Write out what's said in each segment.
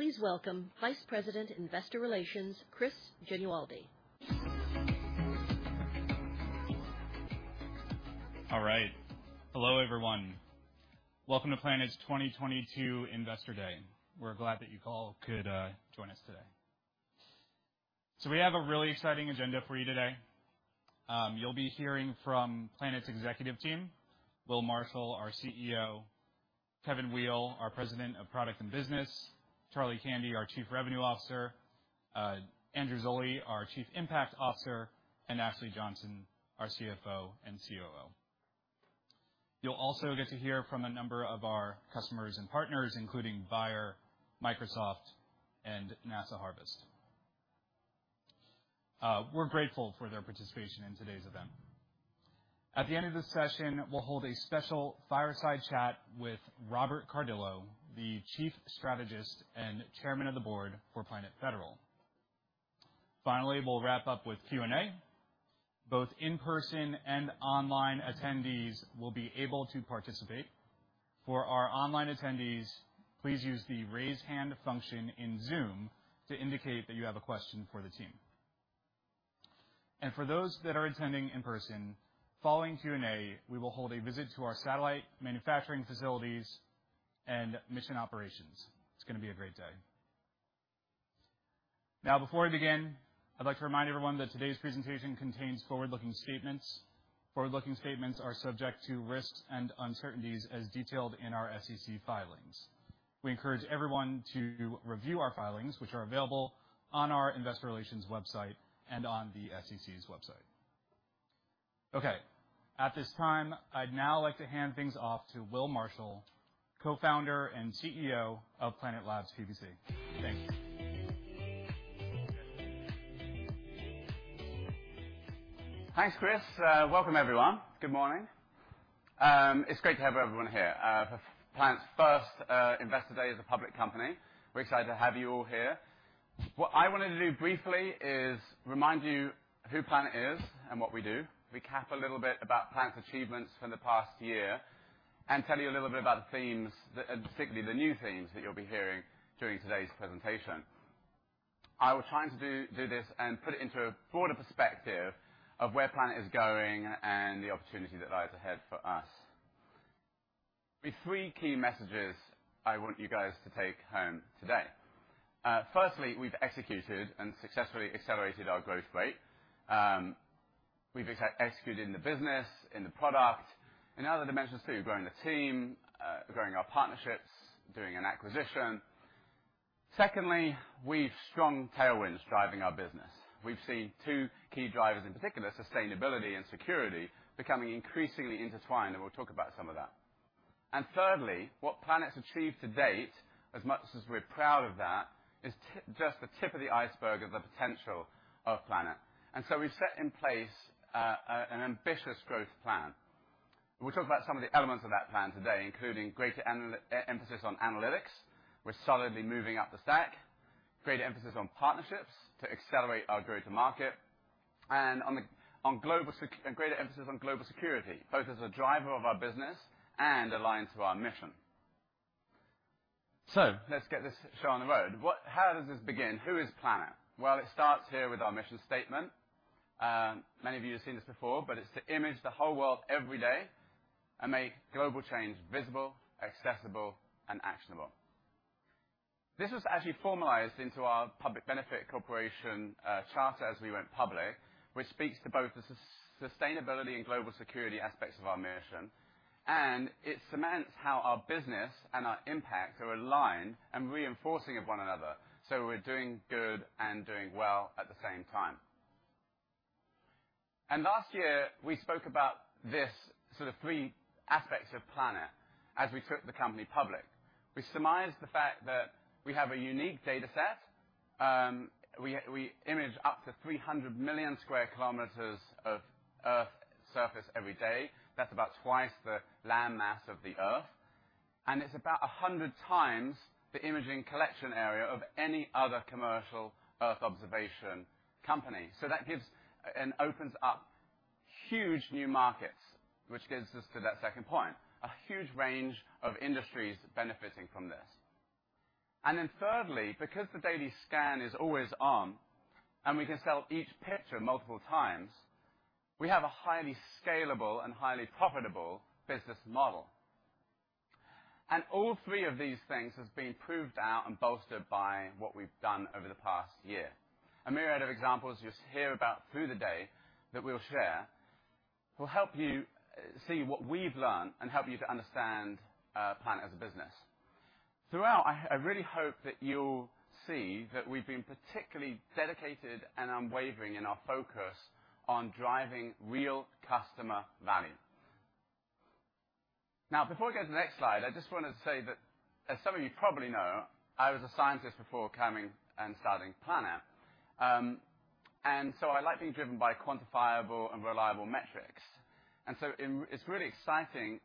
Please welcome Vice President, Investor Relations, Chris Genualdi. All right. Hello, everyone. Welcome to Planet's 2022 Investor Day. We're glad that you all could join us today. We have a really exciting agenda for you today. You'll be hearing from Planet's executive team, Will Marshall, our CEO, Kevin Weil, our President of Product and Business, Charlie Candy, our Chief Revenue Officer, Andrew Zolli, our Chief Impact Officer, and Ashley Johnson, our CFO and COO. You'll also get to hear from a number of our customers and partners, including Bayer, Microsoft, and NASA Harvest. We're grateful for their participation in today's event. At the end of the session, we'll hold a special fireside chat with Robert Cardillo, the Chief Strategist and Chairman of the Board for Planet Federal. Finally, we'll wrap up with Q&A. Both in-person and online attendees will be able to participate. For our online attendees, please use the raise hand function in Zoom to indicate that you have a question for the team. For those that are attending in person, following Q&A, we will hold a visit to our satellite manufacturing facilities and mission operations. It's gonna be a great day. Now, before we begin, I'd like to remind everyone that today's presentation contains forward-looking statements. Forward-looking statements are subject to risks and uncertainties as detailed in our SEC filings. We encourage everyone to review our filings, which are available on our investor relations website and on the SEC's website. Okay, at this time, I'd now like to hand things off to Will Marshall, Co-Founder and CEO of Planet Labs PBC. Thank you. Thanks, Chris. Welcome, everyone. Good morning. It's great to have everyone here for Planet's first Investor Day as a public company. We're excited to have you all here. What I wanted to do briefly is remind you who Planet is and what we do. Recap a little bit about Planet's achievements from the past year, and tell you a little bit about the themes, specifically the new themes that you'll be hearing during today's presentation. I was trying to do this and put it into a broader perspective of where Planet is going and the opportunity that lies ahead for us. The three key messages I want you guys to take home today. Firstly, we've executed and successfully accelerated our growth rate. We've executed in the business, in the product, in other dimensions too, growing the team, growing our partnerships, doing an acquisition. Secondly, we've strong tailwinds driving our business. We've seen two key drivers, in particular, sustainability and security, becoming increasingly intertwined, and we'll talk about some of that. Thirdly, what Planet's achieved to date, as much as we're proud of that, is just the tip of the iceberg of the potential of Planet. We've set in place an ambitious growth plan. We'll talk about some of the elements of that plan today, including greater emphasis on analytics. We're solidly moving up the stack. Greater emphasis on partnerships to accelerate our go-to-market. Greater emphasis on global security, both as a driver of our business and alliance to our mission. Let's get this show on the road. How does this begin? Who is Planet? Well, it starts here with our mission statement. Many of you have seen this before, but it's to image the whole world every day and make global change visible, accessible and actionable. This was actually formalized into our public benefit corporation charter as we went public, which speaks to both the sustainability and global security aspects of our mission, and it cements how our business and our impact are aligned and reinforcing of one another. We're doing good and doing well at the same time. Last year, we spoke about this sort of three aspects of Planet as we took the company public. We surmised the fact that we have a unique dataset. We image up to 300 million sq km of Earth surface every day. That's about twice the land mass of the Earth, and it's about 100x the imaging collection area of any other commercial Earth observation company. That gives and opens up huge new markets, which gets us to that second point, a huge range of industries benefiting from this. Thirdly, because the daily scan is always on and we can sell each picture multiple times, we have a highly scalable and highly profitable business model. All three of these things has been proved out and bolstered by what we've done over the past year. A myriad of examples you'll hear about through the day that we'll share will help you see what we've learned and help you to understand Planet as a business. Throughout, I really hope that you'll see that we've been particularly dedicated and unwavering in our focus on driving real customer value. Now, before we go to the next slide, I just wanna say that as some of you probably know, I was a scientist before coming and starting Planet. I like being driven by quantifiable and reliable metrics. It's really exciting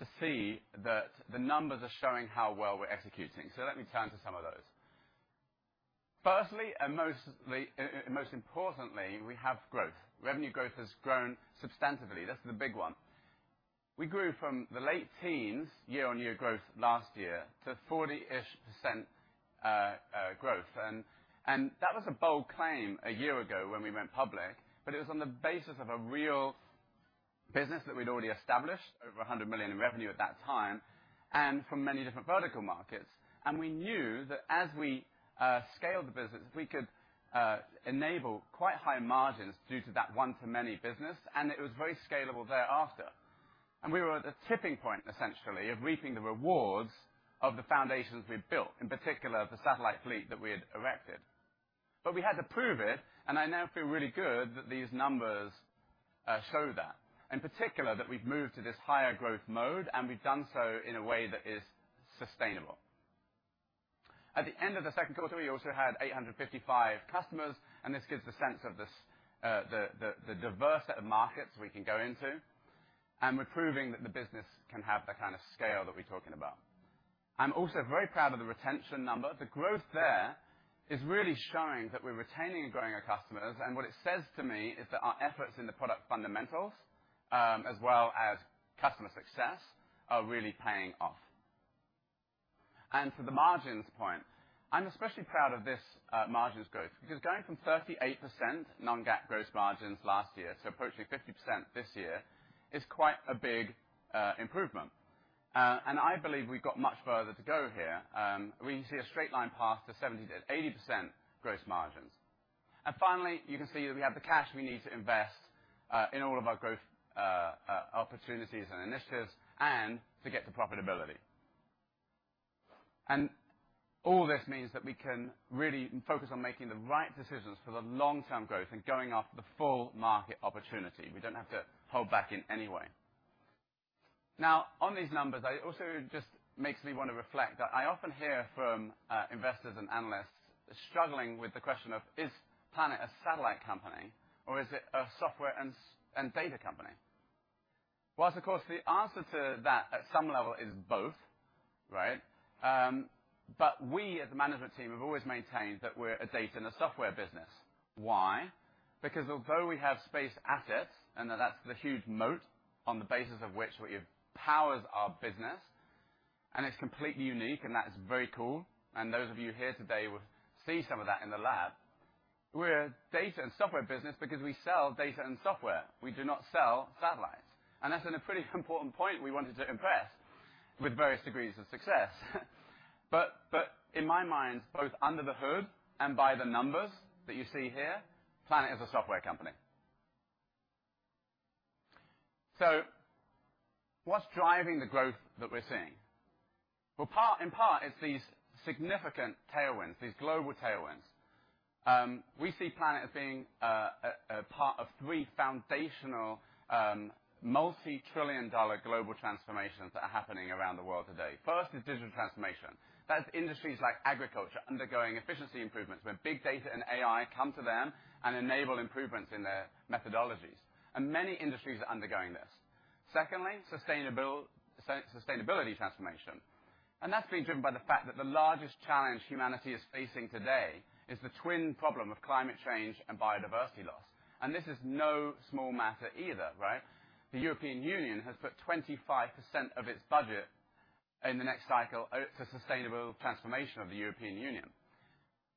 to see that the numbers are showing how well we're executing. Let me turn to some of those. Firstly, and most importantly, we have growth. Revenue growth has grown substantively. That's the big one. We grew from the late teens year-on-year growth last year to 40-ish% growth. That was a bold claim a year ago when we went public, but it was on the basis of a real business that we'd already established, over $100 million in revenue at that time, and from many different vertical markets. We knew that as we scaled the business, we could enable quite high margins due to that one to many business, and it was very scalable thereafter. We were at a tipping point, essentially, of reaping the rewards of the foundations we'd built, in particular the satellite fleet that we had erected. We had to prove it, and I now feel really good that these numbers show that. In particular, that we've moved to this higher growth mode, and we've done so in a way that is sustainable. At the end of the second quarter, we also had 855 customers, and this gives the sense of the diverse set of markets we can go into. We're proving that the business can have the kind of scale that we're talking about. I'm also very proud of the retention number. The growth there is really showing that we're retaining and growing our customers, and what it says to me is that our efforts in the product fundamentals, as well as customer success are really paying off. To the margins point, I'm especially proud of this margins growth, because going from 38% non-GAAP gross margins last year to approaching 50% this year is quite a big improvement. I believe we've got much further to go here, where you see a straight line path to 70%-80% gross margins. Finally, you can see that we have the cash we need to invest in all of our growth opportunities and initiatives and to get to profitability. All this means that we can really focus on making the right decisions for the long-term growth and going after the full market opportunity. We don't have to hold back in any way. Now on these numbers, it also just makes me wanna reflect that I often hear from investors and analysts struggling with the question of, is Planet a satellite company or is it a software and data company? While, of course, the answer to that at some level is both, right? we as a management team have always maintained that we're a data and a software business. Why? Because although we have space assets, and that's the huge moat on the basis of which what it powers our business, and it's completely unique and that is very cool, and those of you here today will see some of that in the lab, we're a data and software business because we sell data and software. We do not sell satellites. And that's been a pretty important point we wanted to impress with various degrees of success. in my mind, both under the hood and by the numbers that you see here, Planet is a software company. what's driving the growth that we're seeing? in part, it's these significant tailwinds, these global tailwinds. We see Planet as being a part of three foundational multi-trillion dollar global transformations that are happening around the world today. First is digital transformation. That's industries like agriculture undergoing efficiency improvements, where big data and AI come to them and enable improvements in their methodologies. Many industries are undergoing this. Secondly, sustainability transformation, and that's being driven by the fact that the largest challenge humanity is facing today is the twin problem of climate change and biodiversity loss. This is no small matter either, right? The European Union has put 25% of its budget in the next cycle to sustainable transformation of the European Union.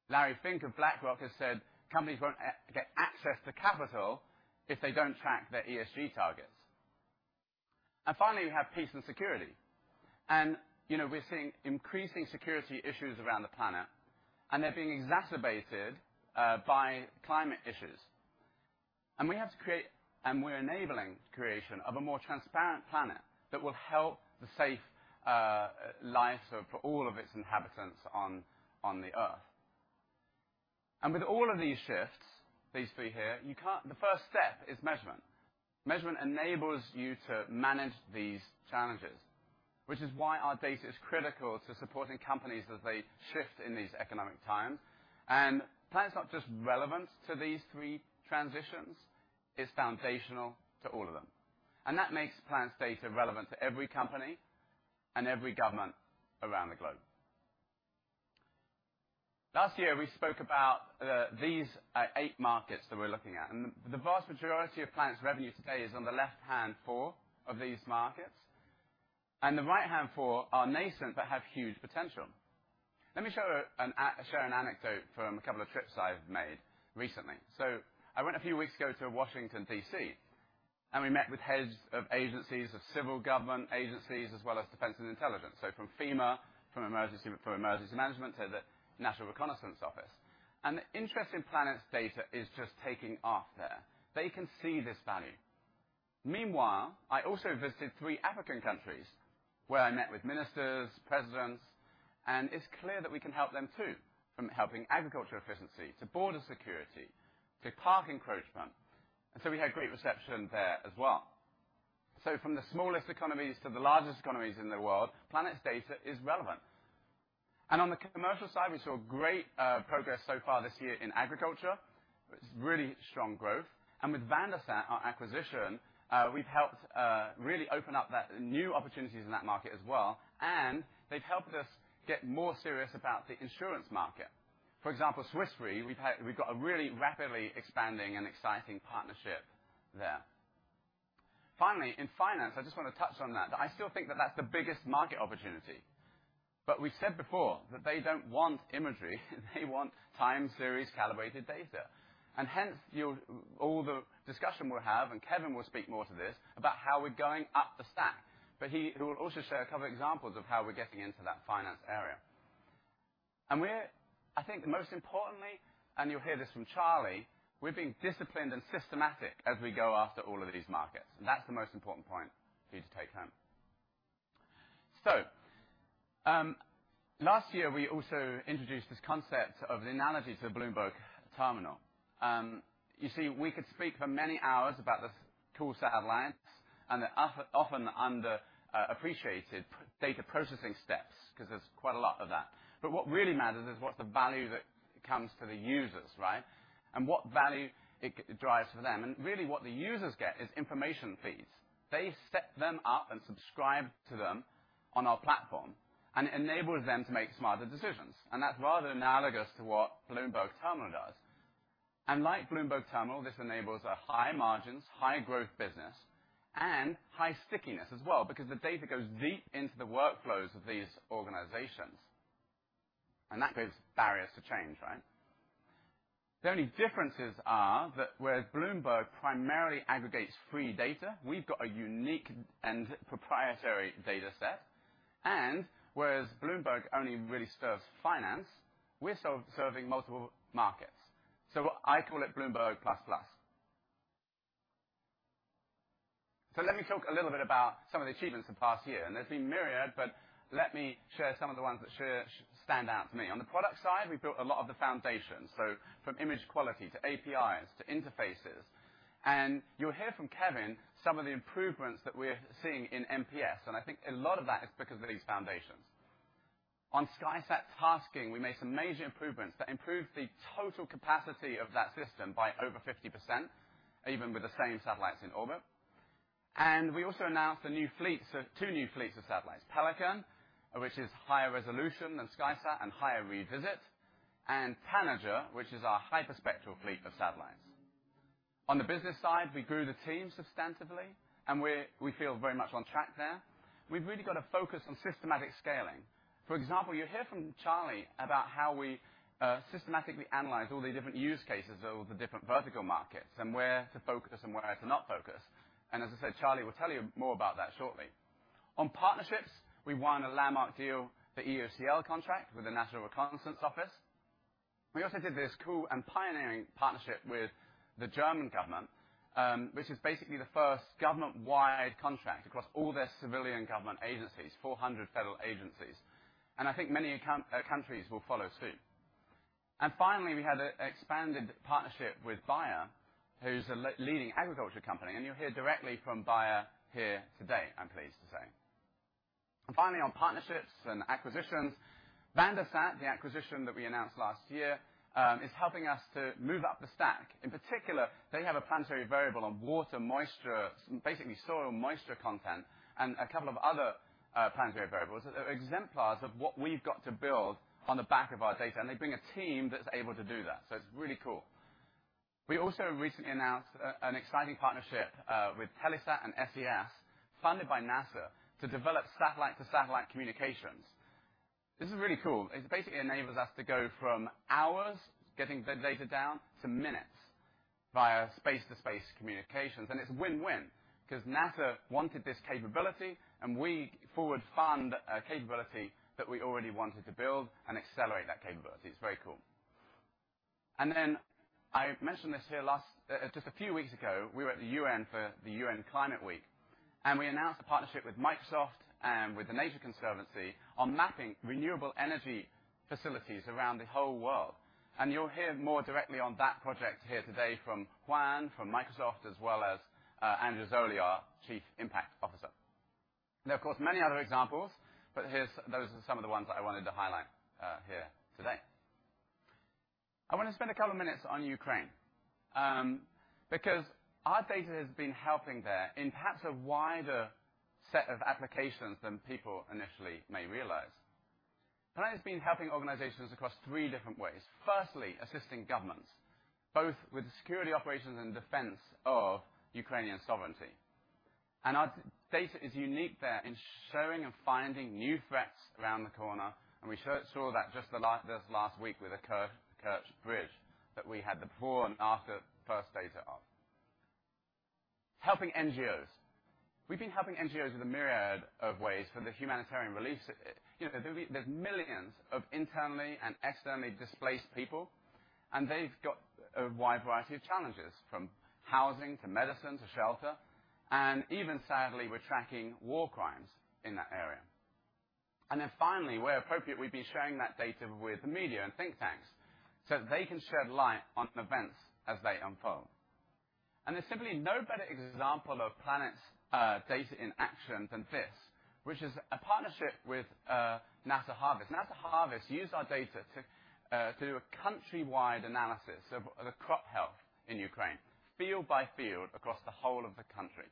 Larry Fink of BlackRock has said companies won't get access to capital if they don't track their ESG targets. Finally, we have peace and security. You know, we're seeing increasing security issues around the planet, and they're being exacerbated by climate issues. We have to create, and we're enabling creation of a more transparent planet that will help the safe life for all of its inhabitants on the Earth. With all of these shifts, these three here, the first step is measurement. Measurement enables you to manage these challenges, which is why our data is critical to supporting companies as they shift in these economic times. Planet's not just relevant to these three transitions, it's foundational to all of them. That makes Planet's data relevant to every company and every government around the globe. Last year, we spoke about these eight markets that we're looking at, and the vast majority of Planet's revenue today is on the left-hand four of these markets, and the right-hand four are nascent but have huge potential. Let me share an anecdote from a couple of trips I've made recently. I went a few weeks ago to Washington, D.C., and we met with heads of agencies, of civil government agencies, as well as defense and intelligence. From FEMA for Emergency Management to the National Reconnaissance Office. The interest in Planet's data is just taking off there. They can see this value. Meanwhile, I also visited three African countries where I met with ministers, presidents, and it's clear that we can help them too, from helping agriculture efficiency to border security to park encroachment. We had great reception there as well. From the smallest economies to the largest economies in the world, Planet's data is relevant. On the commercial side, we saw great progress so far this year in agriculture. It's really strong growth. With VanderSat, our acquisition, we've helped really open up that new opportunities in that market as well, and they've helped us get more serious about the insurance market. For example, Swiss Re, we've got a really rapidly expanding and exciting partnership there. Finally, in finance, I just wanna touch on that. I still think that that's the biggest market opportunity. We've said before that they don't want imagery, they want time series calibrated data. Hence, you'll all the discussion we'll have, and Kevin will speak more to this, about how we're going up the stack, but he will also share a couple examples of how we're getting into that finance area. We're I think the most importantly, and you'll hear this from Charlie, we're being disciplined and systematic as we go after all of these markets. That's the most important point for you to take home. Last year, we also introduced this concept of the analogy to a Bloomberg Terminal. You see, we could speak for many hours about the toolset alliance and the often under appreciated data processing steps, 'cause there's quite a lot of that. But what really matters is what the value that comes to the users, right? And what value it drives for them. Really what the users get is information feeds. They set them up and subscribe to them on our platform, and enables them to make smarter decisions. That's rather analogous to what Bloomberg Terminal does. Like Bloomberg Terminal, this enables a high margins, high growth business and high stickiness as well, because the data goes deep into the workflows of these organizations. That gives barriers to change, right? The only differences are that whereas Bloomberg primarily aggregates free data, we've got a unique and proprietary data set. Whereas Bloomberg only really serves finance, we're serving multiple markets. I call it Bloomberg plus plus. Let me talk a little bit about some of the achievements the past year. There's been myriad, but let me share some of the ones that stand out to me. On the product side, we built a lot of the foundations. From image quality to APIs to interfaces. You'll hear from Kevin some of the improvements that we're seeing in NPS, and I think a lot of that is because of these foundations. On SkySat tasking, we made some major improvements that improved the total capacity of that system by over 50%, even with the same satellites in orbit. We also announced a new fleet, so two new fleets of satellites. Pelican, which is higher resolution than SkySat and higher revisit, and Tanager, which is our hyperspectral fleet of satellites. On the business side, we grew the team substantively, and we feel very much on track there. We've really got to focus on systematic scaling. For example, you'll hear from Charlie about how we systematically analyze all the different use cases of the different vertical markets and where to focus and where to not focus. As I said, Charlie will tell you more about that shortly. On partnerships, we won a landmark deal, the EOCL contract with the National Reconnaissance Office. We also did this cool and pioneering partnership with the German government, which is basically the first government-wide contract across all their civilian government agencies, 400 federal agencies. I think many countries will follow suit. Finally, we had an expanded partnership with Bayer, who's a leading agriculture company. You'll hear directly from Bayer here today, I'm pleased to say. Finally, on partnerships and acquisitions, VanderSat, the acquisition that we announced last year, is helping us to move up the stack. In particular, they have a Planetary Variable on water moisture, basically soil moisture content, and a couple of other Planetary Variables that are exemplars of what we've got to build on the back of our data, and they bring a team that's able to do that. It's really cool. We also recently announced an exciting partnership with Telesat and SES, funded by NASA to develop satellite to satellite communications. This is really cool. It basically enables us to go from hours getting the data down to minutes via space to space communications. It's win-win because NASA wanted this capability and we forward fund a capability that we already wanted to build and accelerate that capability. It's very cool. Then I mentioned this here last, just a few weeks ago, we were at the UN for the UN Climate Week, and we announced a partnership with Microsoft and with The Nature Conservancy on mapping renewable energy facilities around the whole world. You'll hear more directly on that project here today from Juan from Microsoft, as well as, Andrew Zolli, our Chief Impact Officer. Of course, many other examples, but those are some of the ones I wanted to highlight, here today. I wanna spend a couple minutes on Ukraine, because our data has been helping there in perhaps a wider set of applications than people initially may realize. Planet has been helping organizations across three different ways. Firstly, assisting governments, both with the security operations and defense of Ukrainian sovereignty. Our data is unique there in showing and finding new threats around the corner, and we saw that just this last week with the Kerch Bridge, that we had the before and after first data up. Helping NGOs. We've been helping NGOs in a myriad of ways for the humanitarian relief. You know, there's millions of internally and externally displaced people, and they've got a wide variety of challenges, from housing to medicine to shelter. Even sadly, we're tracking war crimes in that area. Then finally, where appropriate, we'd be sharing that data with the media and think tanks, so they can shed light on events as they unfold. There's simply no better example of Planet's data in action than this, which is a partnership with NASA Harvest. NASA Harvest used our data to do a countrywide analysis of the crop health in Ukraine, field by field across the whole of the country.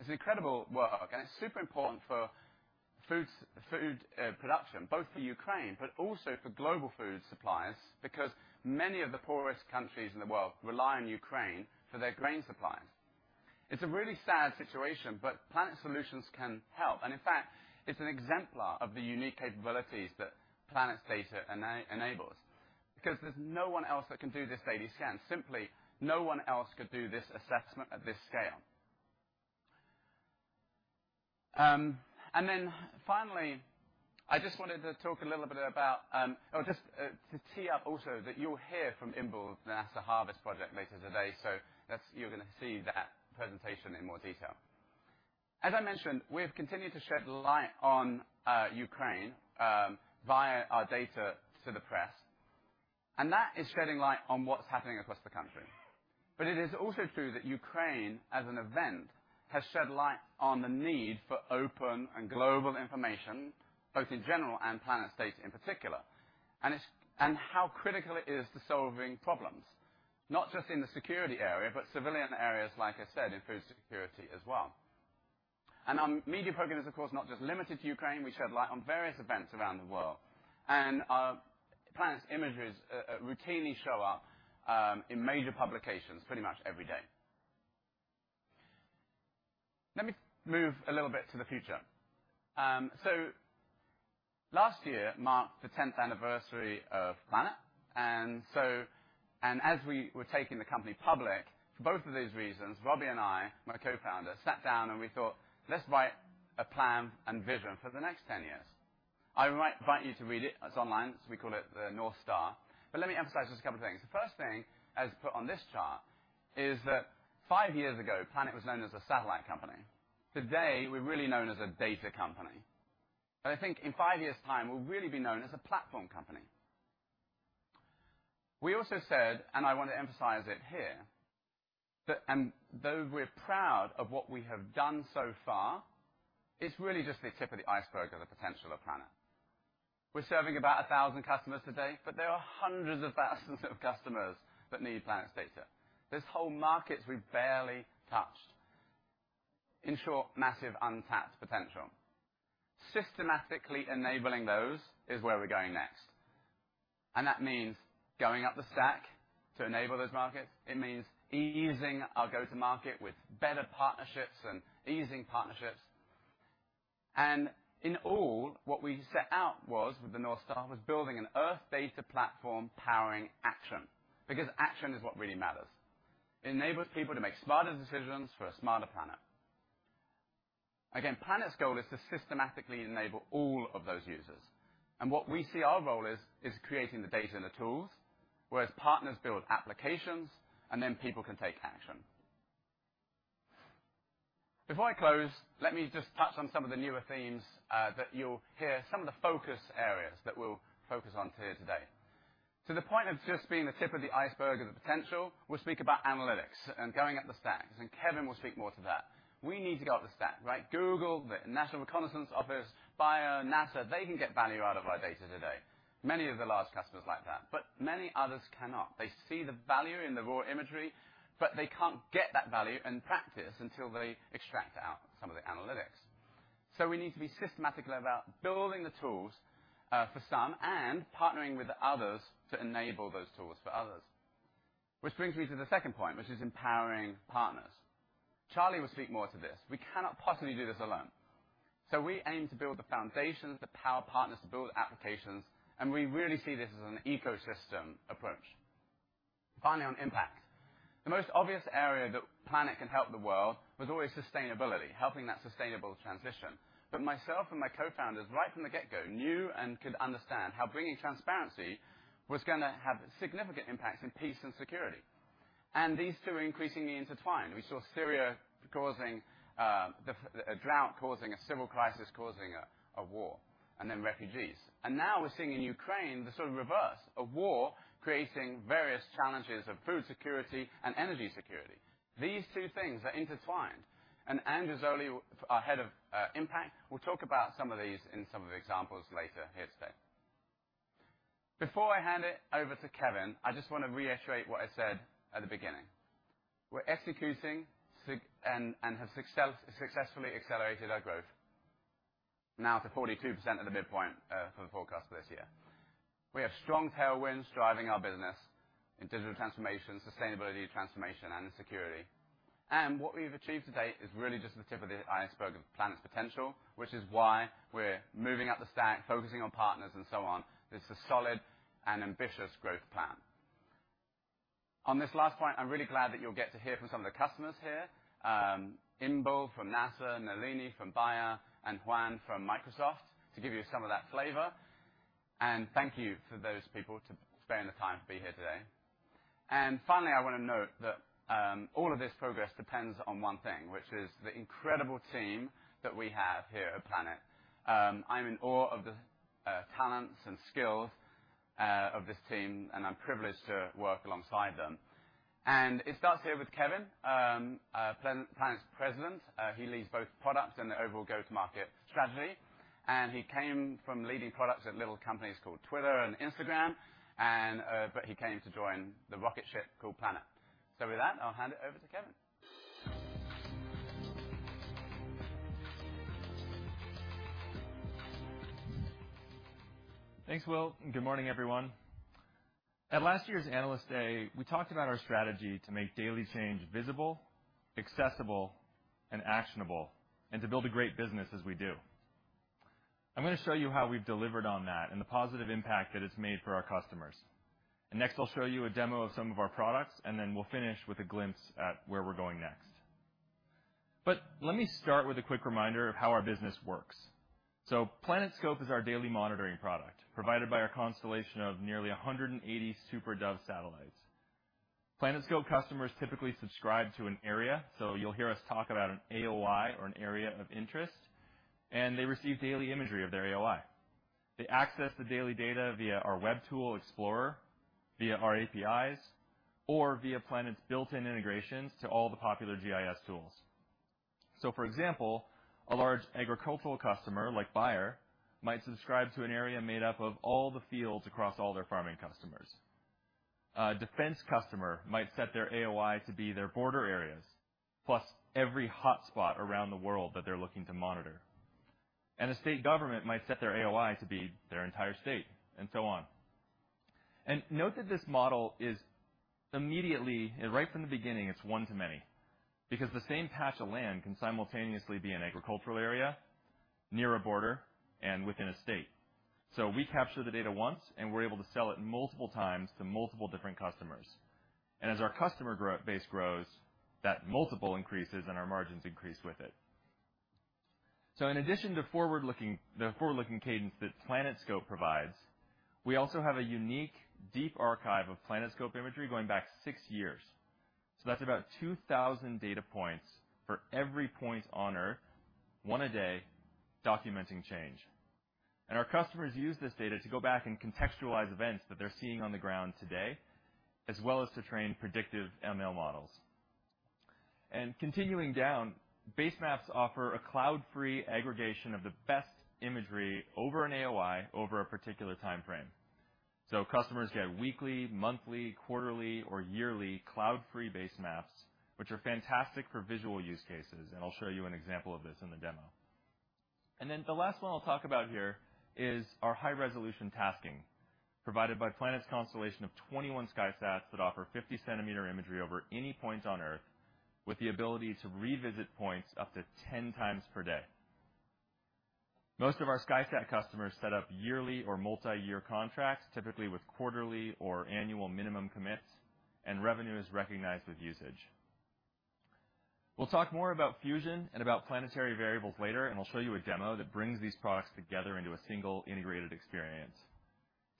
It's incredible work, and it's super important for food production, both for Ukraine, but also for global food suppliers, because many of the poorest countries in the world rely on Ukraine for their grain supplies. It's a really sad situation, but Planet Solutions can help. In fact, it's an exemplar of the unique capabilities that Planet's data enables. Because there's no one else that can do this data scan. Simply, no one else could do this assessment at this scale. I just wanted to tee up also that you'll hear from Inbal, the NASA Harvest project later today. You're gonna see that presentation in more detail. As I mentioned, we have continued to shed light on Ukraine via our data to the press, and that is shedding light on what's happening across the country. It is also true that Ukraine, as an event, has shed light on the need for open and global information, both in general and Planet's data in particular, and how critical it is to solving problems, not just in the security area, but civilian areas, like I said, in food security as well. Our media program is, of course, not just limited to Ukraine. We shed light on various events around the world, and Planet's images routinely show up in major publications pretty much every day. Let me move a little bit to the future. Last year marked the 10th anniversary of Planet. As we were taking the company public, for both of those reasons, Robbie and I, my co-founder, sat down and we thought, let's write a plan and vision for the next 10 years. I invite you to read it. It's online, so we call it the North Star. Let me emphasize just a couple of things. The first thing, as put on this chart, is that five years ago, Planet was known as a satellite company. Today, we're really known as a data company. I think in five years' time, we'll really be known as a platform company. We also said, and I want to emphasize it here, that though we're proud of what we have done so far, it's really just the tip of the iceberg of the potential of Planet. We're serving about 1,000 customers today, but there are hundreds of thousands of customers that need Planet's data. There's whole markets we've barely touched. In short, massive untapped potential. Systematically enabling those is where we're going next. That means going up the stack to enable those markets. It means easing our go-to-market with better partnerships and easing partnerships. In all, what we set out was with the North Star building an earth data platform powering action, because action is what really matters. It enables people to make smarter decisions for a smarter planet. Again, Planet's goal is to systematically enable all of those users. What we see our role is creating the data and the tools, whereas partners build applications, and then people can take action. Before I close, let me just touch on some of the newer themes that you'll hear, some of the focus areas that we'll focus on here today. To the point of just being the tip of the iceberg of the potential, we'll speak about analytics and going up the stacks, and Kevin will speak more to that. We need to go up the stack, right? Google, the National Reconnaissance Office, Bayer, NASA, they can get value out of our data today. Many of the large customers like that, but many others cannot. They see the value in the raw imagery, but they can't get that value in practice until they extract out some of the analytics. We need to be systematic about building the tools for some and partnering with others to enable those tools for others. Which brings me to the second point, which is empowering partners. Charlie will speak more to this. We cannot possibly do this alone. We aim to build the foundations that power partners to build applications, and we really see this as an ecosystem approach. Finally, on impact. The most obvious area that Planet can help the world was always sustainability, helping that sustainable transition. Myself and my co-founders, right from the get-go, knew and could understand how bringing transparency was gonna have significant impacts in peace and security. These two are increasingly intertwined. We saw a drought causing a civil crisis, causing a war, and then refugees. Now we're seeing in Ukraine the sort of reverse, a war creating various challenges of food security and energy security. These two things are intertwined. Andrew Zolli, our head of impact, will talk about some of these in some of the examples later here today. Before I hand it over to Kevin, I just wanna reiterate what I said at the beginning. We're executing and have successfully accelerated our growth, now to 42% of the midpoint for the forecast this year. We have strong tailwinds driving our business in digital transformation, sustainability transformation, and in security. What we've achieved to date is really just the tip of the iceberg of Planet's potential, which is why we're moving up the stack, focusing on partners and so on. This is a solid and ambitious growth plan. On this last point, I'm really glad that you'll get to hear from some of the customers here, Inbal from NASA, Nalini from Bayer, and Juan from Microsoft, to give you some of that flavor. Thank you to those people for spending the time to be here today. Finally, I wanna note that all of this progress depends on one thing, which is the incredible team that we have here at Planet. I'm in awe of the talents and skills of this team, and I'm privileged to work alongside them. It starts here with Kevin, Planet's president. He leads both products and the overall go-to-market strategy. He came from leading products at little companies called Twitter and Instagram, but he came to join the rocket ship called Planet. With that, I'll hand it over to Kevin. Thanks, Will, and good morning, everyone. At last year's Analyst Day, we talked about our strategy to make daily change visible, accessible, and actionable, and to build a great business as we do. I'm gonna show you how we've delivered on that and the positive impact that it's made for our customers. Next, I'll show you a demo of some of our products, and then we'll finish with a glimpse at where we're going next. Let me start with a quick reminder of how our business works. PlanetScope is our daily monitoring product provided by our constellation of nearly 180 SuperDove satellites. PlanetScope customers typically subscribe to an area, so you'll hear us talk about an AOI or an area of interest, and they receive daily imagery of their AOI. They access the daily data via our web tool, Explorer, via our APIs or via Planet's built-in integrations to all the popular GIS tools. For example, a large agricultural customer like Bayer might subscribe to an area made up of all the fields across all their farming customers. A defense customer might set their AOI to be their border areas, plus every hotspot around the world that they're looking to monitor. A state government might set their AOI to be their entire state, and so on. Note that this model is right from the beginning one to many because the same patch of land can simultaneously be an agricultural area, near a border, and within a state. We capture the data once, and we're able to sell it multiple times to multiple different customers. As our customer base grows, that multiple increases and our margins increase with it. In addition to forward-looking, the forward-looking cadence that PlanetScope provides, we also have a unique deep archive of PlanetScope imagery going back six years. That's about 2,000 data points for every point on Earth, one a day, documenting change. Our customers use this data to go back and contextualize events that they're seeing on the ground today, as well as to train predictive ML models. Continuing down, Basemaps offer a cloud-free aggregation of the best imagery over an AOI over a particular timeframe. Customers get weekly, monthly, quarterly, or yearly cloud-free basemaps, which are fantastic for visual use cases, and I'll show you an example of this in the demo. The last one I'll talk about here is our high-resolution tasking provided by Planet's constellation of 21 SkySats that offer 50 cm imagery over any point on Earth with the ability to revisit points up to 10x per day. Most of our SkySat customers set up yearly or multi-year contracts, typically with quarterly or annual minimum commits, and revenue is recognized with usage. We'll talk more about Fusion and about planetary variables later, and I'll show you a demo that brings these products together into a single integrated experience.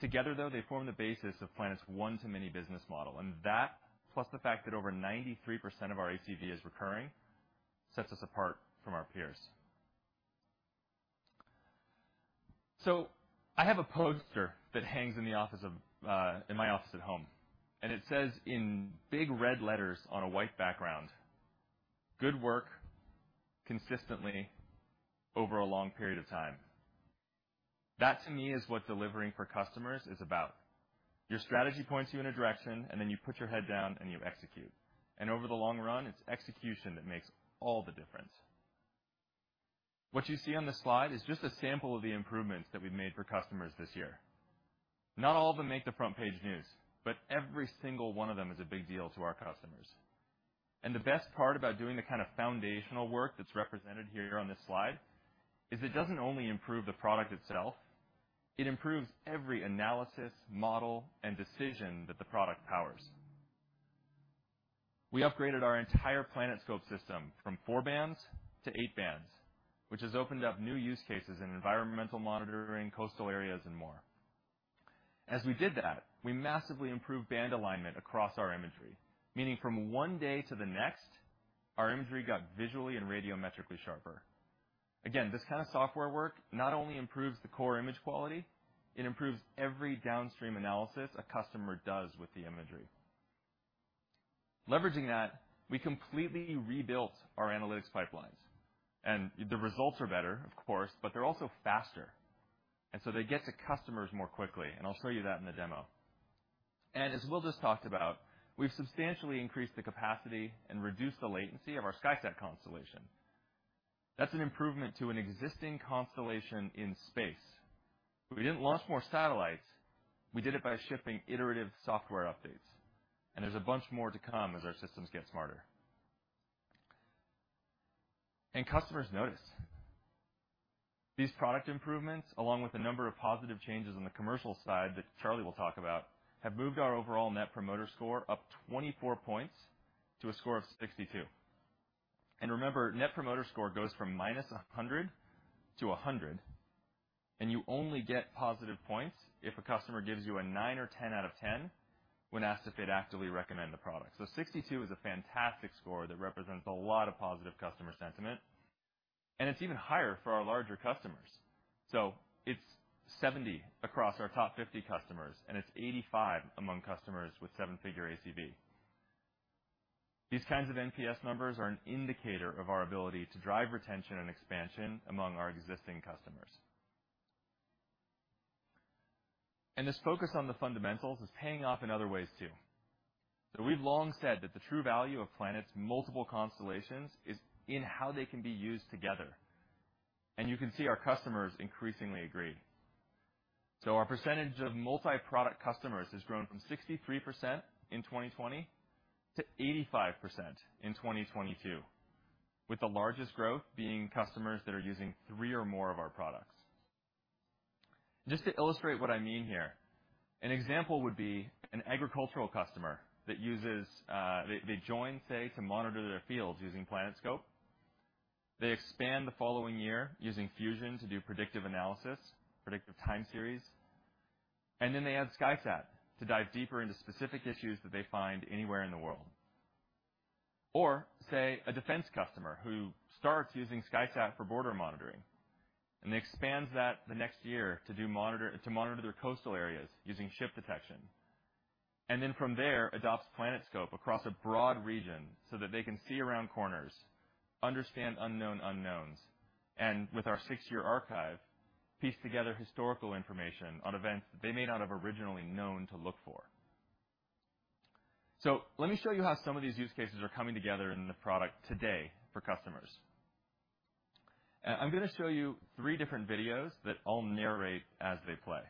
Together, though, they form the basis of Planet's one-to-many business model. That plus the fact that over 93% of our ACV is recurring, sets us apart from our peers. I have a poster that hangs in the office of, in my office at home, and it says in big red letters on a white background, good work consistently over a long period of time. That, to me, is what delivering for customers is about. Your strategy points you in a direction, and then you put your head down, and you execute. Over the long run, it's execution that makes all the difference. What you see on the slide is just a sample of the improvements that we've made for customers this year. Not all of them make the front page news, but every single one of them is a big deal to our customers. The best part about doing the kind of foundational work that's represented here on this slide is it doesn't only improve the product itself, it improves every analysis, model, and decision that the product powers. We upgraded our entire PlanetScope system from four bands to eight bands, which has opened up new use cases in environmental monitoring, coastal areas, and more. As we did that, we massively improved band alignment across our imagery, meaning from one day to the next, our imagery got visually and radiometrically sharper. Again, this kind of software work not only improves the core image quality, it improves every downstream analysis a customer does with the imagery. Leveraging that, we completely rebuilt our analytics pipelines, and the results are better, of course, but they're also faster. They get to customers more quickly, and I'll show you that in the demo. As Will just talked about, we've substantially increased the capacity and reduced the latency of our SkySat constellation. That's an improvement to an existing constellation in space. We didn't launch more satellites. We did it by shipping iterative software updates, and there's a bunch more to come as our systems get smarter. Customers notice. These product improvements along with the number of positive changes on the commercial side that Charlie will talk about, have moved our overall Net Promoter Score up 24 points to a score of 62. Remember, Net Promoter Score goes from -100 to 100, and you only get positive points if a customer gives you a 9 or 10 out of 10 when asked if they'd actively recommend the product. 62 is a fantastic score that represents a lot of positive customer sentiment. It's even higher for our larger customers. It's 70 across our top 50 customers, and it's 85 among customers with seven-figure ACV. These kinds of NPS numbers are an indicator of our ability to drive retention and expansion among our existing customers. This focus on the fundamentals is paying off in other ways too. We've long said that the true value of Planet's multiple constellations is in how they can be used together. You can see our customers increasingly agree. Our percentage of multi-product customers has grown from 63% in 2020 to 85% in 2022, with the largest growth being customers that are using 3 or more of our products. Just to illustrate what I mean here, an example would be an agricultural customer that uses to monitor their fields using PlanetScope. They expand the following year using Fusion to do predictive analysis, predictive time series. Then they add SkySat to dive deeper into specific issues that they find anywhere in the world. Or say, a defense customer who starts using SkySat for border monitoring and expands that the next year to monitor their coastal areas using ship detection. Then from there, adopts PlanetScope across a broad region so that they can see around corners, understand unknown unknowns, and with our six-year archive, piece together historical information on events that they may not have originally known to look for. Let me show you how some of these use cases are coming together in the product today for customers. I'm gonna show you three different videos that I'll narrate as they play.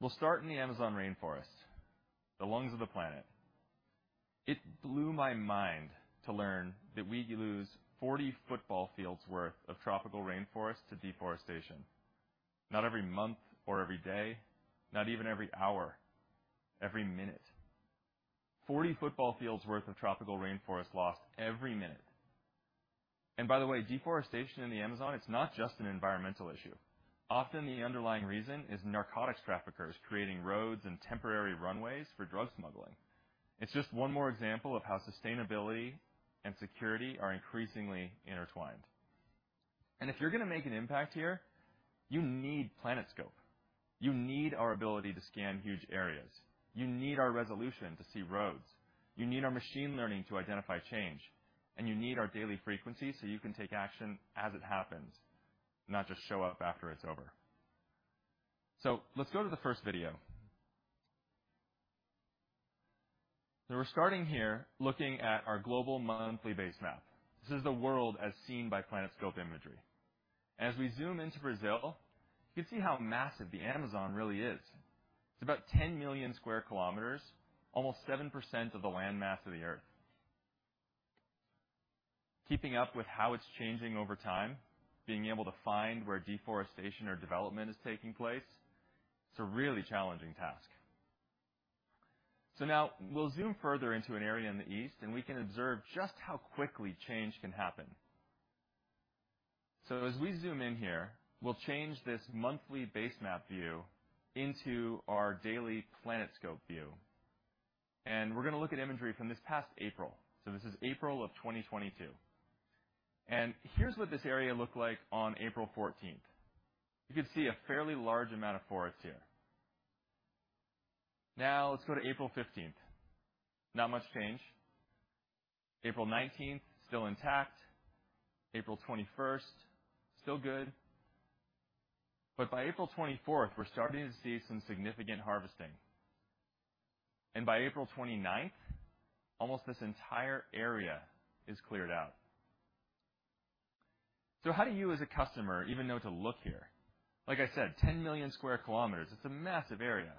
We'll start in the Amazon rainforest, the lungs of the planet. It blew my mind to learn that we lose 40 football fields worth of tropical rainforest to deforestation. Not every month or every day, not even every hour, every minute. 40 football fields worth of tropical rainforest lost every minute. By the way, deforestation in the Amazon, it's not just an environmental issue. Often, the underlying reason is narcotics traffickers creating roads and temporary runways for drug smuggling. It's just one more example of how sustainability and security are increasingly intertwined. If you're gonna make an impact here, you need PlanetScope. You need our ability to scan huge areas. You need our resolution to see roads. You need our machine learning to identify change, and you need our daily frequency so you can take action as it happens, not just show up after it's over. Let's go to the first video. We're starting here looking at our global monthly base map. This is the world as seen by PlanetScope imagery. As we zoom into Brazil, you can see how massive the Amazon really is. It's about 10 million square kilometers, almost 7% of the landmass of the Earth. Keeping up with how it's changing over time, being able to find where deforestation or development is taking place, it's a really challenging task. Now we'll zoom further into an area in the east, and we can observe just how quickly change can happen. As we zoom in here, we'll change this monthly base map view into our daily PlanetScope view. We're gonna look at imagery from this past April. This is April of 2022. Here's what this area looked like on April 14th. You could see a fairly large amount of forests here. Now let's go to April 15th. Not much change. April 19th, still intact. April 21st, still good. By April twenty-fourth, we're starting to see some significant harvesting. By April 29th, almost this entire area is cleared out. How do you, as a customer, even know to look here? Like I said, 10 million sq km, it's a massive area.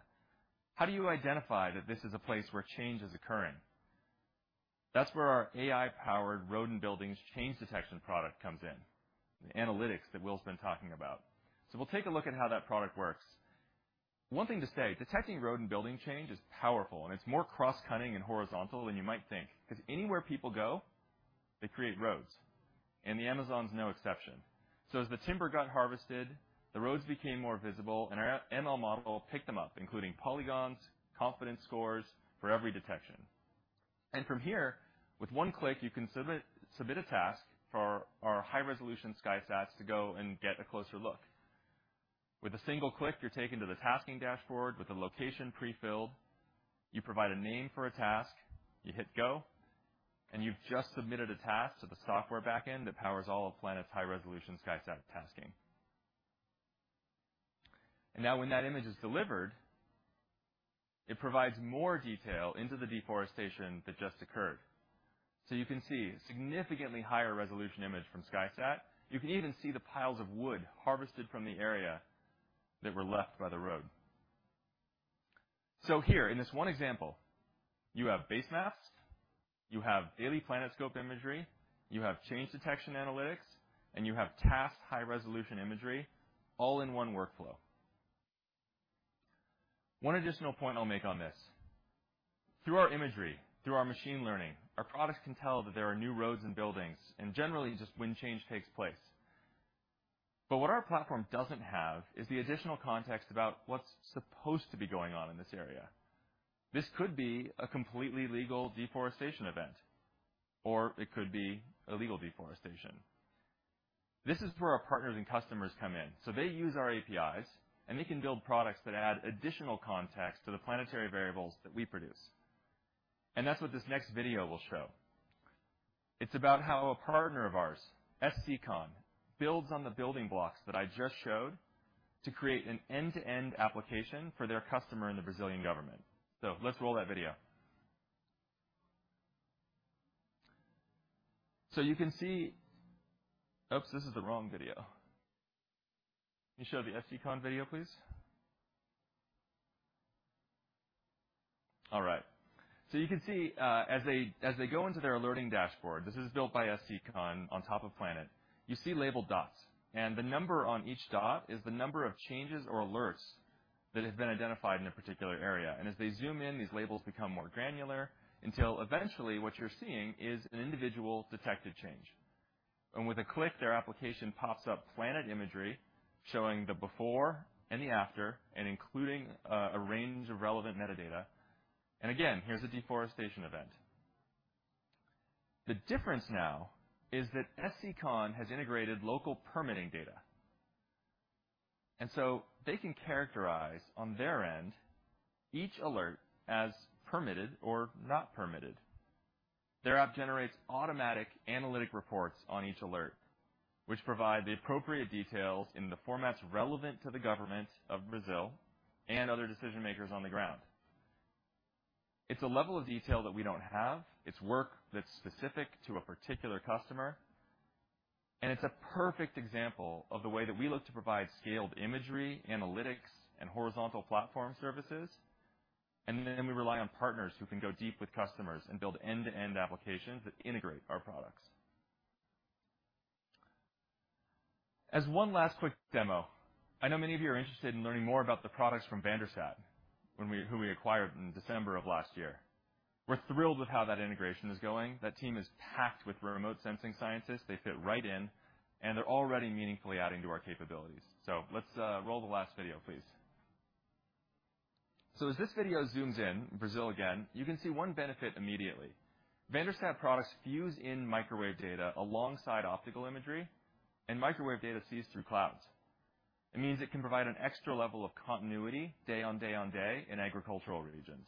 How do you identify that this is a place where change is occurring? That's where our AI-powered road and buildings change detection product comes in, the analytics that Will's been talking about. We'll take a look at how that product works. One thing to say, detecting road and building change is powerful, and it's more cross-cutting and horizontal than you might think. 'Cause anywhere people go, they create roads, and the Amazon is no exception. As the timber got harvested, the roads became more visible, and our ML model picked them up, including polygons, confidence scores for every detection. From here, with one click, you can submit a task for our high-resolution SkySats to go and get a closer look. With a single click, you're taken to the tasking dashboard with the location prefilled. You provide a name for a task, you hit go, and you've just submitted a task to the software back-end that powers all of Planet's high-resolution SkySat tasking. Now when that image is delivered, it provides more detail into the deforestation that just occurred. You can see significantly higher resolution image from SkySat. You can even see the piles of wood harvested from the area that were left by the road. Here in this one example, you have Basemaps, you have daily PlanetScope imagery, you have change detection analytics, and you have tasked high-resolution imagery all in one workflow. One additional point I'll make on this: through our imagery, through our machine learning, our products can tell that there are new roads and buildings, and generally, just when change takes place. What our platform doesn't have is the additional context about what's supposed to be going on in this area. This could be a completely legal deforestation event, or it could be illegal deforestation. This is where our partners and customers come in. They use our APIs, and they can build products that add additional context to the Planetary Variables that we produce. That's what this next video will show. It's about how a partner of ours, SCCON, builds on the building blocks that I just showed to create an end-to-end application for their customer in the Brazilian government. Let's roll that video. You can see. Oops, this is the wrong video. Can you show the SCCON video, please? All right. You can see, as they go into their alerting dashboard, this is built by SCCON on top of Planet. You see labeled dots, and the number on each dot is the number of changes or alerts that have been identified in a particular area. As they zoom in, these labels become more granular until eventually what you're seeing is an individual detected change. With a click, their application pops up Planet imagery showing the before and the after and including a range of relevant metadata. Again, here's a deforestation event. The difference now is that SCCON has integrated local permitting data. They can characterize on their end each alert as permitted or not permitted. Their app generates automatic analytic reports on each alert, which provide the appropriate details in the formats relevant to the government of Brazil and other decision-makers on the ground. It's a level of detail that we don't have. It's work that's specific to a particular customer. It's a perfect example of the way that we look to provide scaled imagery, analytics, and horizontal platform services. We rely on partners who can go deep with customers and build end-to-end applications that integrate our products. As one last quick demo, I know many of you are interested in learning more about the products from VanderSat, who we acquired in December of last year. We're thrilled with how that integration is going. That team is packed with remote sensing scientists. They fit right in, and they're already meaningfully adding to our capabilities. Let's roll the last video, please. As this video zooms in, Brazil again, you can see one benefit immediately. VanderSat products fuse in microwave data alongside optical imagery, and microwave data sees through clouds. It means it can provide an extra level of continuity day on day on day in agricultural regions.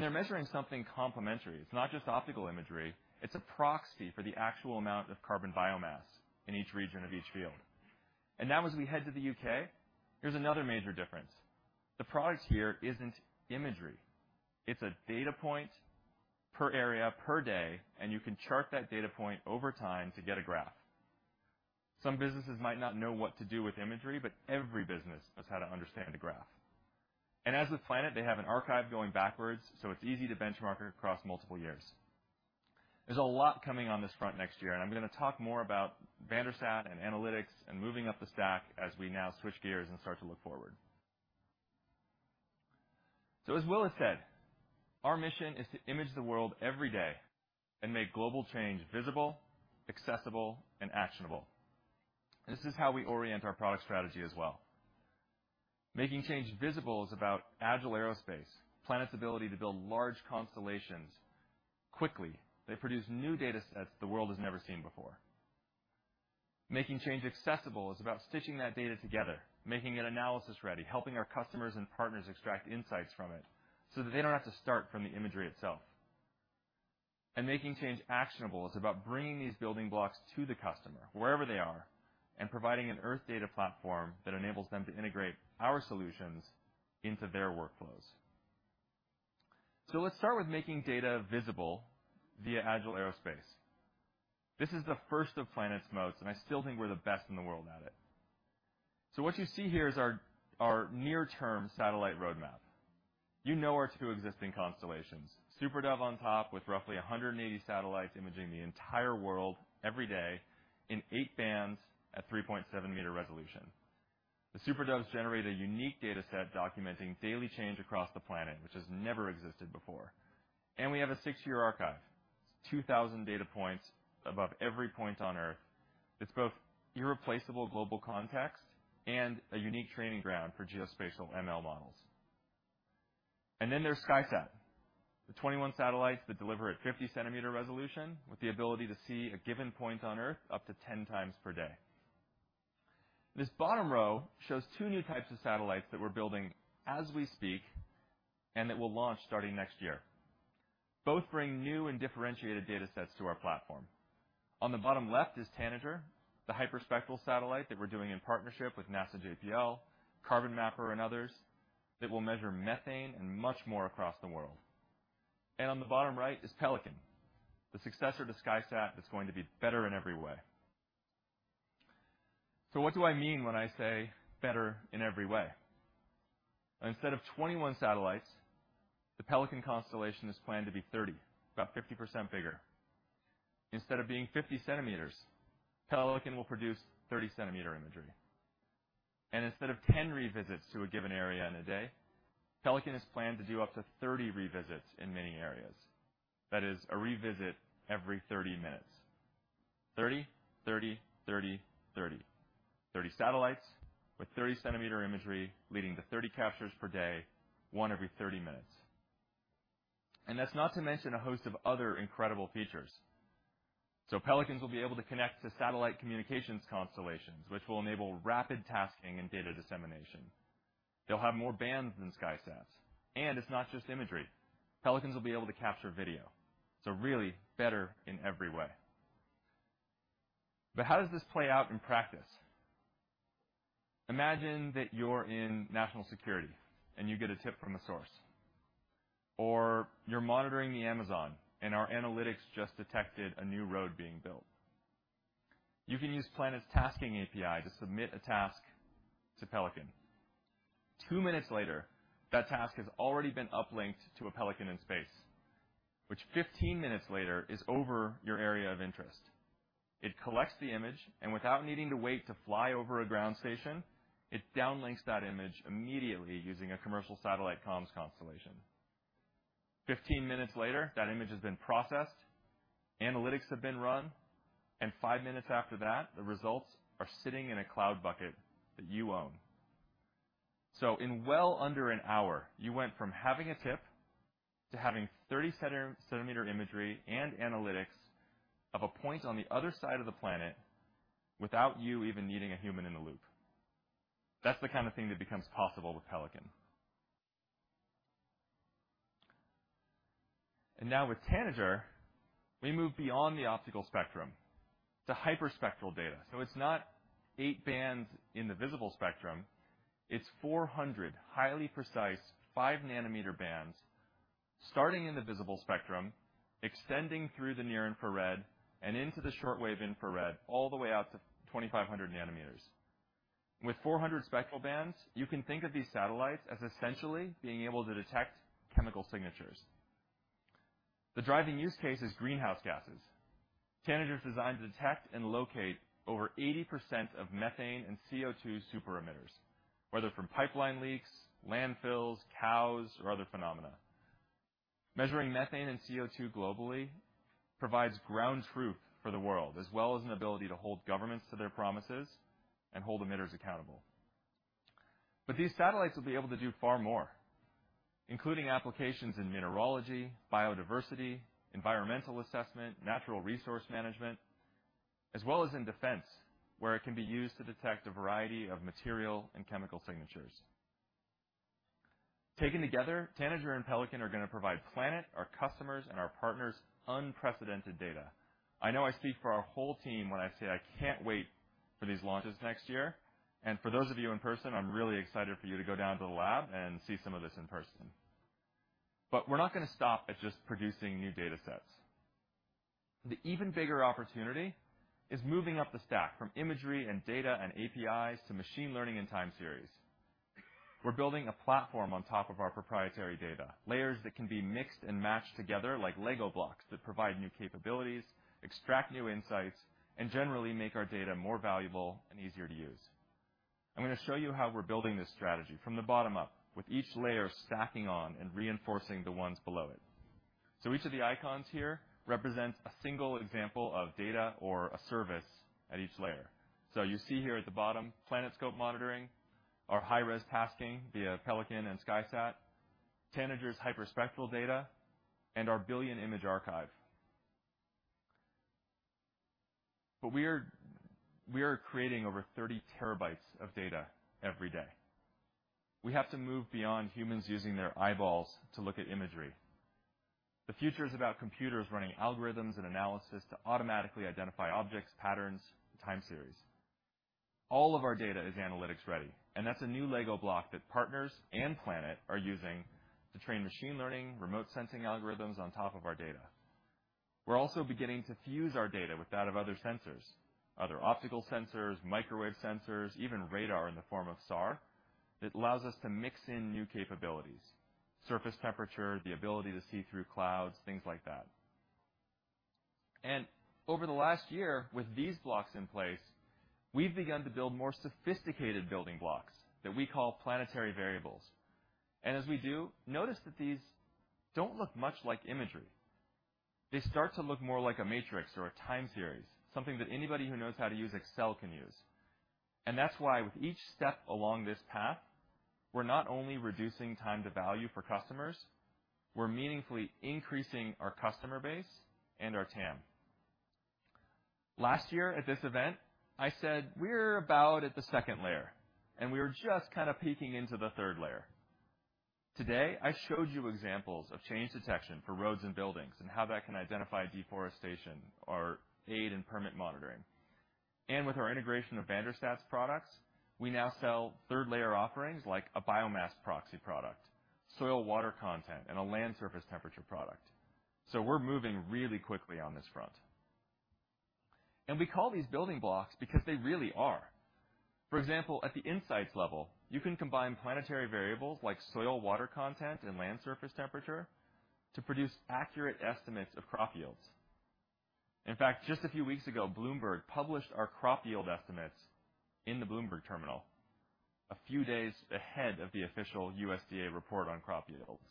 They're measuring something complementary. It's not just optical imagery. It's a proxy for the actual amount of carbon biomass in each region of each field. Now as we head to the U.K., here's another major difference. The product here isn't imagery. It's a data point per area per day, and you can chart that data point over time to get a graph. Some businesses might not know what to do with imagery, but every business knows how to understand a graph. As with Planet, they have an archive going backwards, so it's easy to benchmark across multiple years. There's a lot coming on this front next year, and I'm gonna talk more about VanderSat and analytics and moving up the stack as we now switch gears and start to look forward. As Will has said, our mission is to image the world every day and make global change visible, accessible, and actionable. This is how we orient our product strategy as well. Making change visible is about agile aerospace, Planet's ability to build large constellations quickly. They produce new datasets the world has never seen before. Making change accessible is about stitching that data together, making it analysis-ready, helping our customers and partners extract insights from it, so that they don't have to start from the imagery itself. Making change actionable is about bringing these building blocks to the customer wherever they are and providing an Earth data platform that enables them to integrate our solutions into their workflows. Let's start with making data visible via agile aerospace. This is the first of Planet's modes, and I still think we're the best in the world at it. What you see here is our near-term satellite roadmap. You know our two existing constellations. SuperDove on top with roughly 180 satellites imaging the entire world every day in 8 bands at 3.7-meter resolution. The SuperDoves generate a unique dataset documenting daily change across the planet, which has never existed before. We have a six-year archive. 2,000 data points above every point on Earth. It's both irreplaceable global context and a unique training ground for geospatial ML models. There's SkySat, the 21 satellites that deliver at 50 cm resolution with the ability to see a given point on Earth up to 10x per day. This bottom row shows two new types of satellites that we're building as we speak and that we'll launch starting next year. Both bring new and differentiated datasets to our platform. On the bottom left is Tanager, the hyperspectral satellite that we're doing in partnership with NASA JPL, Carbon Mapper, and others that will measure methane and much more across the world. On the bottom right is Pelican, the successor to SkySat that's going to be better in every way. What do I mean when I say better in every way? Instead of 21 satellites, the Pelican constellation is planned to be 30, about 50% bigger. Instead of being 50 cm, Pelican will produce 30 cm imagery. Instead of 10 revisits to a given area in a day, Pelican is planned to do up to 30 revisits in many areas. That is a revisit every 30 minutes. 30, 30. 30 satellites with 30 cm imagery leading to 30 captures per day, one every 30 minutes. That's not to mention a host of other incredible features. Pelicans will be able to connect to satellite communications constellations, which will enable rapid tasking and data dissemination. They'll have more bands than SkySats. It's not just imagery. Pelicans will be able to capture video. Really better in every way. How does this play out in practice? Imagine that you're in national security and you get a tip from a source, or you're monitoring the Amazon and our analytics just detected a new road being built. You can use Planet's tasking API to submit a task to Pelican. 2 minutes later, that task has already been uplinked to a Pelican in space, which 15 minutes later is over your area of interest. It collects the image, and without needing to wait to fly over a ground station, it downlinks that image immediately using a commercial satellite comms constellation. 15 minutes later, that image has been processed, analytics have been run, and 5 minutes after that, the results are sitting in a cloud bucket that you own. In well under an hour, you went from having a tip to having 30 cm imagery and analytics of a point on the other side of the planet without you even needing a human in the loop. That's the kind of thing that becomes possible with Pelican. Now with Tanager, we move beyond the optical spectrum to hyperspectral data. It's not 8 bands in the visible spectrum. It's 400 highly precise 5 nm bands starting in the visible spectrum, extending through the near-infrared and into the shortwave infrared all the way out to 2,500 nm. With 400 spectral bands, you can think of these satellites as essentially being able to detect chemical signatures. The driving use case is greenhouse gases. Tanager is designed to detect and locate over 80% of methane and CO₂ super emitters, whether from pipeline leaks, landfills, cows, or other phenomena. Measuring methane and CO₂ globally provides ground truth for the world, as well as an ability to hold governments to their promises and hold emitters accountable. These satellites will be able to do far more, including applications in mineralogy, biodiversity, environmental assessment, natural resource management, as well as in defense, where it can be used to detect a variety of material and chemical signatures. Taken together, Tanager and Pelican are gonna provide Planet, our customers, and our partners unprecedented data. I know I speak for our whole team when I say I can't wait for these launches next year. For those of you in person, I'm really excited for you to go down to the lab and see some of this in person. We're not gonna stop at just producing new data sets. The even bigger opportunity is moving up the stack from imagery and data and APIs to machine learning and time series. We're building a platform on top of our proprietary data, layers that can be mixed and matched together like Lego blocks that provide new capabilities, extract new insights, and generally make our data more valuable and easier to use. I'm gonna show you how we're building this strategy from the bottom up with each layer stacking on and reinforcing the ones below it. Each of the icons here represents a single example of data or a service at each layer. You see here at the bottom, PlanetScope monitoring, our high-res tasking via Pelican and SkySat, Tanager's hyperspectral data, and our billion-image archive. We are creating over 30 TB of data every day. We have to move beyond humans using their eyeballs to look at imagery. The future is about computers running algorithms and analysis to automatically identify objects, patterns, time series. All of our data is analytics ready, and that's a new Lego block that partners and Planet are using to train machine learning, remote sensing algorithms on top of our data. We're also beginning to fuse our data with that of other sensors, other optical sensors, microwave sensors, even radar in the form of SAR, that allows us to mix in new capabilities, surface temperature, the ability to see through clouds, things like that. Over the last year, with these blocks in place, we've begun to build more sophisticated building blocks that we call Planetary Variables. As we do, notice that these don't look much like imagery. They start to look more like a matrix or a time series, something that anybody who knows how to use Excel can use. That's why with each step along this path, we're not only reducing time to value for customers, we're meaningfully increasing our customer base and our TAM. Last year at this event, I said we're about at the second layer, and we were just kind of peeking into the third layer. Today, I showed you examples of change detection for roads and buildings and how that can identify deforestation or aid in permit monitoring. With our integration of VanderSat's products, we now sell third-layer offerings like a biomass proxy product, soil water content, and a land surface temperature product. We're moving really quickly on this front. We call these building blocks because they really are. For example, at the insights level, you can combine Planetary Variables like soil water content and land surface temperature to produce accurate estimates of crop yields. In fact, just a few weeks ago, Bloomberg published our crop yield estimates in the Bloomberg Terminal a few days ahead of the official USDA report on crop yields.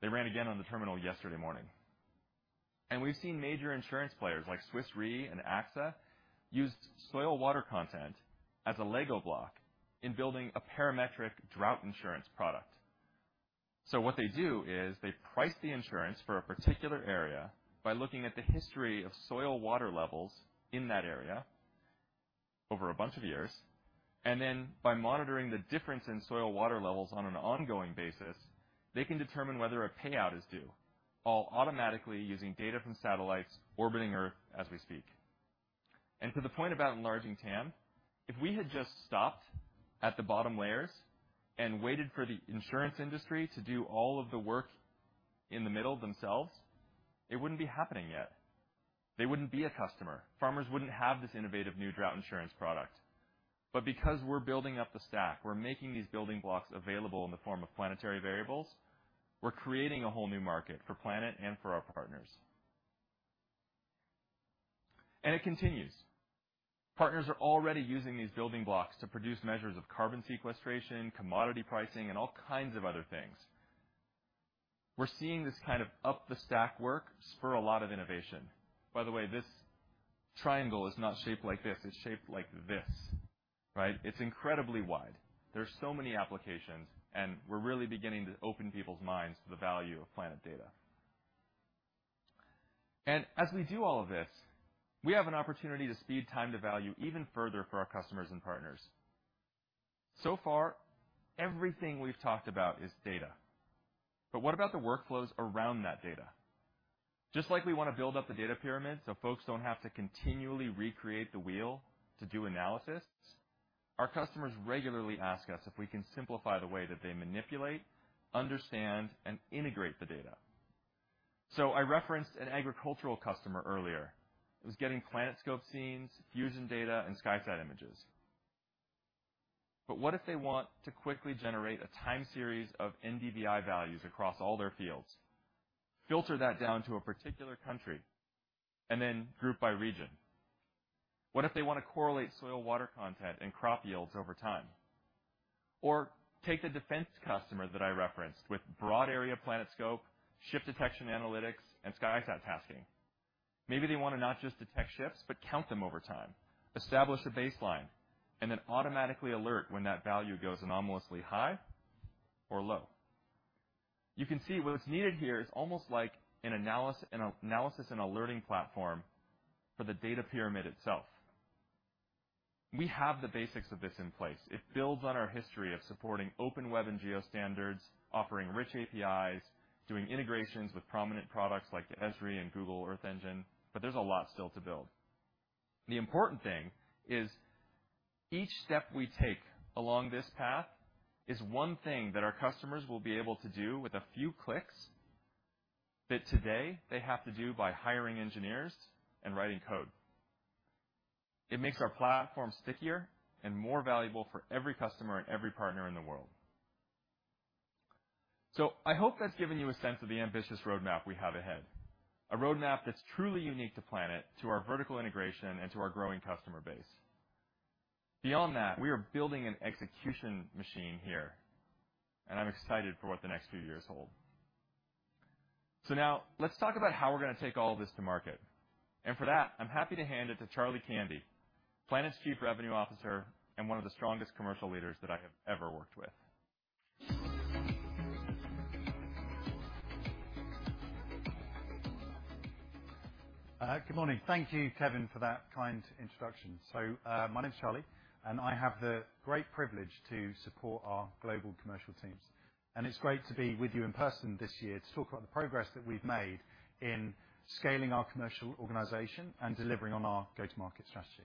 They ran again on the terminal yesterday morning. We've seen major insurance players like Swiss Re and AXA use soil water content as a Lego block in building a parametric drought insurance product. What they do is they price the insurance for a particular area by looking at the history of soil water levels in that area over a bunch of years, and then by monitoring the difference in soil water levels on an ongoing basis, they can determine whether a payout is due, all automatically using data from satellites orbiting Earth as we speak. To the point about enlarging TAM, if we had just stopped at the bottom layers and waited for the insurance industry to do all of the work in the middle themselves, it wouldn't be happening yet. They wouldn't be a customer. Farmers wouldn't have this innovative new drought insurance product. Because we're building up the stack, we're making these building blocks available in the form of Planetary Variables, we're creating a whole new market for Planet and for our partners. It continues. Partners are already using these building blocks to produce measures of carbon sequestration, commodity pricing, and all kinds of other things. We're seeing this kind of up the stack work spur a lot of innovation. By the way, this triangle is not shaped like this. It's shaped like this, right? It's incredibly wide. There's so many applications, and we're really beginning to open people's minds to the value of Planet data. As we do all of this, we have an opportunity to speed time to value even further for our customers and partners. So far, everything we've talked about is data, but what about the workflows around that data? Just like we wanna build up the data pyramid so folks don't have to continually recreate the wheel to do analysis, our customers regularly ask us if we can simplify the way that they manipulate, understand, and integrate the data. I referenced an agricultural customer earlier who's getting PlanetScope scenes, fusion data, and SkySat images. What if they want to quickly generate a time series of NDVI values across all their fields, filter that down to a particular country, and then group by region? What if they wanna correlate soil water content and crop yields over time? Take the defense customer that I referenced with broad area PlanetScope, ship detection analytics, and SkySat tasking. Maybe they wanna not just detect ships, but count them over time, establish a baseline, and then automatically alert when that value goes anomalously high or low. You can see what's needed here is almost like an analysis and alerting platform for the data pyramid itself. We have the basics of this in place. It builds on our history of supporting open web and geo standards, offering rich APIs, doing integrations with prominent products like Esri and Google Earth Engine, but there's a lot still to build. The important thing is each step we take along this path is one thing that our customers will be able to do with a few clicks that today they have to do by hiring engineers and writing code. It makes our platform stickier and more valuable for every customer and every partner in the world. I hope that's given you a sense of the ambitious roadmap we have ahead, a roadmap that's truly unique to Planet, to our vertical integration, and to our growing customer base. Beyond that, we are building an execution machine here, and I'm excited for what the next few years hold. Now let's talk about how we're gonna take all this to market. For that, I'm happy to hand it to Charlie Candy, Planet's Chief Revenue Officer, and one of the strongest commercial leaders that I have ever worked with. Good morning. Thank you, Kevin, for that kind introduction. My name's Charlie, and I have the great privilege to support our global commercial teams. It's great to be with you in person this year to talk about the progress that we've made in scaling our commercial organization and delivering on our go-to-market strategy.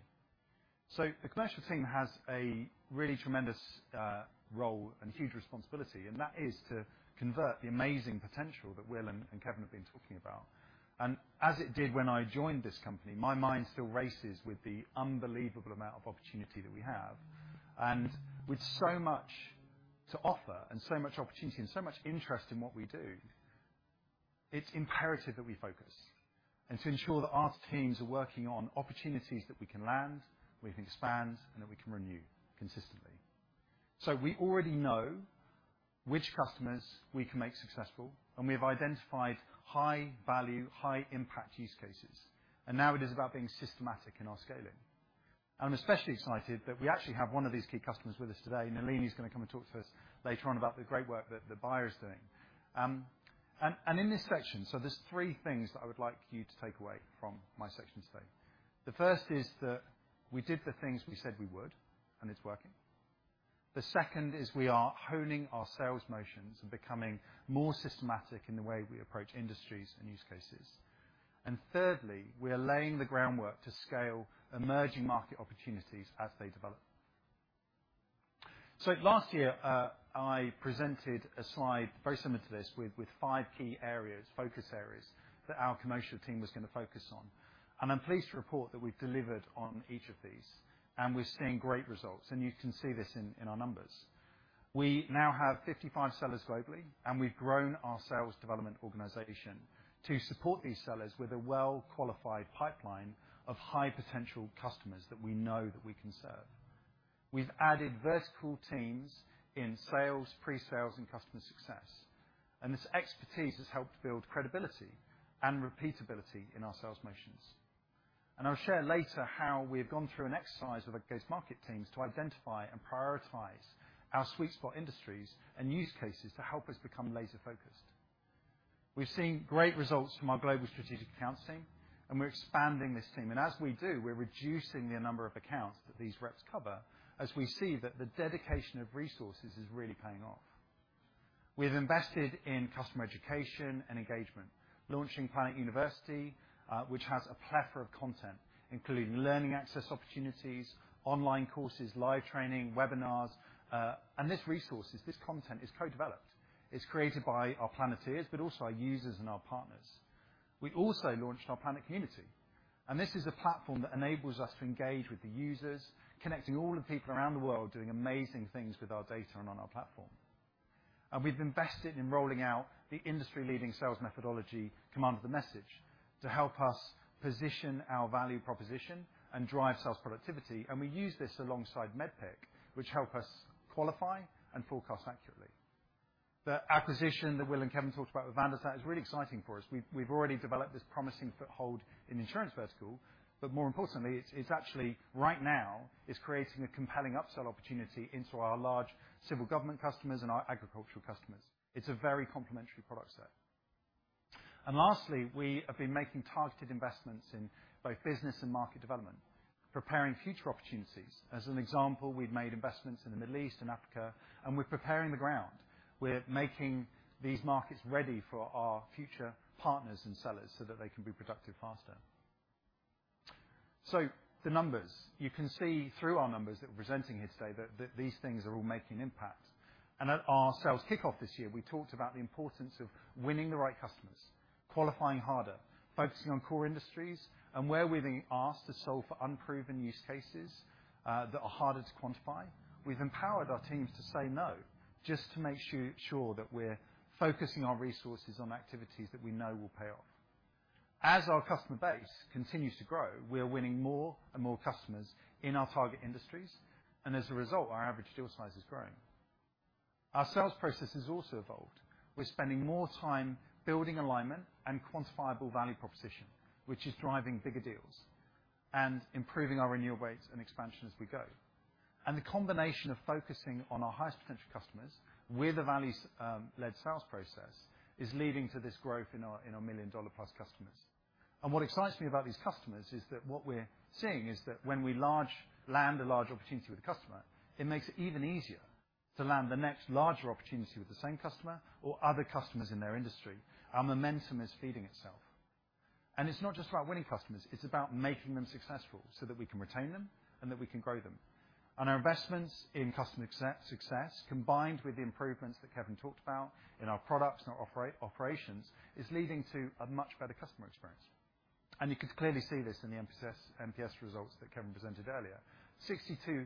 The commercial team has a really tremendous role and huge responsibility, and that is to convert the amazing potential that Will and Kevin have been talking about. As it did when I joined this company, my mind still races with the unbelievable amount of opportunity that we have. With so much to offer and so much opportunity and so much interest in what we do, it's imperative that we focus and to ensure that our teams are working on opportunities that we can land, we can expand, and that we can renew consistently. We already know which customers we can make successful, and we have identified high value, high impact use cases. Now it is about being systematic in our scaling. I'm especially excited that we actually have one of these key customers with us today. Nalini is gonna come and talk to us later on about the great work that Bayer is doing. In this section, there's three things that I would like you to take away from my section today. The first is that we did the things we said we would, and it's working. The second is we are honing our sales motions and becoming more systematic in the way we approach industries and use cases. Thirdly, we are laying the groundwork to scale emerging market opportunities as they develop. Last year, I presented a slide very similar to this with five key areas, focus areas, that our commercial team was gonna focus on. I'm pleased to report that we've delivered on each of these, and we're seeing great results, and you can see this in our numbers. We now have 55 sellers globally, and we've grown our sales development organization to support these sellers with a well-qualified pipeline of high-potential customers that we know that we can serve. We've added vertical teams in sales, pre-sales, and customer success, and this expertise has helped build credibility and repeatability in our sales motions. I'll share later how we have gone through an exercise with our go-to-market teams to identify and prioritize our sweet spot industries and use cases to help us become laser-focused. We're seeing great results from our global strategic accounts team, and we're expanding this team. As we do, we're reducing the number of accounts that these reps cover as we see that the dedication of resources is really paying off. We have invested in customer education and engagement, launching Planet University, which has a plethora of content, including learning access opportunities, online courses, live training, webinars, and this content is co-developed. It's created by our Planeteers, but also our users and our partners. We also launched our Planet Community, and this is a platform that enables us to engage with the users, connecting all the people around the world doing amazing things with our data and on our platform. We've invested in rolling out the industry-leading sales methodology Command of the Message to help us position our value proposition and drive sales productivity. We use this alongside MEDDPICC, which help us qualify and forecast accurately. The acquisition that Will and Kevin talked about with VanderSat is really exciting for us. We've already developed this promising foothold in the insurance vertical, but more importantly, it's actually right now it's creating a compelling upsell opportunity into our large civil government customers and our agricultural customers. It's a very complementary product set. Lastly, we have been making targeted investments in both business and market development, preparing future opportunities. As an example, we've made investments in the Middle East and Africa, and we're preparing the ground. We're making these markets ready for our future partners and sellers so that they can be productive faster. The numbers. You can see through our numbers that we're presenting here today that these things are all making an impact. At our sales kickoff this year, we talked about the importance of winning the right customers, qualifying harder, focusing on core industries, and where we're being asked to solve for unproven use cases that are harder to quantify, we've empowered our teams to say no, just to make sure that we're focusing our resources on activities that we know will pay off. As our customer base continues to grow, we are winning more and more customers in our target industries, and as a result, our average deal size is growing. Our sales process has also evolved. We're spending more time building alignment and quantifiable value proposition, which is driving bigger deals and improving our renewal rates and expansion as we go. The combination of focusing on our highest potential customers with a values led sales process is leading to this growth in our, in our million-dollar plus customers. What excites me about these customers is that what we're seeing is that when we land a large opportunity with a customer, it makes it even easier to land the next larger opportunity with the same customer or other customers in their industry. Our momentum is feeding itself. It's not just about winning customers, it's about making them successful so that we can retain them and that we can grow them. Our investments in customer success, combined with the improvements that Kevin talked about in our products and our operations, is leading to a much better customer experience. You can clearly see this in the NPS results that Kevin presented earlier. 62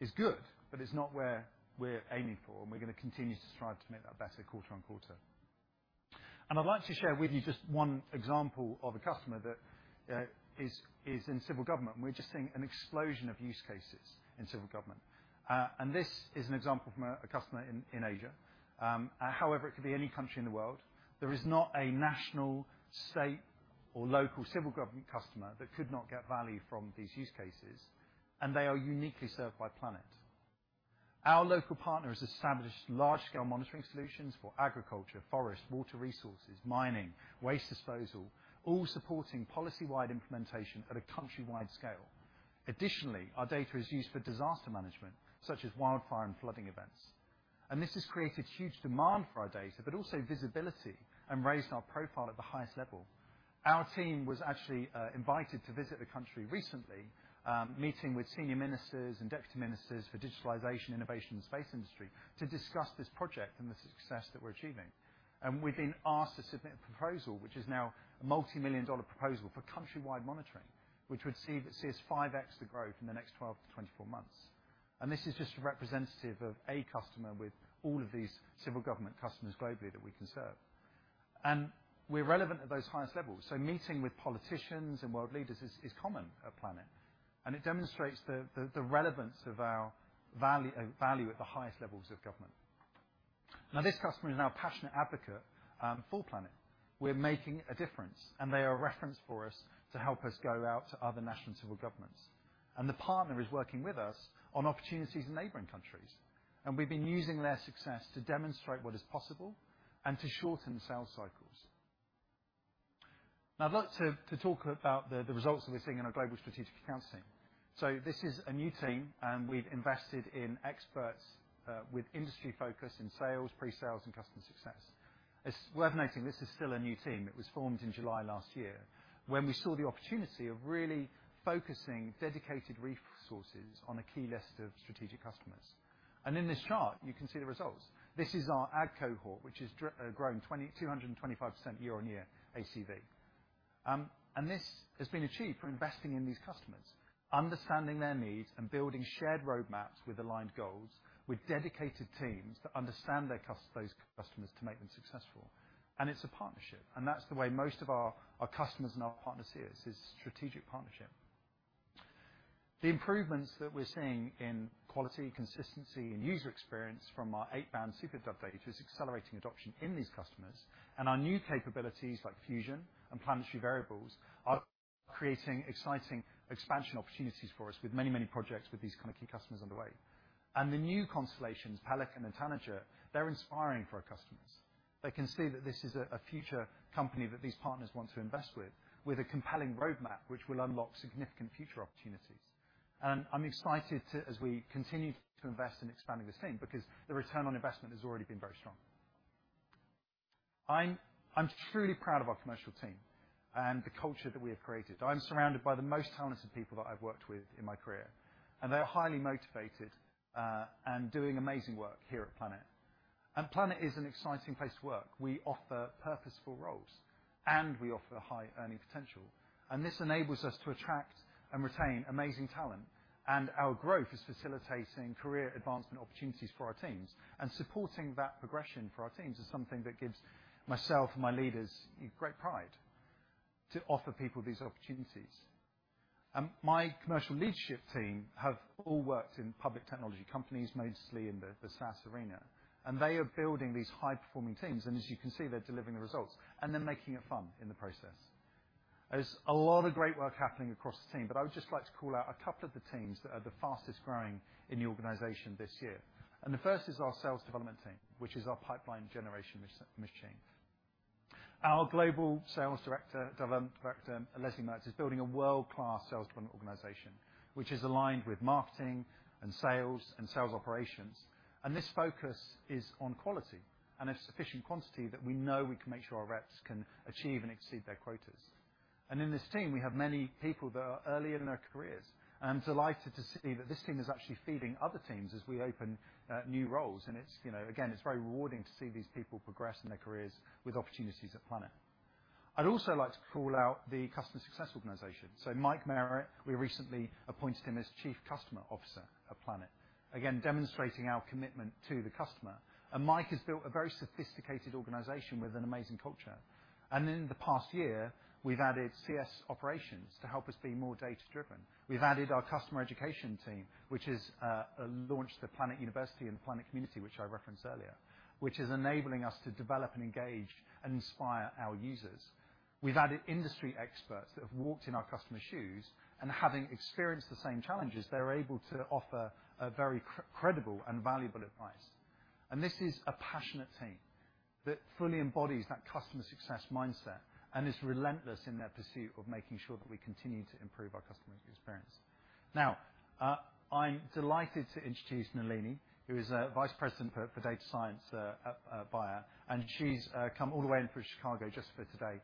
is good, but it's not where we're aiming for, and we're gonna continue to strive to make that better quarter on quarter. I'd like to share with you just one example of a customer that is in civil government, and we're just seeing an explosion of use cases in civil government. This is an example from a customer in Asia. However, it could be any country in the world. There is not a national, state, or local civil government customer that could not get value from these use cases, and they are uniquely served by Planet. Our local partner has established large-scale monitoring solutions for agriculture, forest, water resources, mining, waste disposal, all supporting policy-wide implementation at a country-wide scale. Additionally, our data is used for disaster management, such as wildfire and flooding events. This has created huge demand for our data, but also visibility and raised our profile at the highest level. Our team was actually invited to visit the country recently, meeting with senior ministers and deputy ministers for digitalization, innovation, and space industry to discuss this project and the success that we're achieving. We've been asked to submit a proposal, which is now a multimillion-dollar proposal for country-wide monitoring, which sees 5x the growth in the next 12-24 months. This is just representative of a customer with all of these civil government customers globally that we can serve. We're relevant at those highest levels, so meeting with politicians and world leaders is common at Planet, and it demonstrates the relevance of our value at the highest levels of government. This customer is a passionate advocate for Planet. We're making a difference, and they are a reference for us to help us go out to other national civil governments. The partner is working with us on opportunities in neighboring countries, and we've been using their success to demonstrate what is possible and to shorten sales cycles. I'd like to talk about the results that we're seeing in our global strategic accounts team. This is a new team, and we've invested in experts with industry focus in sales, pre-sales, and customer success. It's worth noting this is still a new team. It was formed in July last year when we saw the opportunity of really focusing dedicated resources on a key list of strategic customers. In this chart, you can see the results. This is our A&D cohort, which has grown 225% year-on-year ACV. This has been achieved from investing in these customers, understanding their needs, and building shared roadmaps with aligned goals with dedicated teams that understand those customers to make them successful. It's a partnership, and that's the way most of our customers and our partners see us is strategic partnership. The improvements that we're seeing in quality, consistency, and user experience from our eight-band SuperDove update is accelerating adoption in these customers, and our new capabilities like Fusion and Planetary Variables are creating exciting expansion opportunities for us with many, many projects with these kind of key customers on the way. The new constellations, Pelican and Tanager, they're inspiring for our customers. They can see that this is a future company that these partners want to invest with a compelling roadmap which will unlock significant future opportunities. I'm excited to, as we continue to invest in expanding this team, because the return on investment has already been very strong. I'm truly proud of our commercial team and the culture that we have created. I'm surrounded by the most talented people that I've worked with in my career, and they are highly motivated and doing amazing work here at Planet. Planet is an exciting place to work. We offer purposeful roles, and we offer high earning potential, and this enables us to attract and retain amazing talent. Our growth is facilitating career advancement opportunities for our teams. Supporting that progression for our teams is something that gives myself and my leaders great pride to offer people these opportunities. My commercial leadership team have all worked in public technology companies, mostly in the SaaS arena, and they are building these high-performing teams, and as you can see, they're delivering the results, and they're making it fun in the process. There's a lot of great work happening across the team, but I would just like to call out a couple of the teams that are the fastest-growing in the organization this year. The first is our sales development team, which is our pipeline generation machine. Our Global Director of Sales Development, Leslie Mertz, is building a world-class sales development organization, which is aligned with marketing and sales and sales operations. This focus is on quality and a sufficient quantity that we know we can make sure our reps can achieve and exceed their quotas. In this team, we have many people that are early in their careers. I'm delighted to see that this team is actually feeding other teams as we open new roles. It's, you know, again, it's very rewarding to see these people progress in their careers with opportunities at Planet. I'd like to call out the customer success organization. Mike Merritt, we recently appointed him as Chief Customer Officer at Planet, again, demonstrating our commitment to the customer. Mike has built a very sophisticated organization with an amazing culture. In the past year, we've added CS operations to help us be more data-driven. We've added our customer education team, which has launched the Planet University and Planet Community, which I referenced earlier, which is enabling us to develop and engage and inspire our users. We've added industry experts that have walked in our customers' shoes, and having experienced the same challenges, they're able to offer a very credible and valuable advice. This is a passionate team that fully embodies that customer success mindset and is relentless in their pursuit of making sure that we continue to improve our customer experience. Now, I'm delighted to introduce Nalini, who is Vice President for data science at Bayer, and she's come all the way in from Chicago just for today.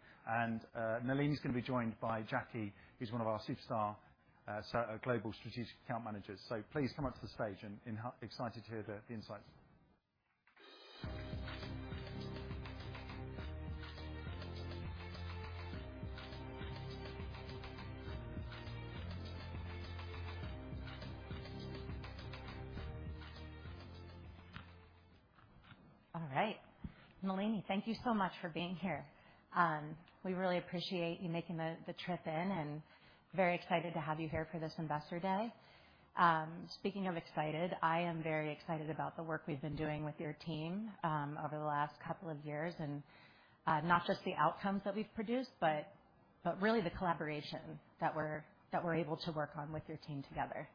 Nalini's gonna be joined by Jackie, who's one of our superstar global strategic account managers. Please come up to the stage. I'm excited to hear the insights. All right. Nalini, thank you so much for being here. We really appreciate you making the trip in and very excited to have you here for this investor day. Speaking of excited, I am very excited about the work we've been doing with your team over the last couple of years, and not just the outcomes that we've produced, but really the collaboration that we're able to work on with your team together.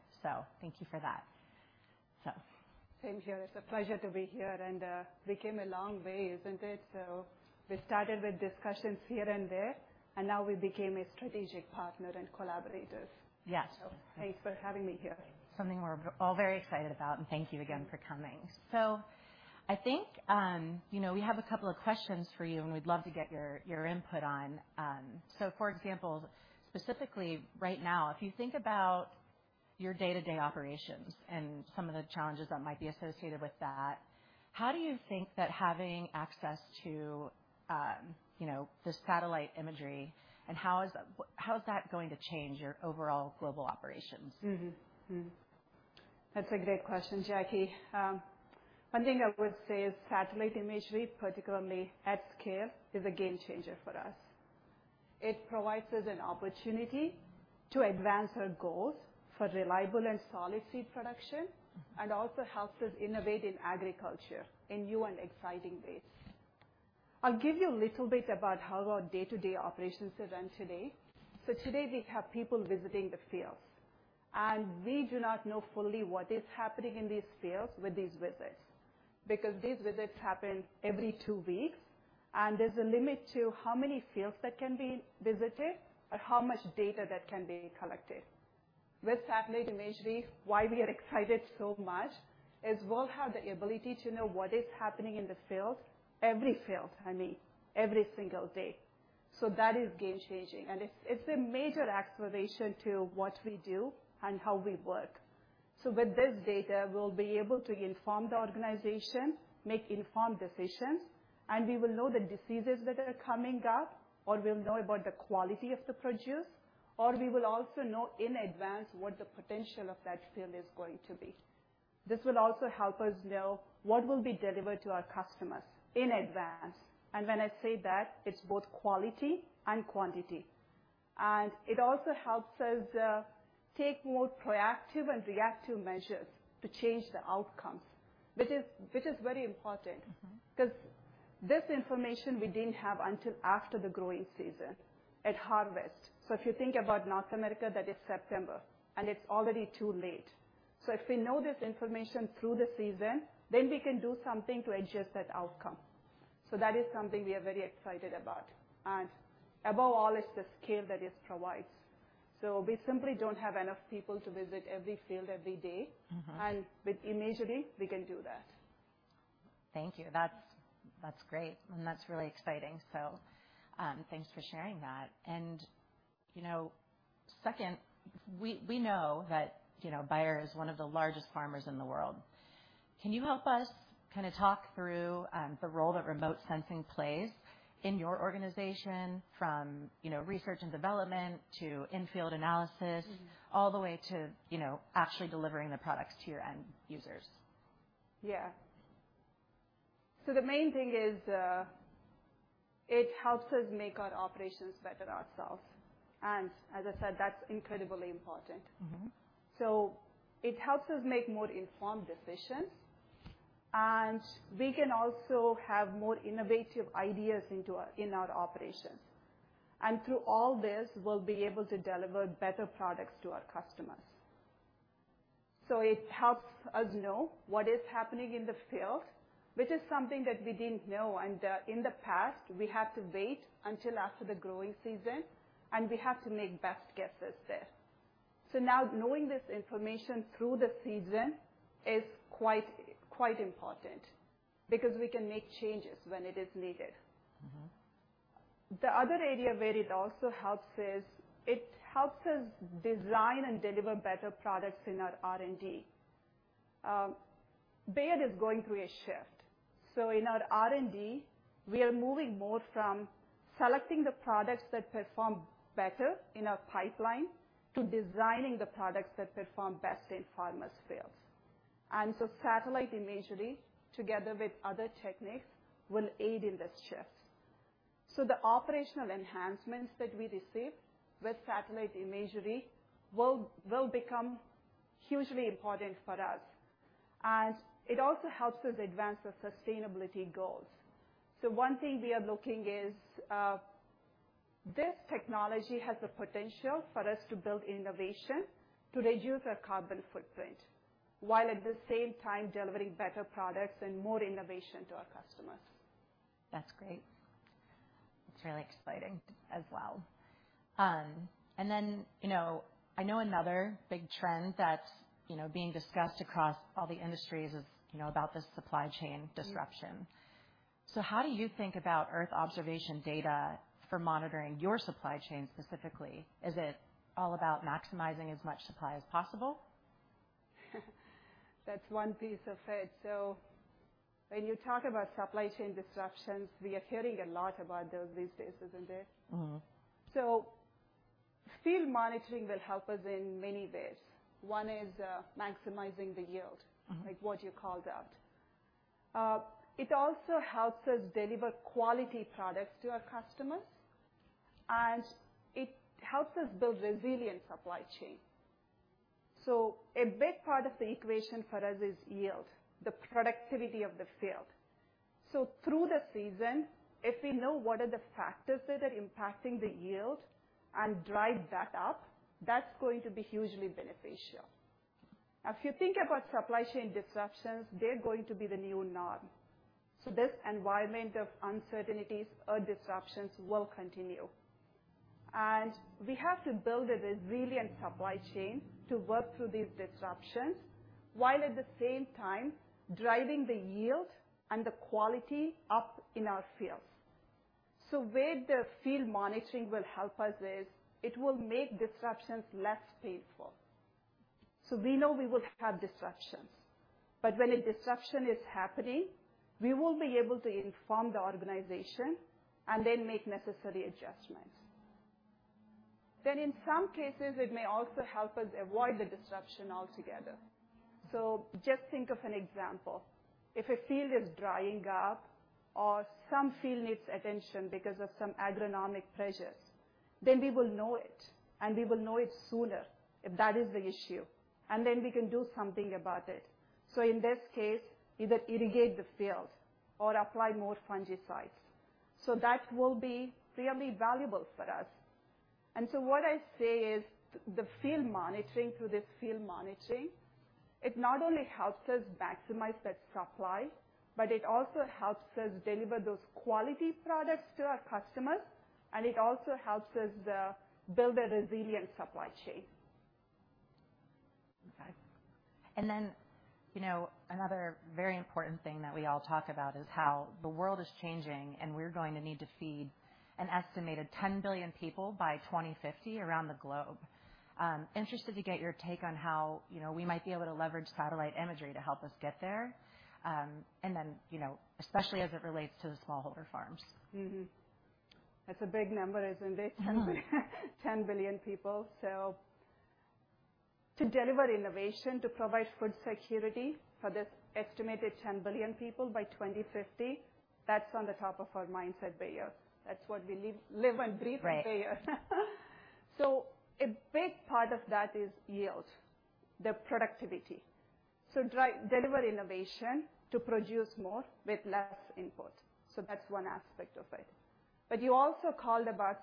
Thank you for that. Same here. It's a pleasure to be here and, we came a long way, isn't it? We started with discussions here and there, and now we became a strategic partner and collaborators. Yes. Thanks for having me here. Something we're all very excited about, and thank you again for coming. I think, you know, we have a couple of questions for you and we'd love to get your input on. For example, specifically right now, if you think about your day-to-day operations and some of the challenges that might be associated with that, how do you think that having access to, you know, the satellite imagery and how is that going to change your overall global operations? That's a great question, Jackie. One thing I would say is satellite imagery, particularly at scale, is a game changer for us. It provides us an opportunity to advance our goals for reliable and solid seed production and also helps us innovate in agriculture in new and exciting ways. I'll give you a little bit about how our day-to-day operations are run today. Today, we have people visiting the fields, and we do not know fully what is happening in these fields with these visits because these visits happen every two weeks, and there's a limit to how many fields that can be visited or how much data that can be collected. With satellite imagery, why we are excited so much is we'll have the ability to know what is happening in the fields, every field, I mean, every single day. That is game changing, and it's a major acceleration to what we do and how we work. With this data, we'll be able to inform the organization, make informed decisions, and we will know the diseases that are coming up, or we'll know about the quality of the produce, or we will also know in advance what the potential of that field is going to be. This will also help us know what will be delivered to our customers in advance. When I say that, it's both quality and quantity. It also helps us take more proactive and reactive measures to change the outcomes, which is very important. Because this information we didn't have until after the growing season, at harvest. If you think about North America, that is September, and it's already too late. If we know this information through the season, then we can do something to adjust that outcome. That is something we are very excited about. Above all is the scale that this provides. We simply don't have enough people to visit every field every day. With imagery, we can do that. Thank you. That's great, and that's really exciting. Thanks for sharing that. Second, we know that Bayer is one of the largest farmers in the world. Can you help us kinda talk through the role that remote sensing plays in your organization from research and development to in-field analysis? All the way to, you know, actually delivering the products to your end users? Yeah. The main thing is, it helps us make our operations better ourselves. As I said, that's incredibly important. It helps us make more informed decisions, and we can also have more innovative ideas into our operations. Through all this, we'll be able to deliver better products to our customers. It helps us know what is happening in the field, which is something that we didn't know. In the past, we had to wait until after the growing season, and we had to make best guesses there. Now knowing this information through the season is quite important because we can make changes when it is needed. The other area where it also helps is it helps us design and deliver better products in our R&D. Bayer is going through a shift. In our R&D, we are moving more from selecting the products that perform better in our pipeline to designing the products that perform best in farmers' fields. Satellite imagery, together with other techniques, will aid in this shift. The operational enhancements that we receive with satellite imagery will become hugely important for us, and it also helps us advance our sustainability goals. One thing we are looking at is this technology has the potential for us to build innovation to reduce our carbon footprint, while at the same time delivering better products and more innovation to our customers. That's great. That's really exciting as well. You know, I know another big trend that's, you know, being discussed across all the industries is, you know, about this supply chain disruption. How do you think about earth observation data for monitoring your supply chain specifically? Is it all about maximizing as much supply as possible? That's one piece of it. When you talk about supply chain disruptions, we are hearing a lot about those these days, isn't it? Field monitoring will help us in many ways. One is maximizing the yield. Like what you called out. It also helps us deliver quality products to our customers, and it helps us build resilient supply chain. A big part of the equation for us is yield, the productivity of the field. Through the season, if we know what are the factors that are impacting the yield and drive that up, that's going to be hugely beneficial. If you think about supply chain disruptions, they're going to be the new norm. This environment of uncertainties or disruptions will continue. We have to build a resilient supply chain to work through these disruptions, while at the same time driving the yield and the quality up in our fields. Where the field monitoring will help us is it will make disruptions less painful. We know we will have disruptions, but when a disruption is happening, we will be able to inform the organization and then make necessary adjustments. In some cases, it may also help us avoid the disruption altogether. Just think of an example. If a field is drying up or some field needs attention because of some agronomic pressures, then we will know it, and we will know it sooner if that is the issue. We can do something about it. In this case, either irrigate the field or apply more fungicides. That will be really valuable for us. What I say is the field monitoring, through this field monitoring, it not only helps us maximize that supply, but it also helps us deliver those quality products to our customers, and it also helps us build a resilient supply chain. Okay. You know, another very important thing that we all talk about is how the world is changing, and we're going to need to feed an estimated 10 billion people by 2050 around the globe. Interested to get your take on how, you know, we might be able to leverage satellite imagery to help us get there? You know, especially as it relates to the smallholder farms. That's a big number, isn't it? 10 billion people. To deliver innovation, to provide food security for the estimated 10 billion people by 2050, that's on the top of our mindset Bayer. That's what we live and breathe. Right At Bayer. A big part of that is yield, the productivity. Deliver innovation to produce more with less input. That's one aspect of it. You also talked about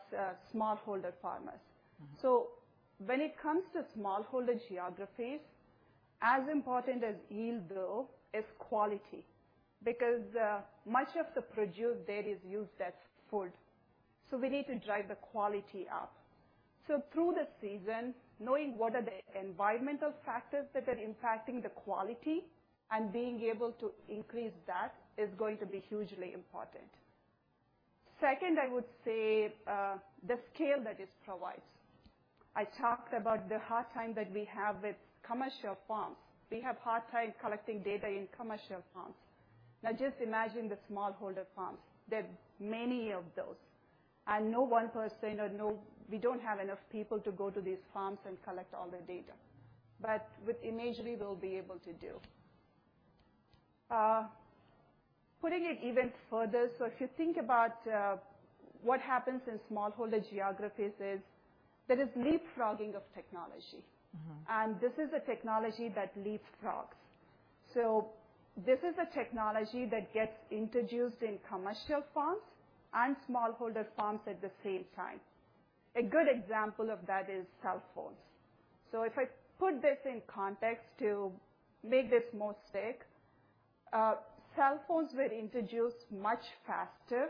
smallholder farmers. When it comes to smallholder geographies, as important as yield though is quality, because much of the produce there is used as food, so we need to drive the quality up. Through the season, knowing what are the environmental factors that are impacting the quality and being able to increase that is going to be hugely important. Second, I would say the scale that this provides. I talked about the hard time that we have with commercial farms. We have hard time collecting data in commercial farms. Now just imagine the smallholder farms. There are many of those. No one person or we don't have enough people to go to these farms and collect all their data. But with imagery, we'll be able to do. Putting it even further, if you think about what happens in smallholder geographies is there is leapfrogging of technology. This is a technology that leapfrogs. This is a technology that gets introduced in commercial farms and smallholder farms at the same time. A good example of that is cellphones. If I put this in context to make this more stick, cellphones were introduced much faster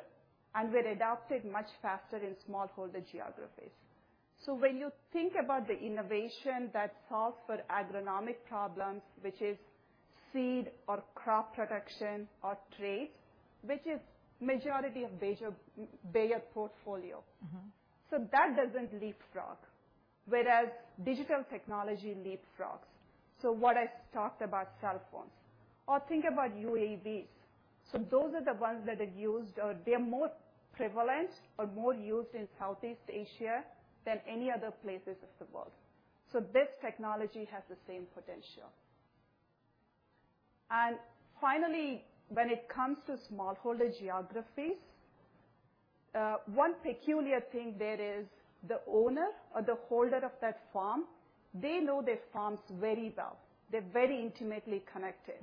and were adopted much faster in smallholder geographies. When you think about the innovation that solves for agronomic problems, which is seed or crop production or trade, which is majority of Bayer portfolio. That doesn't leapfrog. Whereas digital technology leapfrogs. What I talked about cell phones or think about UAVs, so those are the ones that are used or they are more prevalent or more used in Southeast Asia than any other places of the world. This technology has the same potential. Finally, when it comes to smallholder geographies, one peculiar thing there is the owner or the holder of that farm, they know their farms very well. They're very intimately connected.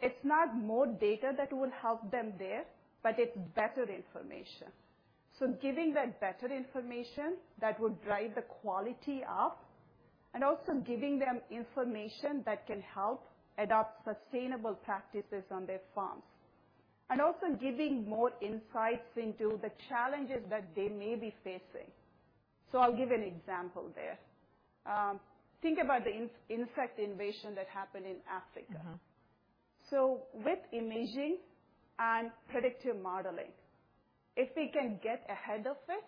It's not more data that will help them there, but it's better information. Giving them better information that would drive the quality up and also giving them information that can help adopt sustainable practices on their farms, and also giving more insights into the challenges that they may be facing. I'll give an example there. Think about the insect invasion that happened in Africa. With imaging and predictive modeling, if we can get ahead of it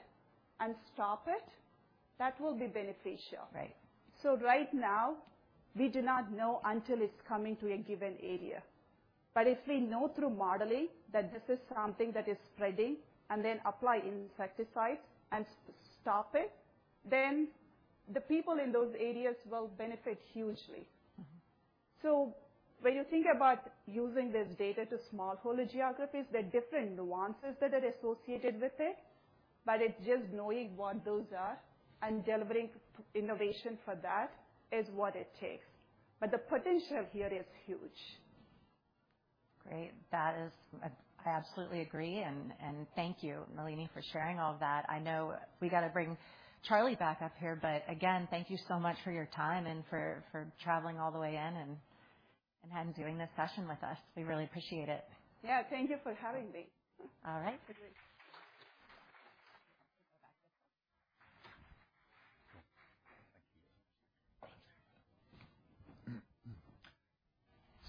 and stop it, that will be beneficial. Right. Right now we do not know until it's coming to a given area. If we know through modeling that this is something that is spreading and then apply insecticides and stop it, then the people in those areas will benefit hugely. When you think about using this data to smallholder geographies, there are different nuances that are associated with it, but it's just knowing what those are and delivering innovation for that is what it takes. The potential here is huge. I absolutely agree. Thank you, Nalini, for sharing all of that. I know we gotta bring Charlie back up here. Again, thank you so much for your time and for traveling all the way in and doing this session with us. We really appreciate it. Yeah. Thank you for having me. All right. Good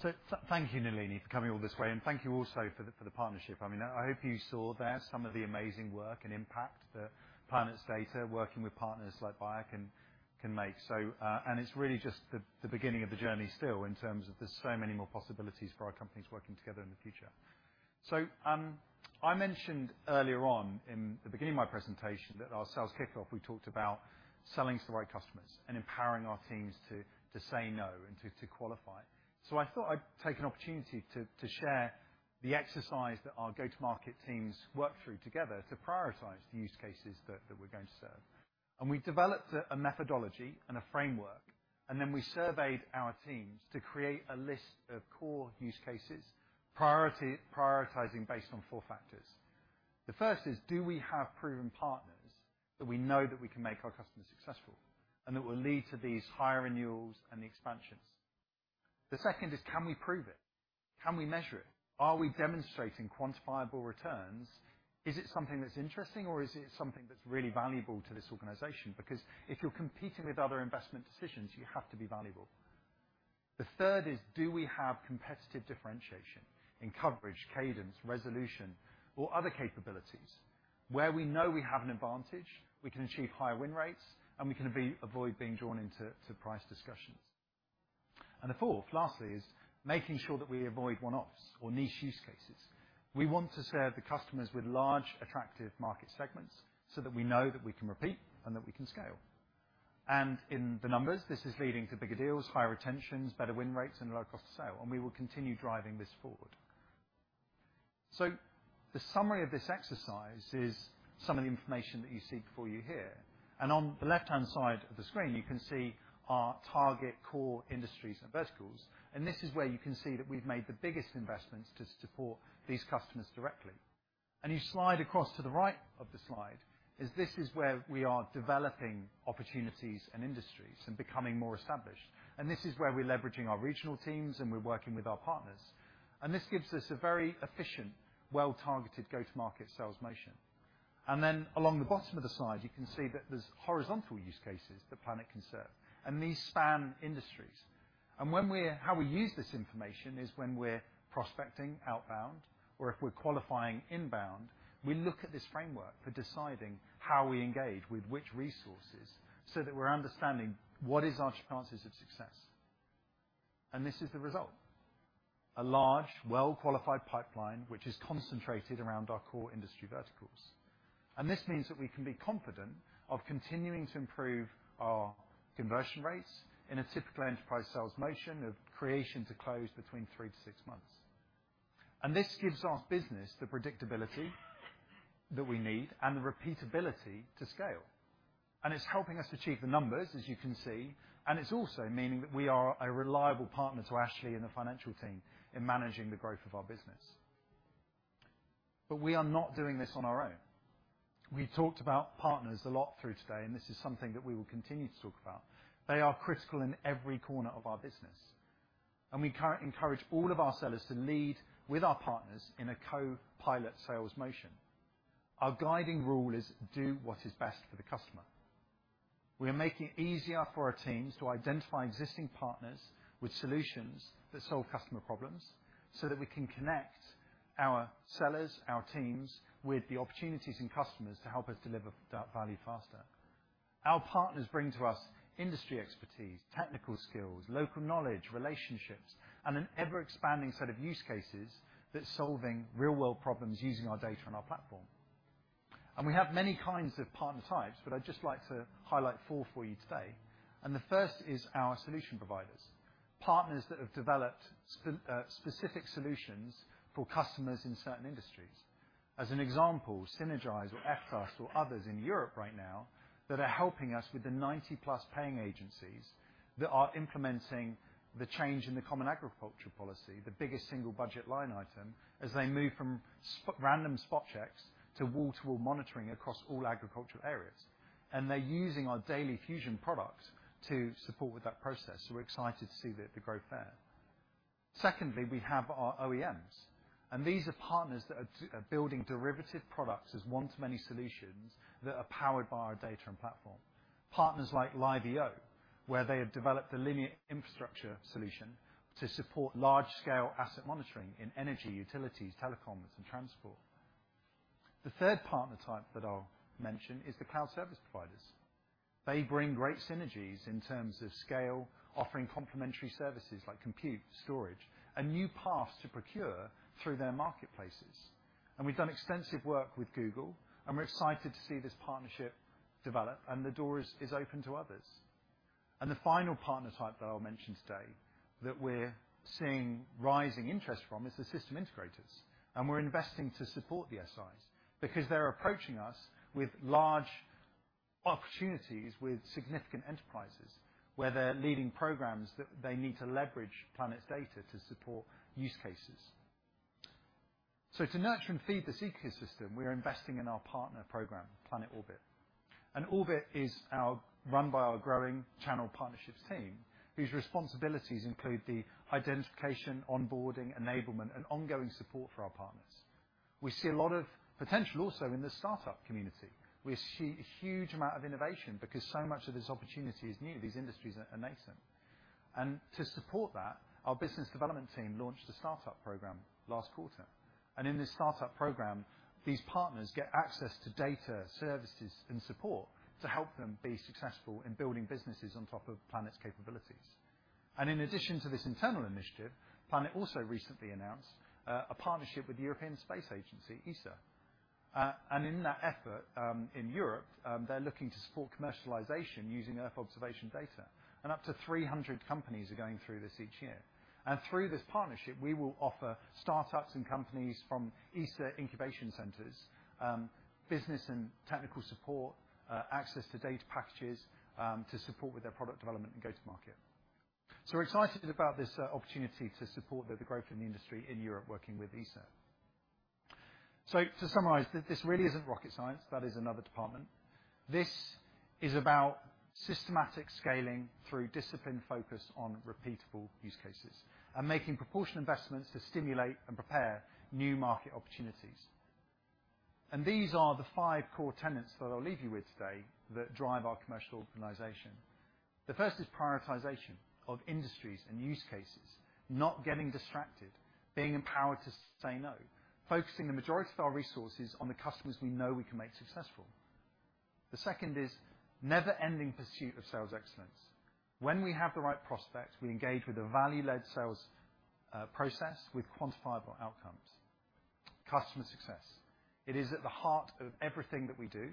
day. Go back this way. Thank you Nalini, for coming all this way, and thank you also for the partnership. I mean, I hope you saw there some of the amazing work and impact that Planet's data working with partners like Bayer can make. It's really just the beginning of the journey still in terms of there are so many more possibilities for our companies working together in the future. I mentioned earlier on in the beginning of my presentation that our sales kickoff, we talked about selling to the right customers and empowering our teams to say no and to qualify. I thought I'd take an opportunity to share the exercise that our go-to-market teams worked through together to prioritize the use cases that we're going to serve. We developed a methodology and a framework, and then we surveyed our teams to create a list of core use cases, prioritizing based on four factors. The first is, do we have proven partners that we know that we can make our customers successful and that will lead to these higher renewals and expansions? The second is, can we prove it? Can we measure it? Are we demonstrating quantifiable returns? Is it something that's interesting, or is it something that's really valuable to this organization? Because if you're competing with other investment decisions, you have to be valuable. The third is, do we have competitive differentiation in coverage, cadence, resolution, or other capabilities? Where we know we have an advantage, we can achieve higher win rates, and we can avoid being drawn into price discussions. The fourth, lastly, is making sure that we avoid one-offs or niche use cases. We want to serve the customers with large, attractive market segments so that we know that we can repeat and that we can scale. In the numbers, this is leading to bigger deals, higher retentions, better win rates, and low cost of sale. We will continue driving this forward. The summary of this exercise is some of the information that you see before you here. On the left-hand side of the screen, you can see our target core industries and verticals. This is where you can see that we've made the biggest investments to support these customers directly. You slide across to the right of the slide, this is where we are developing opportunities and industries and becoming more established. This is where we're leveraging our regional teams, and we're working with our partners. This gives us a very efficient, well-targeted go-to-market sales motion. Along the bottom of the slide, you can see that there's horizontal use cases that Planet can serve, and these span industries. How we use this information is when we're prospecting outbound or if we're qualifying inbound, we look at this framework for deciding how we engage with which resources, so that we're understanding what is our chances of success. This is the result, a large, well-qualified pipeline, which is concentrated around our core industry verticals. This means that we can be confident of continuing to improve our conversion rates in a typical enterprise sales motion of creation to close between three to six months. This gives our business the predictability that we need and the repeatability to scale. It's helping us achieve the numbers, as you can see. It's also meaning that we are a reliable partner to Ashley and the financial team in managing the growth of our business. We are not doing this on our own. We talked about partners a lot through today, and this is something that we will continue to talk about. They are critical in every corner of our business, and we encourage all of our sellers to lead with our partners in a co-pilot sales motion. Our guiding rule is do what is best for the customer. We are making it easier for our teams to identify existing partners with solutions that solve customer problems, so that we can connect our sellers, our teams, with the opportunities and customers to help us deliver that value faster. Our partners bring to us industry expertise, technical skills, local knowledge, relationships, and an ever-expanding set of use cases that's solving real-world problems using our data and our platform. We have many kinds of partner types, but I'd just like to highlight four for you today. The first is our solution providers. Partners that have developed specific solutions for customers in certain industries. As an example, Sinergise or F-Trust or others in Europe right now that are helping us with the 90+ paying agencies that are implementing the change in the Common Agricultural Policy, the biggest single budget line item, as they move from random spot checks to wall-to-wall monitoring across all agricultural areas. They're using our daily Fusion products to support with that process. We're excited to see the growth there. Secondly, we have our OEMs, and these are partners that are building derivative products as one-to-many solutions that are powered by our data and platform. Partners like LiveEO, where they have developed a linear infrastructure solution to support large-scale asset monitoring in energy, utilities, telecoms, and transport. The third partner type that I'll mention is the cloud service providers. They bring great synergies in terms of scale, offering complementary services like compute, storage, and new paths to procure through their marketplaces. We've done extensive work with Google, and we're excited to see this partnership develop, and the door is open to others. The final partner type that I'll mention today that we're seeing rising interest from is the system integrators. We're investing to support the SIs because they're approaching us with large opportunities with significant enterprises, where they're leading programs that they need to leverage Planet's data to support use cases. To nurture and feed this ecosystem, we are investing in our partner program, Planet Orbit. Orbit is run by our growing channel partnerships team, whose responsibilities include the identification, onboarding, enablement, and ongoing support for our partners. We see a lot of potential also in the startup community. We see a huge amount of innovation because so much of this opportunity is new. These industries are nascent. To support that, our business development team launched a startup program last quarter. In this startup program, these partners get access to data, services, and support to help them be successful in building businesses on top of Planet's capabilities. In addition to this internal initiative, Planet also recently announced a partnership with European Space Agency, ESA. In that effort, in Europe, they're looking to support commercialization using Earth observation data. Up to 300 companies are going through this each year. Through this partnership, we will offer startups and companies from ESA incubation centers, business and technical support, access to data packages, to support with their product development and go to market. We're excited about this opportunity to support the growth in the industry in Europe working with ESA. To summarize, this really isn't rocket science. That is another department. This is about systematic scaling through disciplined focus on repeatable use cases, and making proportion investments to stimulate and prepare new market opportunities. These are the five core tenets that I'll leave you with today that drive our commercial organization. The first is prioritization of industries and use cases, not getting distracted, being empowered to say no, focusing the majority of our resources on the customers we know we can make successful. The second is never-ending pursuit of sales excellence. When we have the right prospects, we engage with a value-led sales process with quantifiable outcomes. Customer success. It is at the heart of everything that we do,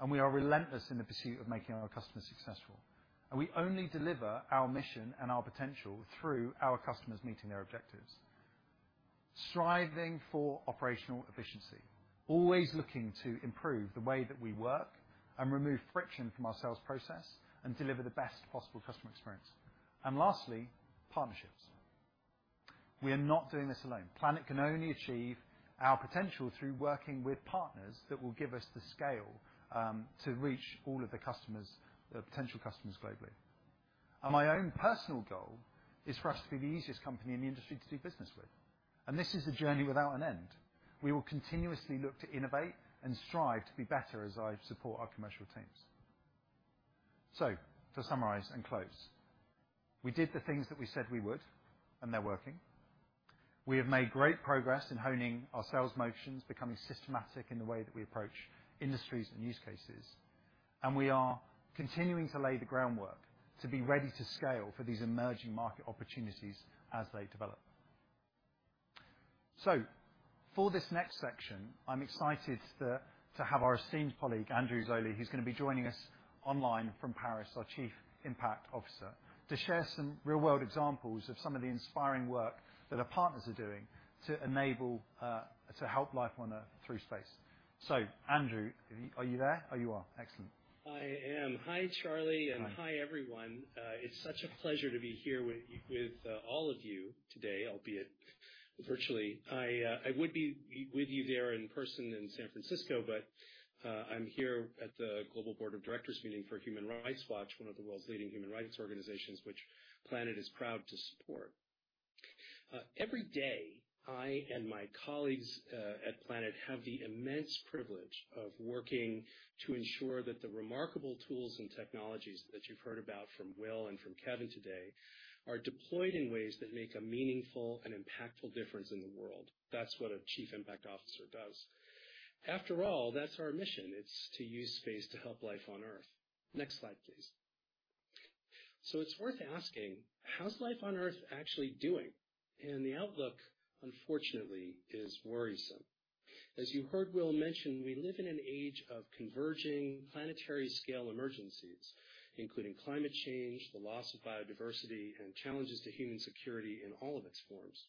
and we are relentless in the pursuit of making our customers successful. We only deliver our mission and our potential through our customers meeting their objectives. Striving for operational efficiency. Always looking to improve the way that we work and remove friction from our sales process and deliver the best possible customer experience. Lastly, partnerships. We are not doing this alone. Planet can only achieve our potential through working with partners that will give us the scale to reach all of the customers, potential customers globally. My own personal goal is for us to be the easiest company in the industry to do business with. This is a journey without an end. We will continuously look to innovate and strive to be better as I support our commercial teams. To summarize and close, we did the things that we said we would, and they're working. We have made great progress in honing our sales motions, becoming systematic in the way that we approach industries and use cases. We are continuing to lay the groundwork to be ready to scale for these emerging market opportunities as they develop. For this next section, I'm excited to have our esteemed colleague, Andrew Zolli, who's gonna be joining us online from Paris, our Chief Impact Officer, to share some real-world examples of some of the inspiring work that our partners are doing to enable, to help life on Earth through space. Andrew, are you there? Oh, you are. Excellent. I am. Hi, Charlie. Hi. Hi, everyone. It's such a pleasure to be here with all of you today, albeit virtually. I would be with you there in person in San Francisco, but I'm here at the global board of directors meeting for Human Rights Watch, one of the world's leading human rights organizations, which Planet is proud to support. Every day, I and my colleagues at Planet have the immense privilege of working to ensure that the remarkable tools and technologies that you've heard about from Will and from Kevin today are deployed in ways that make a meaningful and impactful difference in the world. That's what a chief impact officer does. After all, that's our mission. It's to use space to help life on Earth. Next slide, please. It's worth asking, how's life on Earth actually doing? The outlook, unfortunately, is worrisome. As you heard Will mention, we live in an age of converging planetary scale emergencies, including climate change, the loss of biodiversity, and challenges to human security in all of its forms.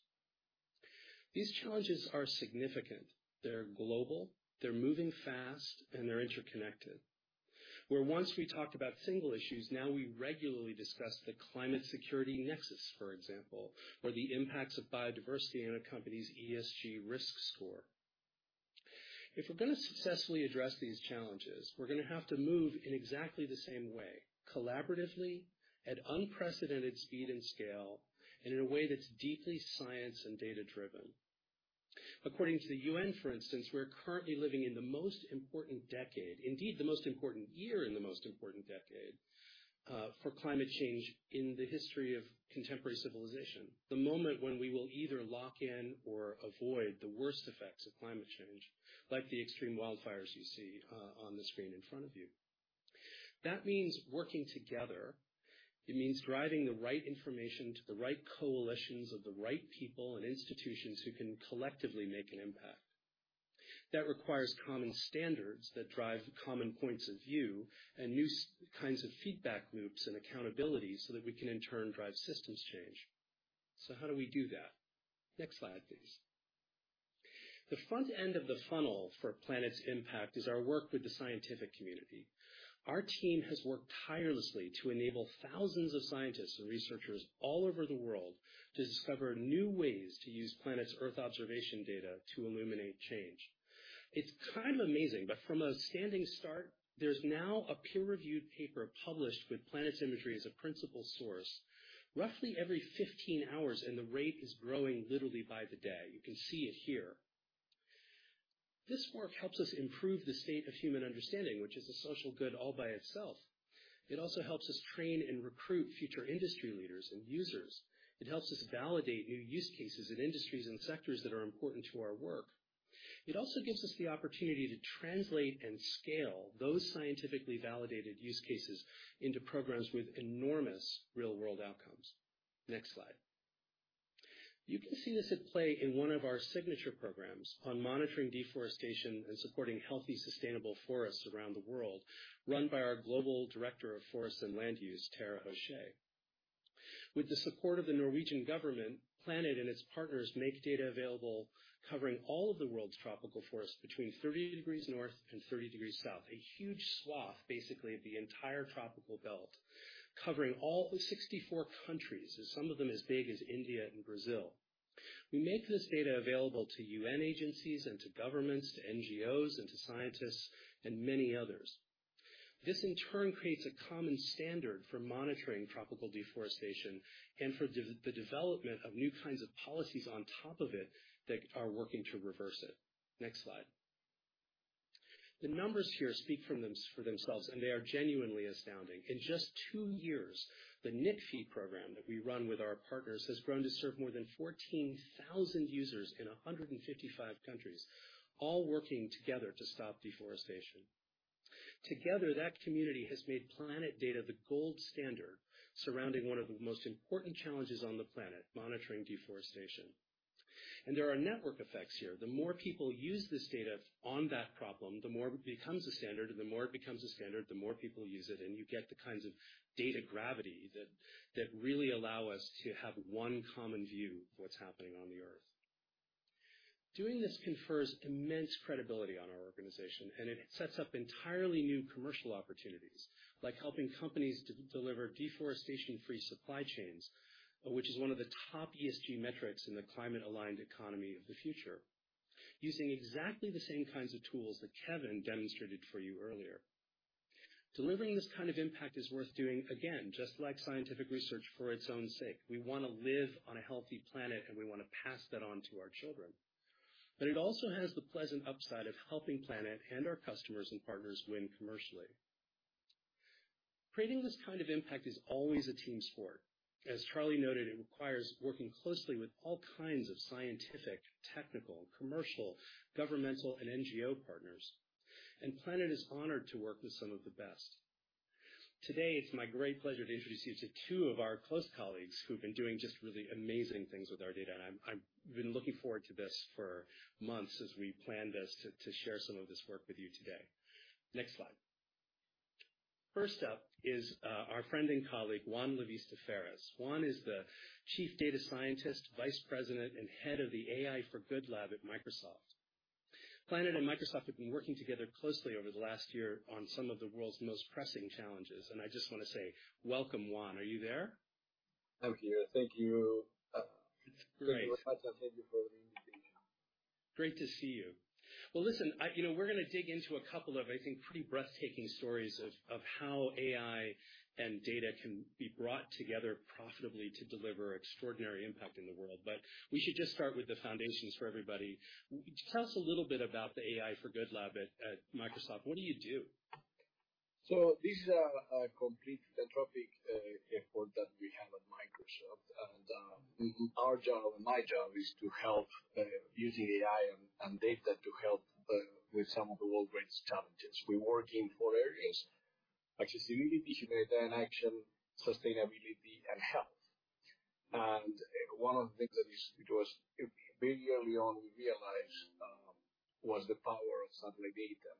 These challenges are significant. They're global, they're moving fast, and they're interconnected. Where once we talked about single issues, now we regularly discuss the climate security nexus, for example, or the impacts of biodiversity on a company's ESG risk score. If we're gonna successfully address these challenges, we're gonna have to move in exactly the same way, collaboratively, at unprecedented speed and scale, and in a way that's deeply science and data driven. According to the UN, for instance, we're currently living in the most important decade, indeed the most important year in the most important decade, for climate change in the history of contemporary civilization. The moment when we will either lock in or avoid the worst effects of climate change, like the extreme wildfires you see on the screen in front of you. That means working together. It means driving the right information to the right coalitions of the right people and institutions who can collectively make an impact. That requires common standards that drive common points of view and new kinds of feedback loops and accountability so that we can, in turn, drive systems change. How do we do that? Next slide, please. The front end of the funnel for Planet's impact is our work with the scientific community. Our team has worked tirelessly to enable thousands of scientists and researchers all over the world to discover new ways to use Planet's earth observation data to illuminate change. It's kind of amazing, but from a standing start, there's now a peer-reviewed paper published with Planet's imagery as a principal source roughly every 15 hours, and the rate is growing literally by the day. You can see it here. This work helps us improve the state of human understanding, which is a social good all by itself. It also helps us train and recruit future industry leaders and users. It helps us validate new use cases in industries and sectors that are important to our work. It also gives us the opportunity to translate and scale those scientifically validated use cases into programs with enormous real-world outcomes. Next slide. You can see this at play in one of our signature programs on monitoring deforestation and supporting healthy, sustainable forests around the world, run by our Global Director of Forests and Land Use, Tara O'Shea. With the support of the Norwegian government, Planet and its partners make data available covering all of the world's tropical forests between 30 degrees north and 30 degrees south, a huge swath, basically the entire tropical belt, covering all 64 countries, and some of them as big as India and Brazil. We make this data available to UN agencies and to governments, to NGOs, and to scientists and many others. This in turn creates a common standard for monitoring tropical deforestation and for the development of new kinds of policies on top of it that are working to reverse it. Next slide. The numbers here speak for themselves, and they are genuinely astounding. In just two years, the NICFI program that we run with our partners has grown to serve more than 14,000 users in 155 countries, all working together to stop deforestation. Together, that community has made Planet data the gold standard surrounding one of the most important challenges on the planet, monitoring deforestation. There are network effects here. The more people use this data on that problem, the more it becomes a standard. The more it becomes a standard, the more people use it, and you get the kinds of data gravity that really allow us to have one common view of what's happening on the Earth. Doing this confers immense credibility on our organization, and it sets up entirely new commercial opportunities, like helping companies deliver deforestation-free supply chains, which is one of the top ESG metrics in the climate-aligned economy of the future, using exactly the same kinds of tools that Kevin demonstrated for you earlier. Delivering this kind of impact is worth doing, again, just like scientific research for its own sake. We wanna live on a healthy planet, and we wanna pass that on to our children. It also has the pleasant upside of helping Planet and our customers and partners win commercially. Creating this kind of impact is always a team sport. As Charlie noted, it requires working closely with all kinds of scientific, technical, commercial, governmental, and NGO partners. Planet is honored to work with some of the best. Today, it's my great pleasure to introduce you to two of our close colleagues who've been doing just really amazing things with our data, and I've been looking forward to this for months as we planned this to share some of this work with you today. Next slide. First up is our friend and colleague, Juan Lavista Ferres. Juan is the Chief Data Scientist, Vice President, and Head of the AI for Good Lab at Microsoft. Planet and Microsoft have been working together closely over the last year on some of the world's most pressing challenges, and I just wanna say, welcome, Juan. Are you there? I'm here. Thank you. It's great. Thank you for having me. Thank you for the invitation. Great to see you. Well, listen, you know, we're gonna dig into a couple of, I think, pretty breathtaking stories of how AI and data can be brought together profitably to deliver extraordinary impact in the world. We should just start with the foundations for everybody. Tell us a little bit about the AI for Good Lab at Microsoft. What do you do? This is a complete philanthropic effort that we have at Microsoft. Our job and my job is to help using AI and data to help with some of the world's greatest challenges. We work in four areas. Accessibility, humanitarian action, sustainability, and health. One of the things very early on we realized was the power of satellite data.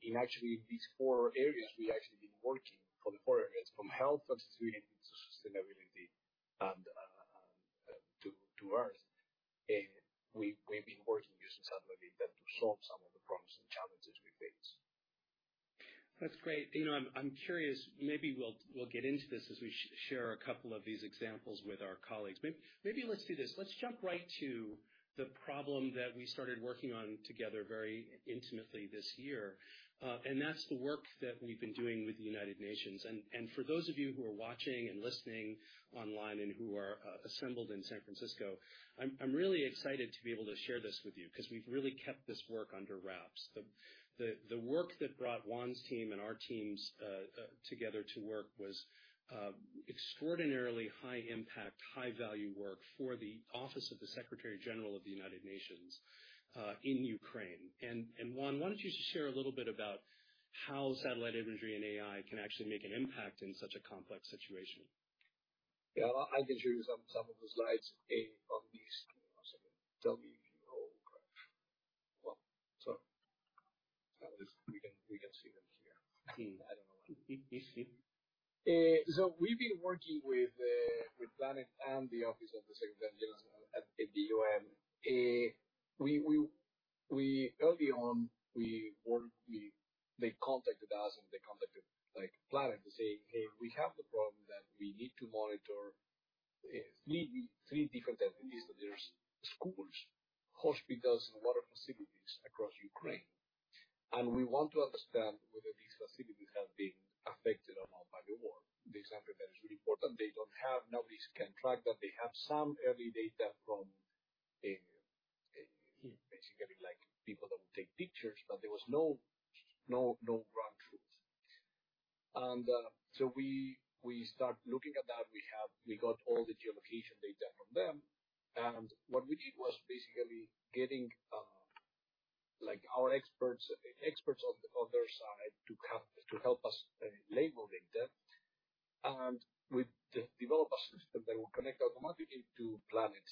In actually these four areas, we actually been working for the four areas from health accessibility to sustainability and to Earth. We've been working with satellite data to solve some of the problems and challenges we face. That's great. You know, I'm curious, maybe we'll get into this as we share a couple of these examples with our colleagues. Maybe let's do this. Let's jump right to the problem that we started working on together very intimately this year. That's the work that we've been doing with the United Nations. For those of you who are watching and listening online and who are assembled in San Francisco, I'm really excited to be able to share this with you because we've really kept this work under wraps. The work that brought Juan's team and our teams together to work was extraordinarily high impact, high value work for the Office of the Secretary-General of the United Nations in Ukraine. Juan, why don't you just share a little bit about how satellite imagery and AI can actually make an impact in such a complex situation? Yeah. I can show you some of the slides on this. One second. Well, that was. We can see them here. I don't know. We've been working with Planet and the Office of the Secretary-General at the UN. Early on, they contacted us, and they contacted, like, Planet to say, hey, we have the problem that we need to monitor three different entities. There's schools, hospitals, and water facilities across Ukraine. And we want to understand whether these facilities have been affected or not by the war. The example that is really important, they don't have nobody can track that. They have some early data from basically like people that will take pictures, but there was no ground truth. We start looking at that. We got all the geolocation data from them. What we did was basically getting like our experts experts on the other side to come to help us label data. We just develop a system that will connect automatically through Planet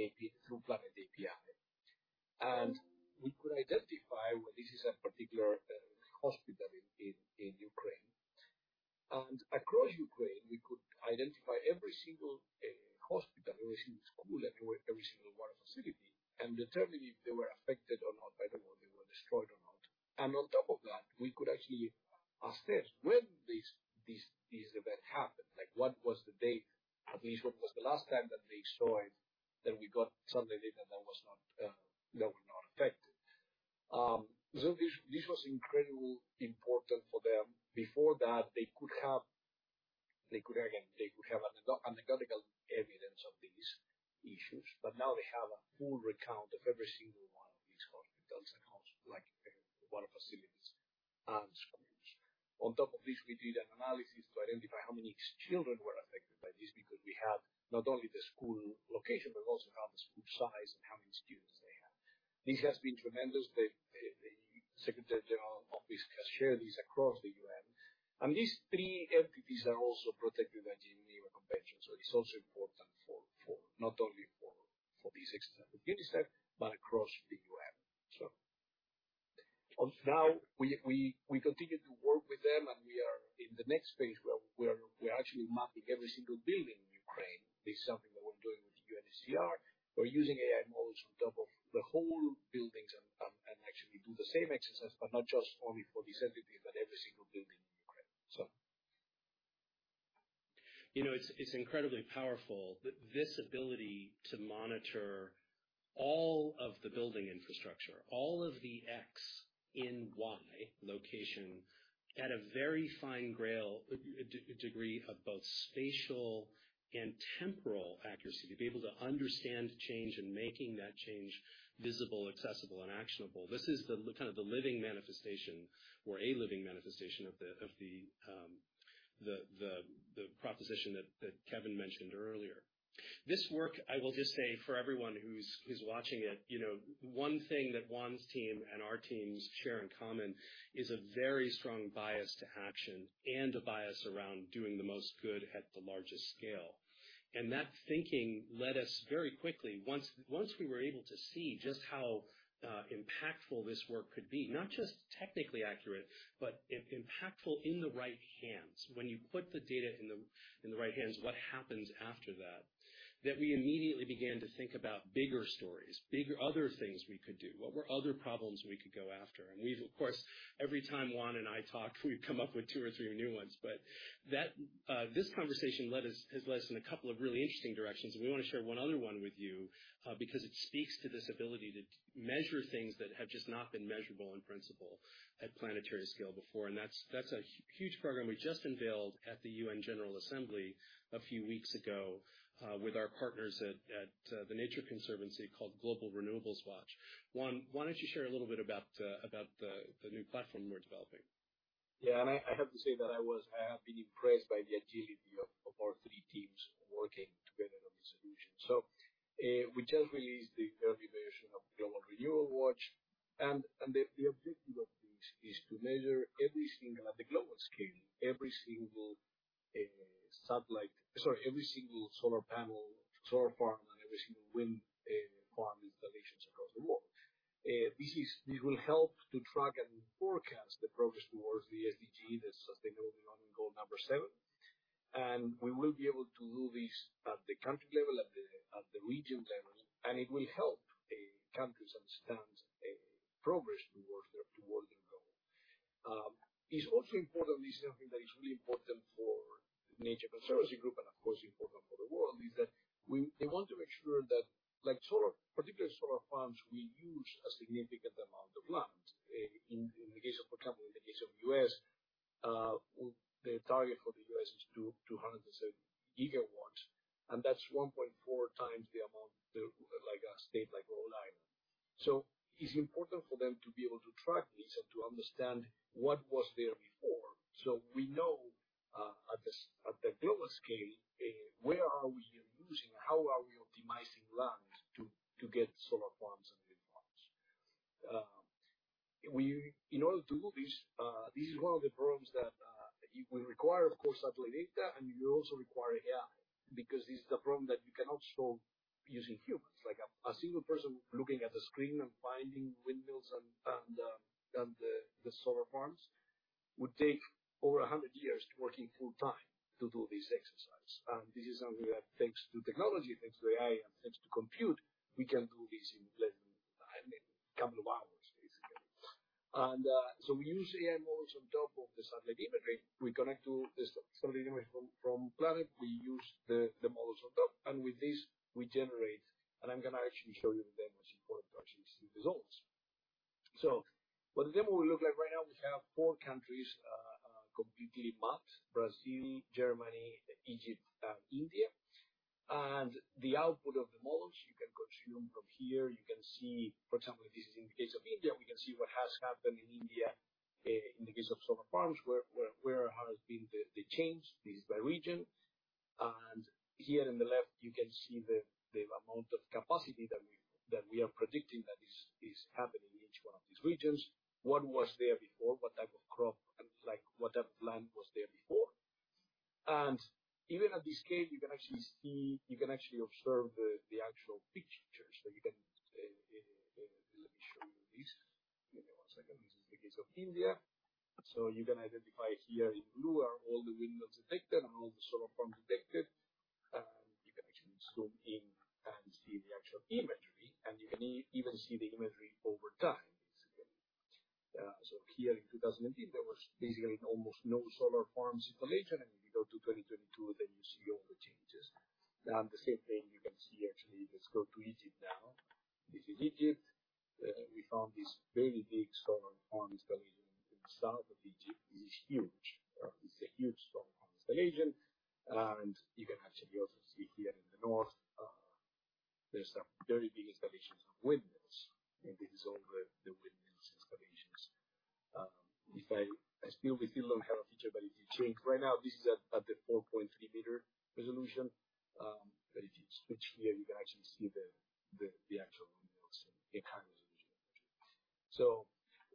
API. We could identify where this is a particular hospital in Ukraine. Across Ukraine, we could identify every single hospital, every single school, and every single water facility, and determine if they were affected or not by the war, they were destroyed or not. On top of that, we could actually assess when this event happened, like what was the date, at least what was the last time that they destroyed. Then we got some data that was not affected. So this was incredibly important for them. Before that, they could have anecdotal evidence of these issues, but now they have a full recount of every single one of these hospitals and like water facilities and schools. On top of this, we did an analysis to identify how many children were affected by this, because we have not only the school location, but also have the school size and how many students they have. This has been tremendous. The Secretary-General of this has shared this across the UN, and these three entities are also protected by the Geneva Conventions. It's also important for not only these entities like UNICEF, but across the UN. Now we continue to work with them, and we are in the next phase where we are actually mapping every single building in Ukraine. This is something that we're doing with the UNHCR. We're using AI models on top of the whole buildings and actually do the same exercise, but not just only for these entities, but every single building in Ukraine. You know, it's incredibly powerful that this ability to monitor all of the building infrastructure, all of the X and Y location at a very fine-grained degree of both spatial and temporal accuracy, to be able to understand change and making that change visible, accessible and actionable. This is kind of the living manifestation of the proposition that Kevin mentioned earlier. This work, I will just say, for everyone who's watching it, you know, one thing that Juan's team and our teams share in common is a very strong bias to action and a bias around doing the most good at the largest scale. That thinking led us very quickly once we were able to see just how impactful this work could be, not just technically accurate, but impactful in the right hands. When you put the data in the right hands, what happens after that we immediately began to think about bigger stories, bigger other things we could do. What were other problems we could go after? We've, of course, every time Juan and I talk, we come up with two or three new ones. This conversation has led us in a couple of really interesting directions, and we wanna share one other one with you, because it speaks to this ability to measure things that have just not been measurable in principle at planetary scale before. That's a huge program we just unveiled at the UN General Assembly a few weeks ago, with our partners at the Nature Conservancy called Global Renewables Watch. Juan, why don't you share a little bit about the new platform we're developing? Yeah. I have to say that I have been impressed by the agility of our three teams working together on this solution. We just released the early version of Global Renewables Watch. The objective of this is to measure every single at the global scale solar panel, solar farm, and every single wind farm installations across the world. This will help to track and forecast the progress towards the SDG, the Sustainable Development Goal number seven, and we will be able to do this at the country level, at the region level, and it will help countries understand progress toward the goal. It's also important, this is something that is really important for The Nature Conservancy and of course important for the world, is that we want to make sure that like solar, particularly solar farms, we use a significant amount of land. In the case of, for example, in the case of U.S., the target for the U.S. is 207 gigawatts, and that's 1.4x the amount to like a state like Rhode Island. It's important for them to be able to track this and to understand what was there before. We know at the global scale where we are using, how we are optimizing land to get solar farms and wind farms. In order to do this is one of the problems that you will require, of course, satellite data, and you also require AI. Because this is a problem that you cannot solve using humans. Like a single person looking at the screen and finding windmills and solar farms would take over 100 years working full-time to do this exercise. This is something that thanks to technology, thanks to AI, and thanks to compute, we can do this in less than, I mean, a couple of hours basically. We use AI models on top of the satellite imagery. We connect to the satellite image from Planet. We use the models on top, and with this we generate. I'm gonna actually show you the demo. It's important to actually see the results. What the demo will look like right now, we have four countries completely mapped: Brazil, Germany, Egypt, and India. The output of the models you can consume from here, you can see, for example, this is in the case of India. We can see what has happened in India in the case of solar farms, where has been the change. This is by region. Here in the left you can see the amount of capacity that we are predicting that is happening in each one of these regions. What was there before, what type of crop and like what type of land was there before. Even at this scale you can actually observe the actual features. You can, let me show you this. Give me one second. This is the case of India. You can identify here in blue are all the windmills detected and all the solar farms detected. You can actually zoom in and see the actual imagery, and you can even see the imagery over time. Here in 2018, there was basically almost no solar farms installation. If you go to 2022, then you see all the changes. The same thing you can see actually, let's go to Egypt now. This is Egypt. We found this very big solar farm installation in the south of Egypt. It is huge. It's a huge solar farm installation. You can actually also see here in the north, there's some very big installations of windmills. This is all the windmills installations. We still don't have a feature, but if you zoom right now, this is at the 4.3 m resolution. But if you switch here, you can actually see the actual windmills in high resolution.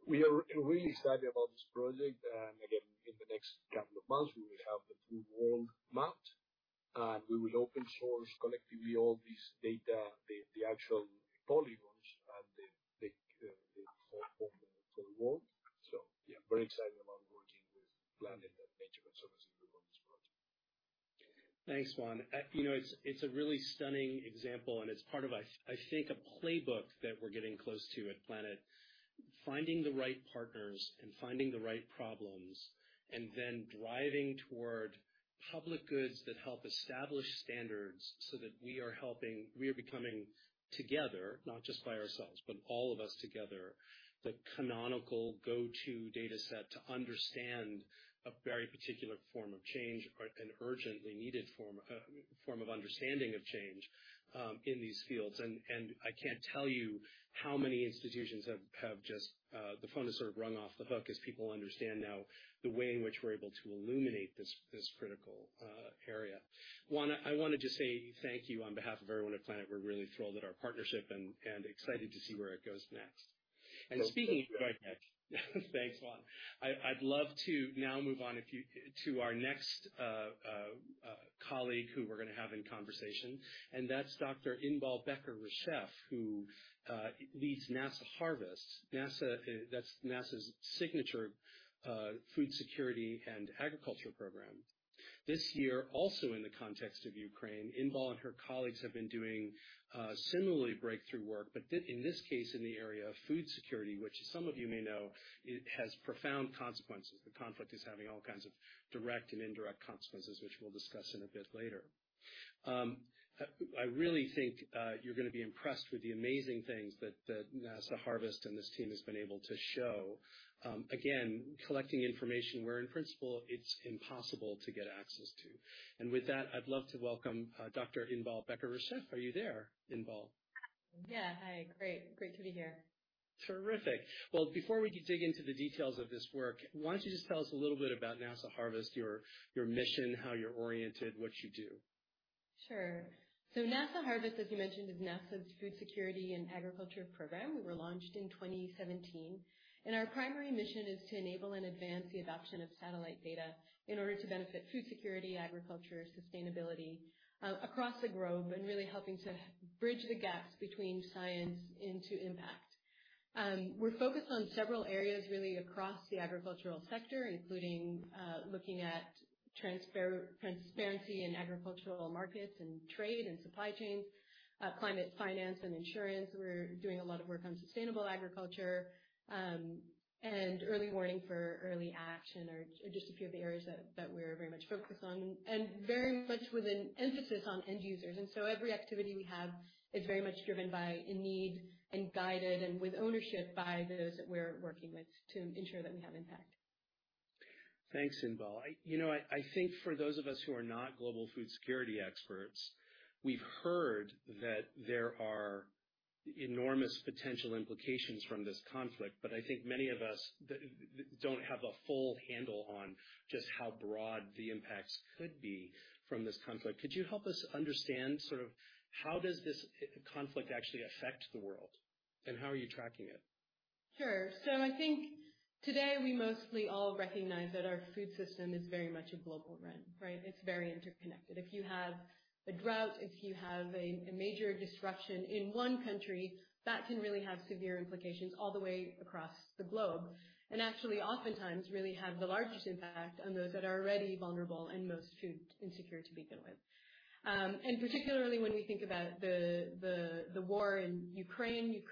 We are really excited about this project. Again, in the next couple of months, we will have the full world mapped, and we will open source collectively all this data, the full model for the world. Yeah, very excited about working with Planet and The Nature Conservancy group on this project. Thanks, Juan. You know, it's a really stunning example, and it's part of a, I think, a playbook that we're getting close to at Planet. Finding the right partners and finding the right problems, and then driving toward public goods that help establish standards so that we are helping. We are becoming together, not just by ourselves, but all of us together, the canonical go-to dataset to understand a very particular form of change or an urgently needed form of understanding of change in these fields. I can't tell you how many institutions have just the phone is sort of rung off the hook as people understand now the way in which we're able to illuminate this critical area. Juan, I wanted to say thank you on behalf of everyone at Planet. We're really thrilled at our partnership and excited to see where it goes next. Well, thanks, Matt. Speaking of right next, thanks, Juan. I'd love to now move on to our next colleague who we're gonna have in conversation, and that's Dr. Inbal Becker-Reshef, who leads NASA Harvest. NASA, that's NASA's signature food security and agriculture program. This year, also in the context of Ukraine, Inbal and her colleagues have been doing similarly breakthrough work, but in this case, in the area of food security, which some of you may know, it has profound consequences. The conflict is having all kinds of direct and indirect consequences, which we'll discuss in a bit later. I really think you're gonna be impressed with the amazing things that NASA Harvest and this team has been able to show. Again, collecting information where in principle it's impossible to get access to. With that, I'd love to welcome Dr. Inbal Becker-Reshef. Are you there, Inbal? Yeah. Hi. Great to be here. Terrific. Well, before we dig into the details of this work, why don't you just tell us a little bit about NASA Harvest, your mission, how you're oriented, what you do? Sure. NASA Harvest, as you mentioned, is NASA's food security and agriculture program. We were launched in 2017, and our primary mission is to enable and advance the adoption of satellite data in order to benefit food security, agriculture, sustainability, across the globe, and really helping to bridge the gaps between science and impact. We're focused on several areas really across the agricultural sector, including looking at transparency in agricultural markets and trade and supply chains, climate finance and insurance. We're doing a lot of work on sustainable agriculture, and early warning for early action are just a few of the areas that we're very much focused on and very much with an emphasis on end users. Every activity we have is very much driven by a need and guided and with ownership by those that we're working with to ensure that we have impact. Thanks, Inbal. You know, I think for those of us who are not global food security experts, we've heard that there are enormous potential implications from this conflict. I think many of us don't have a full handle on just how broad the impacts could be from this conflict. Could you help us understand sort of how does this conflict actually affect the world, and how are you tracking it? I think today we mostly all recognize that our food system is very much a global one, right? It's very interconnected. If you have a drought, if you have a major disruption in one country, that can really have severe implications all the way across the globe, and actually oftentimes really have the largest impact on those that are already vulnerable and most food insecure to begin with. Particularly when we think about the war in Ukraine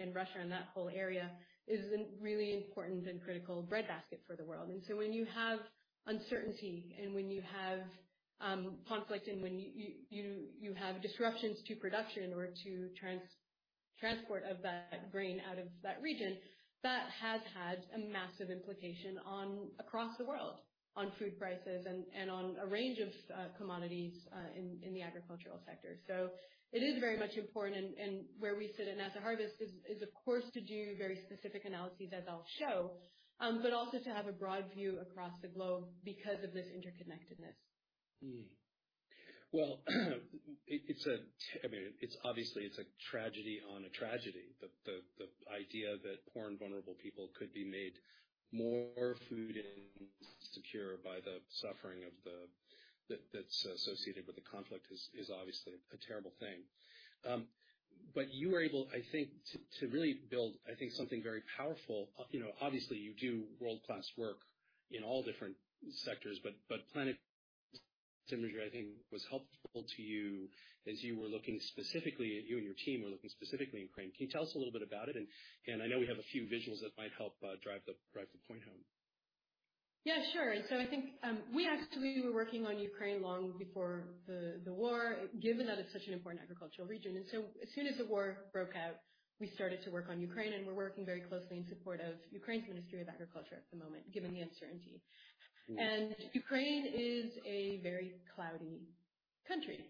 and Russia and that whole area is a really important and critical breadbasket for the world. When you have uncertainty and when you have conflict and when you have disruptions to production or to transport of that grain out of that region, that has had a massive implication across the world, on food prices and on a range of commodities in the agricultural sector. It is very much important, and where we sit at NASA Harvest is of course to do very specific analyses, as I'll show, but also to have a broad view across the globe because of this interconnectedness. Mm-hmm. Well, I mean, it's obviously a tragedy on a tragedy. The idea that poor and vulnerable people could be made more food insecure by the suffering that's associated with the conflict is obviously a terrible thing. But you were able, I think, to really build, I think, something very powerful. You know, obviously you do world-class work in all different sectors, but Planet I think was helpful to you as you and your team were looking specifically in Ukraine. Can you tell us a little bit about it? I know we have a few visuals that might help drive the point home. Yeah, sure. I think we actually were working on Ukraine long before the war, given that it's such an important agricultural region. As soon as the war broke out, we started to work on Ukraine, and we're working very closely in support of Ukraine's Ministry of Agriculture at the moment, given the uncertainty. Ukraine is a very cloudy country.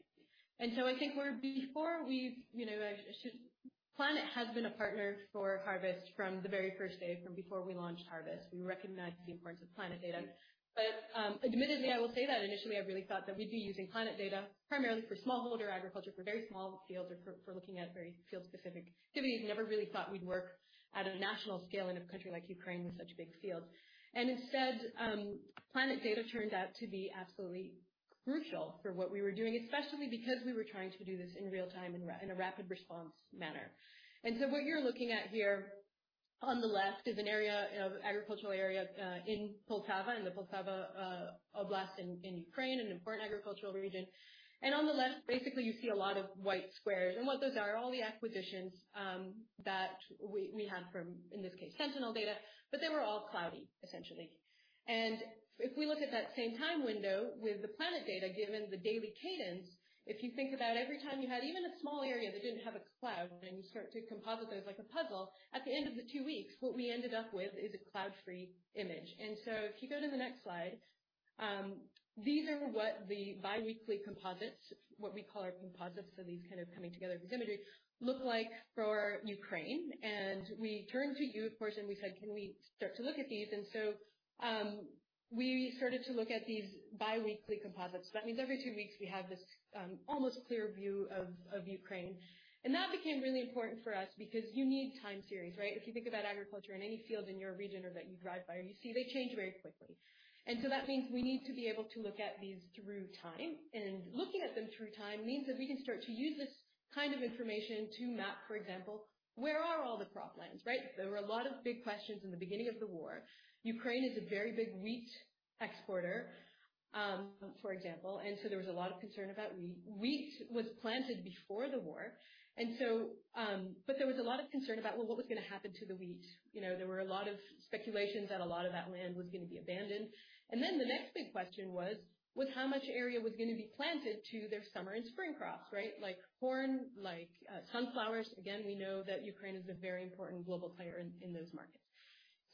I think Planet has been a partner for Harvest from the very first day, from before we launched Harvest. We recognized the importance of Planet data. Admittedly, I will say that initially I really thought that we'd be using Planet data primarily for smallholder agriculture, for very small fields or for looking at very field-specific activities. Never really thought we'd work at a national scale in a country like Ukraine with such big fields. Instead, Planet data turned out to be absolutely crucial for what we were doing, especially because we were trying to do this in real time, in a rapid response manner. What you're looking at here on the left is an area of agricultural area in Poltava oblast in Ukraine, an important agricultural region. On the left, basically you see a lot of white squares. What those are, all the acquisitions that we had from, in this case, Sentinel data, but they were all cloudy essentially. If we look at that same time window with the Planet data, given the daily cadence, if you think about every time you had even a small area that didn't have a cloud, and you start to composite those like a puzzle, at the end of the two weeks, what we ended up with is a cloud-free image. If you go to the next slide, these are what the biweekly composites, what we call our composites, so these kind of coming together of imagery look like for Ukraine. We turned to you, of course, and we said, can we start to look at these? We started to look at these biweekly composites. That means every two weeks we had this almost clear view of Ukraine. That became really important for us because you need time series, right? If you think about agriculture in any field in your region or that you drive by or you see, they change very quickly. That means we need to be able to look at these through time. Looking at them through time means that we can start to use this kind of information to map, for example, where are all the croplands, right? There were a lot of big questions in the beginning of the war. Ukraine is a very big wheat exporter, for example. There was a lot of concern about wheat. Wheat was planted before the war. There was a lot of concern about, well, what was gonna happen to the wheat. You know, there were a lot of speculations that a lot of that land was gonna be abandoned. The next big question was how much area was gonna be planted to their summer and spring crops, right? Like corn, like, sunflowers. Again, we know that Ukraine is a very important global player in those markets.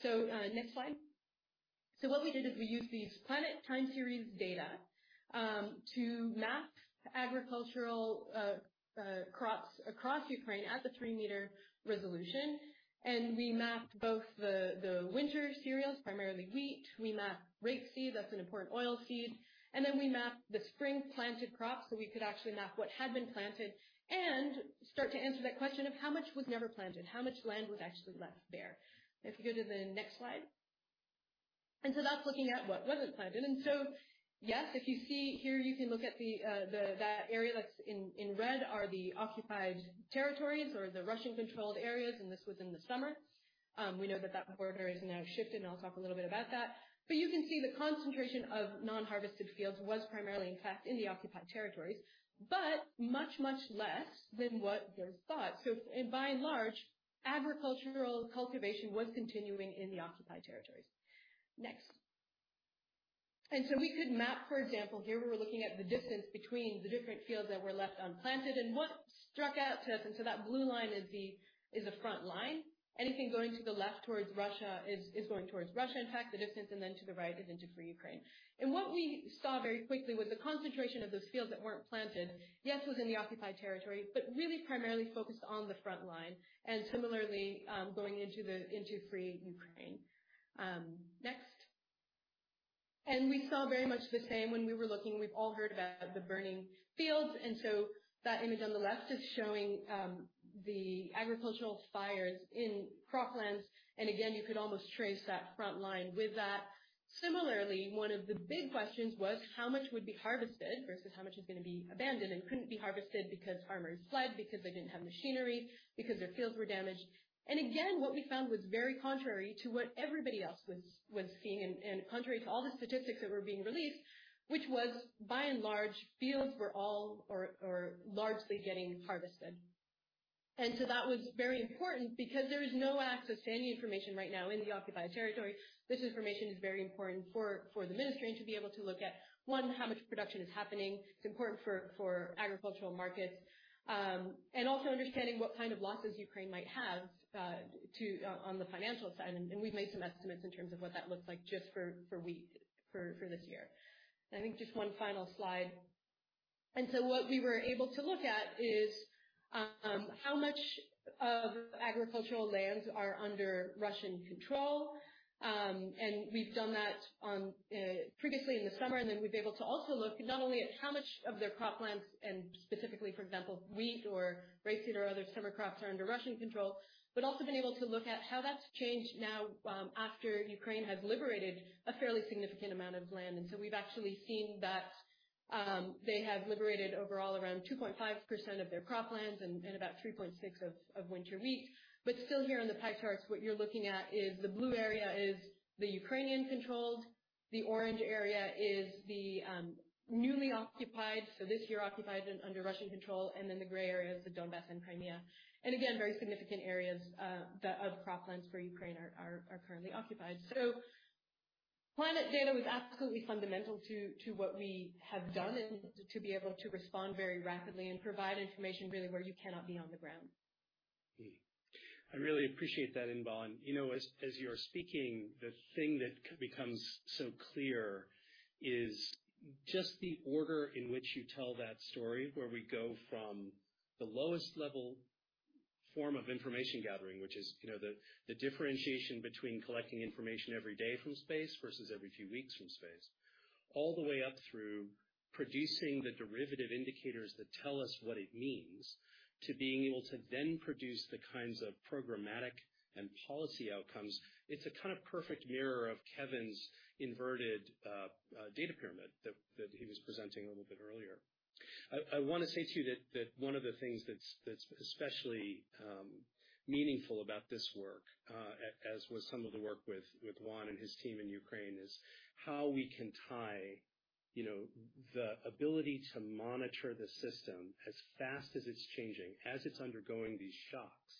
Next slide. What we did is we used these Planet time series data to map agricultural crops across Ukraine at the 3 m resolution. We mapped both the winter cereals, primarily wheat. We mapped rapeseed, that's an important oil seed. We mapped the spring-planted crops, so we could actually map what had been planted and start to answer that question of how much was never planted, how much land was actually left bare. If you go to the next slide. That's looking at what wasn't planted. Yes, if you see here, you can look at the area that's in red are the occupied territories or the Russian-controlled areas, and this was in the summer. We know that that border has now shifted, and I'll talk a little bit about that. You can see the concentration of non-harvested fields was primarily, in fact, in the occupied territories, but much, much less than what was thought. By and large, agricultural cultivation was continuing in the occupied territories. Next. We could map, for example, here we were looking at the distance between the different fields that were left unplanted and what stood out to us, and so that blue line is the front line. Anything going to the left towards Russia is going towards Russia, in fact, the distance and then to the right is into free Ukraine. What we saw very quickly was the concentration of those fields that weren't planted, yes, was in the occupied territory, but really primarily focused on the front line and similarly, going into free Ukraine. Next. We saw very much the same when we were looking. We've all heard about the burning fields, and so that image on the left is showing the agricultural fires in croplands. Again, you could almost trace that front line with that. Similarly, one of the big questions was how much would be harvested versus how much is gonna be abandoned and couldn't be harvested because farmers fled, because they didn't have machinery, because their fields were damaged. Again, what we found was very contrary to what everybody else was seeing and contrary to all the statistics that were being released, which was, by and large, fields were all or largely getting harvested. That was very important because there is no access to any information right now in the occupied territory. This information is very important for the ministry to be able to look at, one, how much production is happening. It's important for agricultural markets. Also understanding what kind of losses Ukraine might have to on the financial side, we've made some estimates in terms of what that looks like just for wheat for this year. I think just one final slide. What we were able to look at is how much of agricultural lands are under Russian control. We've done that previously in the summer, and then we've been able to also look not only at how much of their croplands, and specifically, for example, wheat or rapeseed or other summer crops are under Russian control, but also been able to look at how that's changed now, after Ukraine has liberated a fairly significant amount of land. We've actually seen that they have liberated overall around 2.5% of their croplands and about 3.6% of winter wheat. But still here in the pie charts, what you're looking at is the blue area is the Ukrainian-controlled. The orange area is the newly occupied, so this year occupied and under Russian control, and then the gray area is the Donbas and Crimea. Very significant areas of croplands for Ukraine are currently occupied. Planet data was absolutely fundamental to what we have done and to be able to respond very rapidly and provide information really where you cannot be on the ground. I really appreciate that, Inbal. You know, as you're speaking, the thing that becomes so clear is just the order in which you tell that story, where we go from the lowest level form of information gathering, which is, you know, the differentiation between collecting information every day from space versus every few weeks from space, all the way up through producing the derivative indicators that tell us what it means to being able to then produce the kinds of programmatic and policy outcomes. It's a kind of perfect mirror of Kevin's inverted data pyramid that he was presenting a little bit earlier. I wanna say, too, that one of the things that's especially meaningful about this work, as with some of the work with Juan and his team in Ukraine, is how we can tie, you know, the ability to monitor the system as fast as it's changing, as it's undergoing these shocks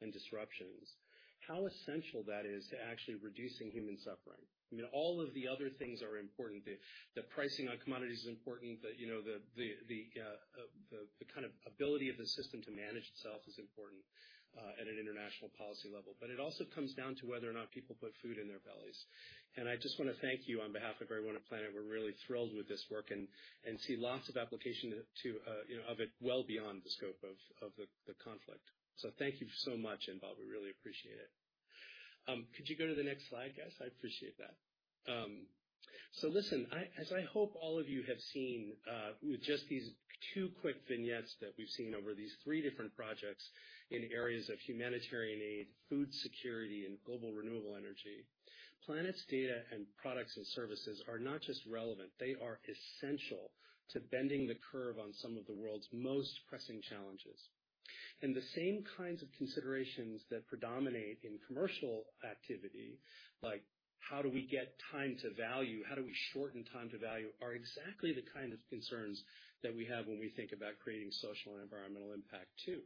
and disruptions, how essential that is to actually reducing human suffering. I mean, all of the other things are important. The pricing on commodities is important. The kind of ability of the system to manage itself is important at an international policy level. It also comes down to whether or not people put food in their bellies. I just wanna thank you on behalf of everyone at Planet. We're really thrilled with this work and see lots of application to of it well beyond the scope of the conflict. Thank you so much, Inbal. We really appreciate it. Could you go to the next slide, guys? I appreciate that. Listen, as I hope all of you have seen, with just these two quick vignettes that we've seen over these three different projects in areas of humanitarian aid, food security, and global renewable energy, Planet's data and products and services are not just relevant, they are essential to bending the curve on some of the world's most pressing challenges. The same kinds of considerations that predominate in commercial activity, like how do we get time to value, how do we shorten time to value, are exactly the kind of concerns that we have when we think about creating social and environmental impact too.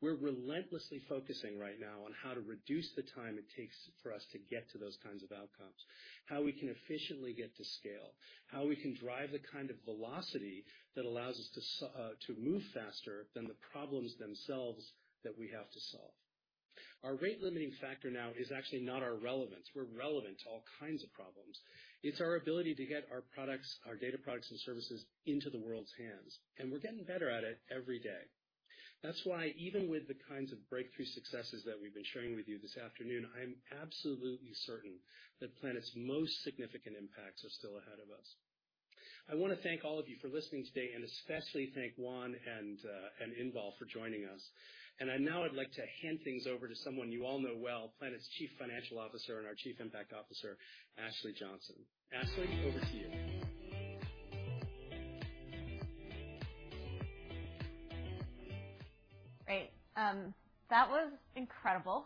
We're relentlessly focusing right now on how to reduce the time it takes for us to get to those kinds of outcomes, how we can efficiently get to scale, how we can drive the kind of velocity that allows us to move faster than the problems themselves that we have to solve. Our rate limiting factor now is actually not our relevance. We're relevant to all kinds of problems. It's our ability to get our products, our data products and services, into the world's hands, and we're getting better at it every day. That's why even with the kinds of breakthrough successes that we've been sharing with you this afternoon, I'm absolutely certain that Planet's most significant impacts are still ahead of us. I wanna thank all of you for listening today, and especially thank Juan and Inbal for joining us. Now I'd like to hand things over to someone you all know well, Planet's Chief Financial Officer and Chief Operating Officer, Ashley Johnson. Ashley, over to you. Great. That was incredible.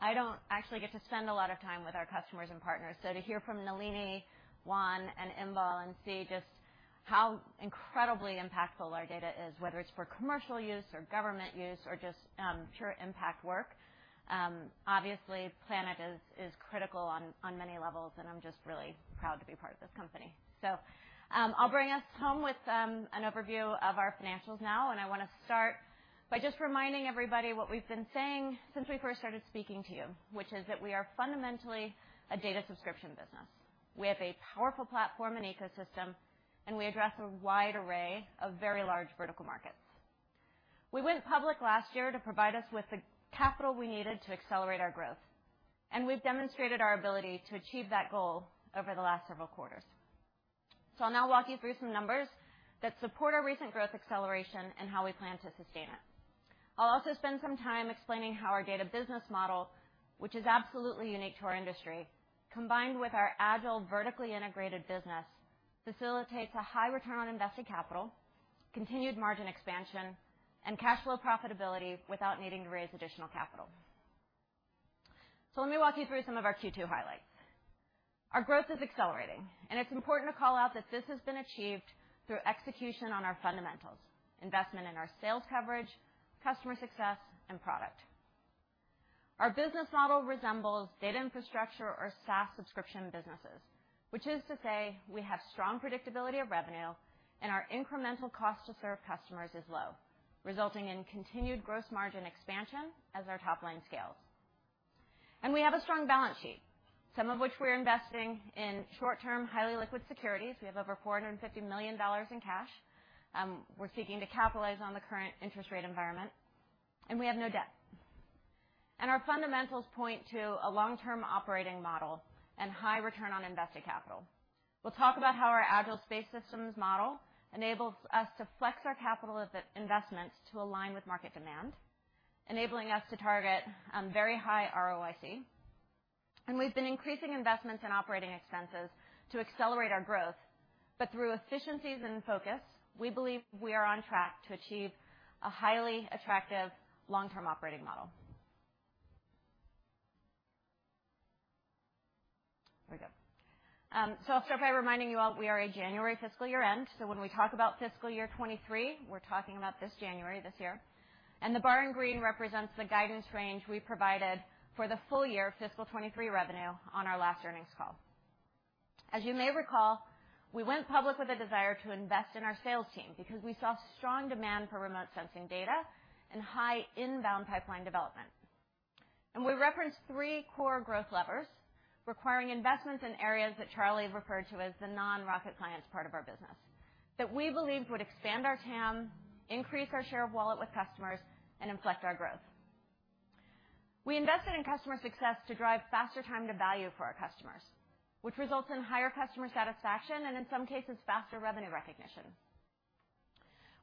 I don't actually get to spend a lot of time with our customers and partners, so to hear from Nalini, Juan, and Inbal and see just how incredibly impactful our data is, whether it's for commercial use or government use or just pure impact work, obviously Planet is critical on many levels, and I'm just really proud to be part of this company. I'll bring us home with an overview of our financials now, and I wanna start by just reminding everybody what we've been saying since we first started speaking to you, which is that we are fundamentally a data subscription business. We have a powerful platform and ecosystem, and we address a wide array of very large vertical markets. We went public last year to provide us with the capital we needed to accelerate our growth. We've demonstrated our ability to achieve that goal over the last several quarters. I'll now walk you through some numbers that support our recent growth acceleration and how we plan to sustain it. I'll also spend some time explaining how our data business model, which is absolutely unique to our industry, combined with our agile, vertically integrated business, facilitates a high return on invested capital, continued margin expansion, and cash flow profitability without needing to raise additional capital. Let me walk you through some of our Q2 highlights. Our growth is accelerating, and it's important to call out that this has been achieved through execution on our fundamentals, investment in our sales coverage, customer success, and product. Our business model resembles data infrastructure or SaaS subscription businesses, which is to say we have strong predictability of revenue and our incremental cost to serve customers is low, resulting in continued gross margin expansion as our top line scales. We have a strong balance sheet, some of which we're investing in short-term, highly liquid securities. We have over $450 million in cash. We're seeking to capitalize on the current interest rate environment, and we have no debt. Our fundamentals point to a long-term operating model and high return on invested capital. We'll talk about how our agile systems model enables us to flex our capital allocation of the investments to align with market demand, enabling us to target very high ROIC. We've been increasing investments in operating expenses to accelerate our growth, but through efficiencies and focus, we believe we are on track to achieve a highly attractive long-term operating model. Here we go. I'll start by reminding you all we are a January fiscal year end. When we talk about fiscal year 2023, we're talking about this January, this year. The bar in green represents the guidance range we provided for the full year fiscal 2023 revenue on our last earnings call. As you may recall, we went public with a desire to invest in our sales team because we saw strong demand for remote sensing data and high inbound pipeline development. We referenced three core growth levers requiring investments in areas that Charlie referred to as the non-Rocket clients part of our business that we believed would expand our TAM, increase our share of wallet with customers, and inflect our growth. We invested in customer success to drive faster time to value for our customers, which results in higher customer satisfaction and in some cases faster revenue recognition.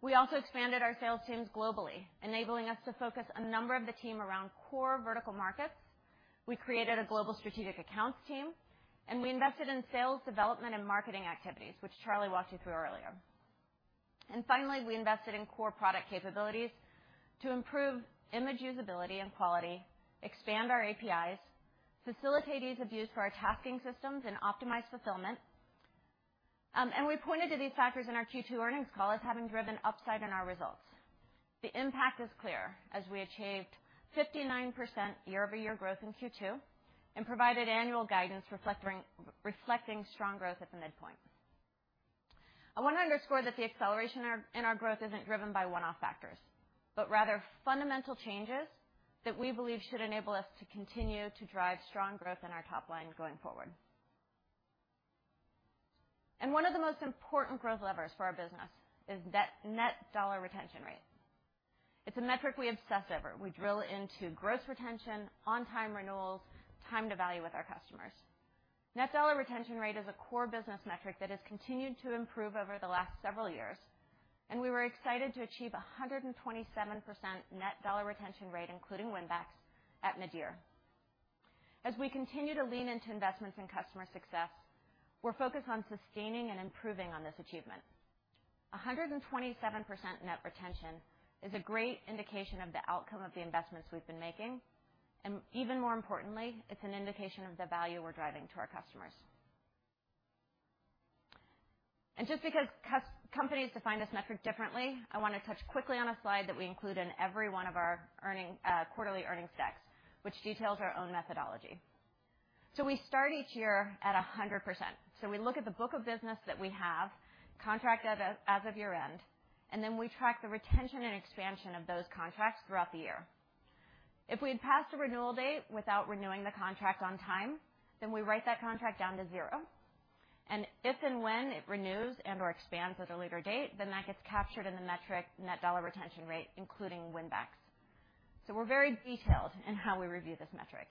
We also expanded our sales teams globally, enabling us to focus a number of the team around core vertical markets. We created a global strategic accounts team, and we invested in sales development and marketing activities, which Charlie walked you through earlier. Finally, we invested in core product capabilities to improve image usability and quality, expand our APIs, facilitate ease of use for our tasking systems, and optimize fulfillment. We pointed to these factors in our Q2 earnings call as having driven upside in our results. The impact is clear as we achieved 59% year-over-year growth in Q2 and provided annual guidance reflecting strong growth at the midpoint. I want to underscore that the acceleration in our growth isn't driven by one-off factors, but rather fundamental changes that we believe should enable us to continue to drive strong growth in our top line going forward. One of the most important growth levers for our business is net dollar retention rate. It's a metric we obsess over. We drill into gross retention, on-time renewals, time to value with our customers. Net dollar retention rate is a core business metric that has continued to improve over the last several years, and we were excited to achieve a 127% net dollar retention rate, including win-backs at mid-year. As we continue to lean into investments in customer success, we're focused on sustaining and improving on this achievement. A 127% net retention is a great indication of the outcome of the investments we've been making, and even more importantly, it's an indication of the value we're driving to our customers. Just because companies define this metric differently, I wanna touch quickly on a slide that we include in every one of our quarterly earnings decks, which details our own methodology. We start each year at 100%. We look at the book of business that we have contracted as of year-end, and then we track the retention and expansion of those contracts throughout the year. If we had passed a renewal date without renewing the contract on time, then we write that contract down to zero, and if and when it renews and/or expands at a later date, then that gets captured in the metric net dollar retention rate, including win backs. We're very detailed in how we review this metric.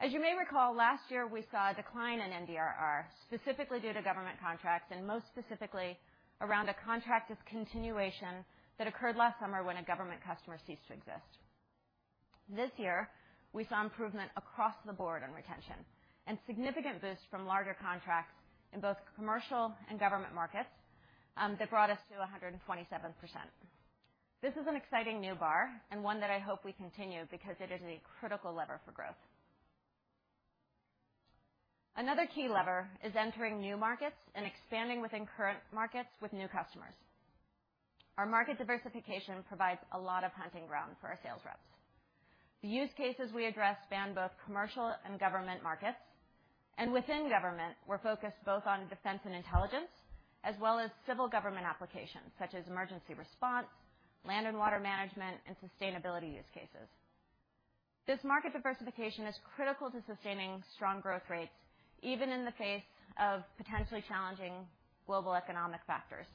As you may recall, last year we saw a decline in NDRR, specifically due to government contracts and most specifically around a contract continuation that occurred last summer when a government customer ceased to exist. This year we saw improvement across the board on retention and significant boosts from larger contracts in both commercial and government markets, that brought us to 127%. This is an exciting new bar and one that I hope we continue because it is a critical lever for growth. Another key lever is entering new markets and expanding within current markets with new customers. Our market diversification provides a lot of hunting ground for our sales reps. The use cases we address span both commercial and government markets, and within government, we're focused both on defense and intelligence as well as civil government applications such as emergency response, land and water management, and sustainability use cases. This market diversification is critical to sustaining strong growth rates, even in the face of potentially challenging global economic factors.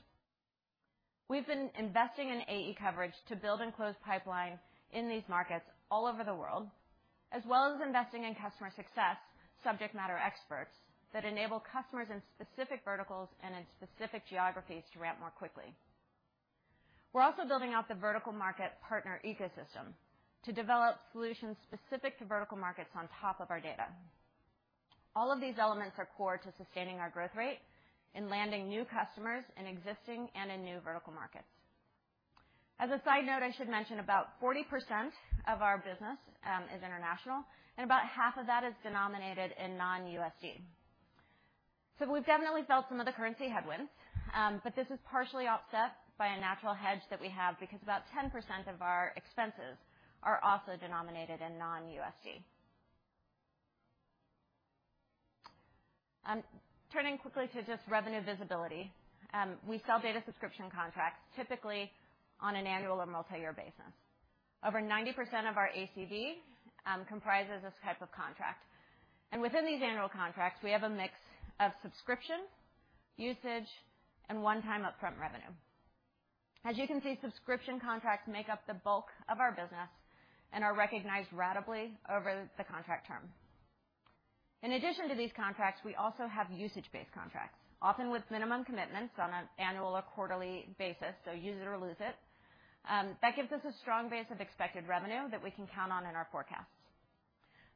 We've been investing in AE coverage to build and close pipeline in these markets all over the world, as well as investing in customer success subject matter experts that enable customers in specific verticals and in specific geographies to ramp more quickly. We're also building out the vertical market partner ecosystem to develop solutions specific to vertical markets on top of our data. All of these elements are core to sustaining our growth rate in landing new customers in existing and in new vertical markets. As a side note, I should mention about 40% of our business is international, and about half of that is denominated in non-USD. We've definitely felt some of the currency headwinds, but this is partially offset by a natural hedge that we have because about 10% of our expenses are also denominated in non-USD. Turning quickly to just revenue visibility. We sell data subscription contracts typically on an annual or multi-year basis. Over 90% of our ACV comprises this type of contract. Within these annual contracts, we have a mix of subscription, usage, and one-time upfront revenue. As you can see, subscription contracts make up the bulk of our business and are recognized ratably over the contract term. In addition to these contracts, we also have usage-based contracts, often with minimum commitments on an annual or quarterly basis, so use it or lose it. That gives us a strong base of expected revenue that we can count on in our forecasts.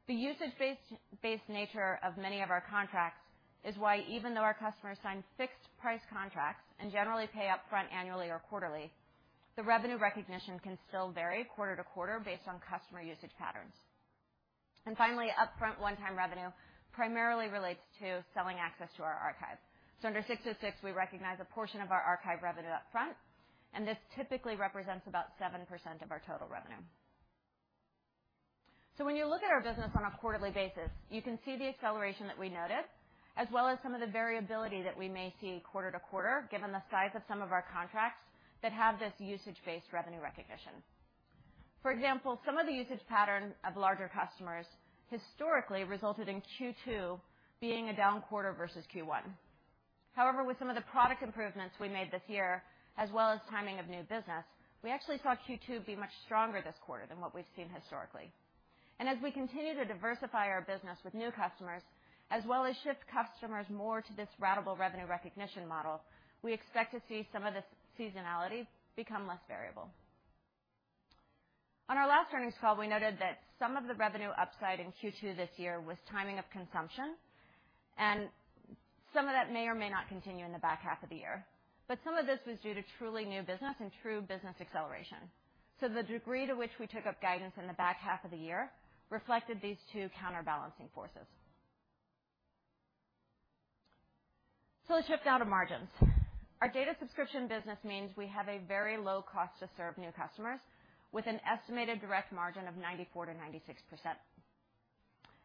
The usage-based nature of many of our contracts is why even though our customers sign fixed price contracts and generally pay upfront annually or quarterly, the revenue recognition can still vary quarter to quarter based on customer usage patterns. Finally, upfront one-time revenue primarily relates to selling access to our archive. Under ASC 606, we recognize a portion of our archive revenue up front, and this typically represents about 7% of our total revenue. When you look at our business on a quarterly basis, you can see the acceleration that we noted, as well as some of the variability that we may see quarter to quarter, given the size of some of our contracts that have this usage-based revenue recognition. For example, some of the usage pattern of larger customers historically resulted in Q2 being a down quarter versus Q1. However, with some of the product improvements we made this year, as well as timing of new business, we actually saw Q2 be much stronger this quarter than what we've seen historically. As we continue to diversify our business with new customers, as well as shift customers more to this ratable revenue recognition model, we expect to see some of this seasonality become less variable. On our last earnings call, we noted that some of the revenue upside in Q2 this year was timing of consumption, and some of that may or may not continue in the back half of the year. Some of this was due to truly new business and true business acceleration. The degree to which we took up guidance in the back half of the year reflected these two counterbalancing forces. Let's shift now to margins. Our data subscription business means we have a very low cost to serve new customers with an estimated direct margin of 94%-96%.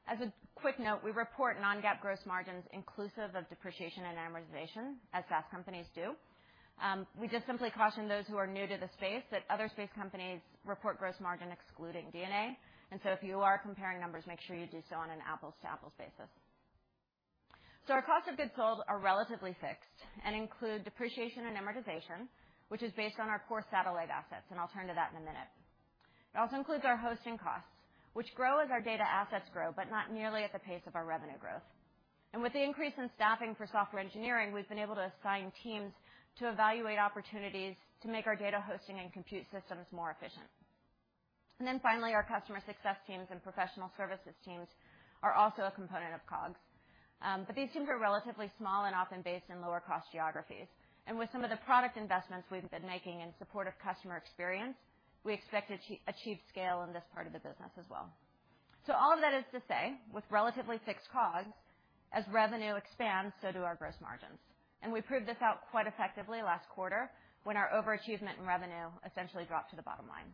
As a quick note, we report non-GAAP gross margins inclusive of depreciation and amortization, as SaaS companies do. We just simply caution those who are new to the space that other space companies report gross margin excluding D&A. If you are comparing numbers, make sure you do so on an apples-to-apples basis. Our cost of goods sold are relatively fixed and include depreciation and amortization, which is based on our core satellite assets, and I'll turn to that in a minute. It also includes our hosting costs, which grow as our data assets grow, but not nearly at the pace of our revenue growth. With the increase in staffing for software engineering, we've been able to assign teams to evaluate opportunities to make our data hosting and compute systems more efficient. Finally, our customer success teams and professional services teams are also a component of COGS. These teams are relatively small and often based in lower-cost geographies. With some of the product investments we've been making in support of customer experience, we expect to achieve scale in this part of the business as well. All of that is to say, with relatively fixed COGS, as revenue expands, so do our gross margins. We proved this out quite effectively last quarter when our overachievement in revenue essentially dropped to the bottom line.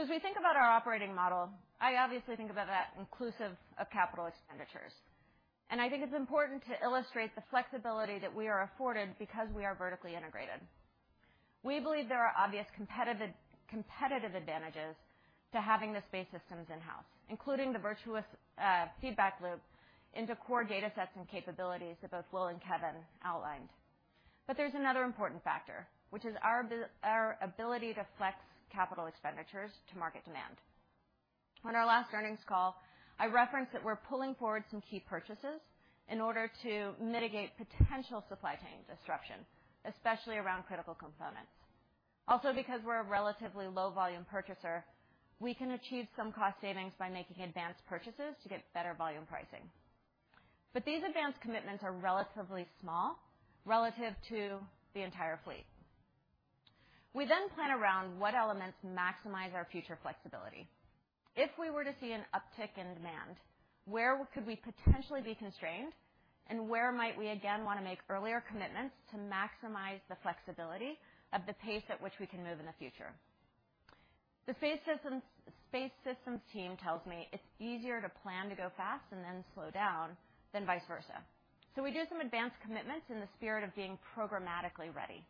As we think about our operating model, I obviously think about that inclusive of capital expenditures, and I think it's important to illustrate the flexibility that we are afforded because we are vertically integrated. We believe there are obvious competitive advantages to having the space systems in-house, including the virtuous feedback loop into core data sets and capabilities that both Will and Kevin outlined. There's another important factor, which is our ability to flex capital expenditures to market demand. On our last earnings call, I referenced that we're pulling forward some key purchases in order to mitigate potential supply chain disruption, especially around critical components. Also, because we're a relatively low-volume purchaser, we can achieve some cost savings by making advanced purchases to get better volume pricing. These advanced commitments are relatively small relative to the entire fleet. We plan around what elements maximize our future flexibility. If we were to see an uptick in demand, where could we potentially be constrained, and where might we again want to make earlier commitments to maximize the flexibility of the pace at which we can move in the future? The Space Systems team tells me it's easier to plan to go fast and then slow down than vice versa. We do some advanced commitments in the spirit of being programmatically ready.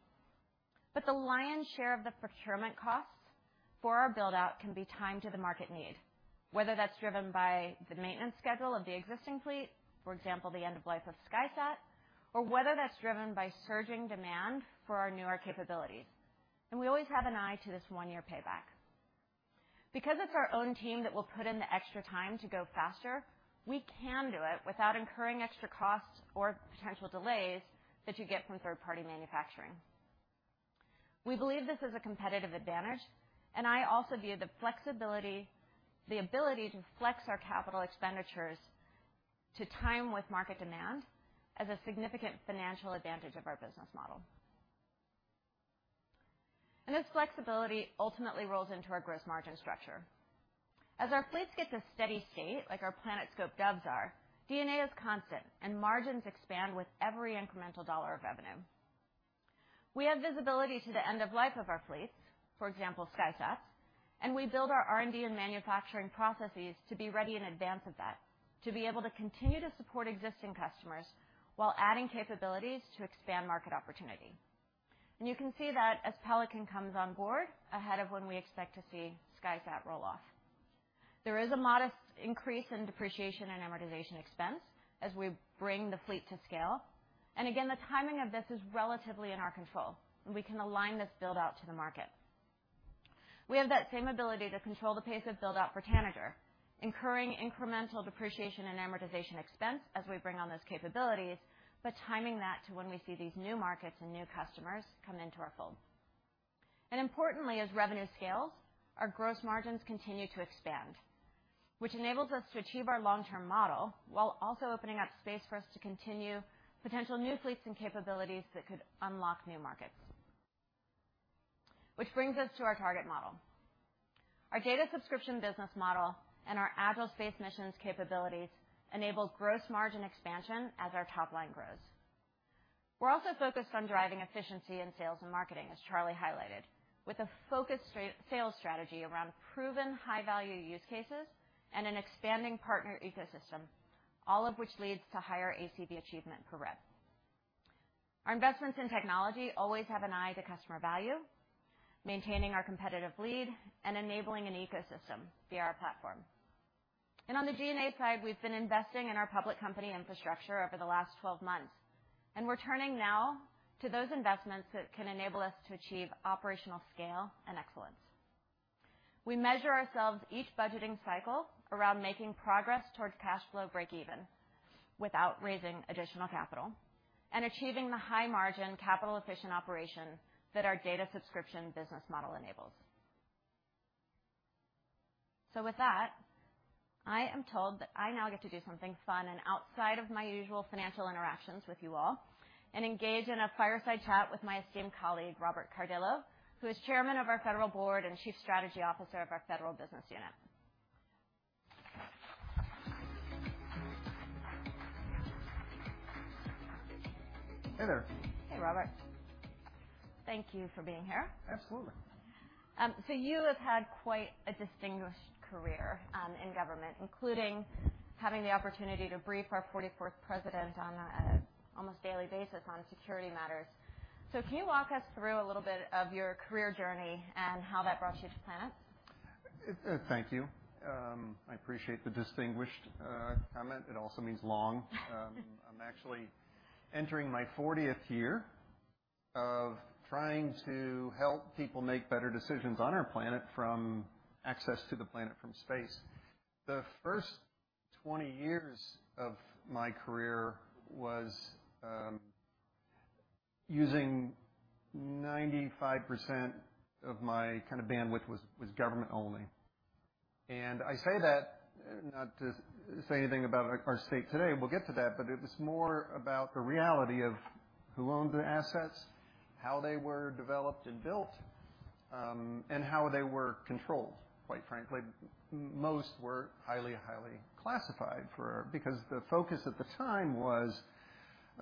The lion's share of the procurement costs for our build-out can be timed to the market need, whether that's driven by the maintenance schedule of the existing fleet, for example, the end of life of SkySat, or whether that's driven by surging demand for our newer capabilities. We always have an eye to this one-year payback. Because it's our own team that will put in the extra time to go faster, we can do it without incurring extra costs or potential delays that you get from third-party manufacturing. We believe this is a competitive advantage, and I also view the flexibility, the ability to flex our capital expenditures to time with market demand as a significant financial advantage of our business model. This flexibility ultimately rolls into our gross margin structure. As our fleets get to steady state, like our PlanetScope Doves are, D&A is constant, and margins expand with every incremental dollar of revenue. We have visibility to the end of life of our fleets, for example, SkySat, and we build our R&D and manufacturing processes to be ready in advance of that, to be able to continue to support existing customers while adding capabilities to expand market opportunity. You can see that as Pelican comes on board ahead of when we expect to see SkySat roll off. There is a modest increase in depreciation and amortization expense as we bring the fleet to scale. Again, the timing of this is relatively in our control, and we can align this build-out to the market. We have that same ability to control the pace of build-out for Tanager. Incurring incremental depreciation and amortization expense as we bring on those capabilities, but timing that to when we see these new markets and new customers come into our fold. Importantly, as revenue scales, our gross margins continue to expand, which enables us to achieve our long-term model while also opening up space for us to continue potential new fleets and capabilities that could unlock new markets. Which brings us to our target model. Our data subscription business model and our agile space missions capabilities enable gross margin expansion as our top line grows. We're also focused on driving efficiency in sales and marketing, as Charlie highlighted, with a focused straight-sales strategy around proven high-value use cases and an expanding partner ecosystem, all of which leads to higher ACV achievement per rep. Our investments in technology always have an eye to customer value, maintaining our competitive lead, and enabling an ecosystem via our platform. On the G&A side, we've been investing in our public company infrastructure over the last 12 months, and we're turning now to those investments that can enable us to achieve operational scale and excellence. We measure ourselves each budgeting cycle around making progress towards cash flow breakeven without raising additional capital and achieving the high-margin, capital-efficient operation that our data subscription business model enables. With that, I am told that I now get to do something fun and outside of my usual financial interactions with you all and engage in a fireside chat with my esteemed colleague, Robert Cardillo, who is Chairman of our federal board and Chief Strategy Officer of our federal business unit. Hey there. Hey, Robert. Thank you for being here. Absolutely. You have had quite a distinguished career in government, including having the opportunity to brief our 44th president on an almost daily basis on security matters. Can you walk us through a little bit of your career journey and how that brought you to Planet? Thank you. I appreciate the distinguished comment. It also means long. I'm actually entering my fortieth year of trying to help people make better decisions on our planet from access to the planet from space. The first 20 years of my career was using 95% of my kind of bandwidth was government only. I say that not to say anything about our current state today, we'll get to that, but it was more about the reality of who owned the assets, how they were developed and built, and how they were controlled. Quite frankly, most were highly classified because the focus at the time was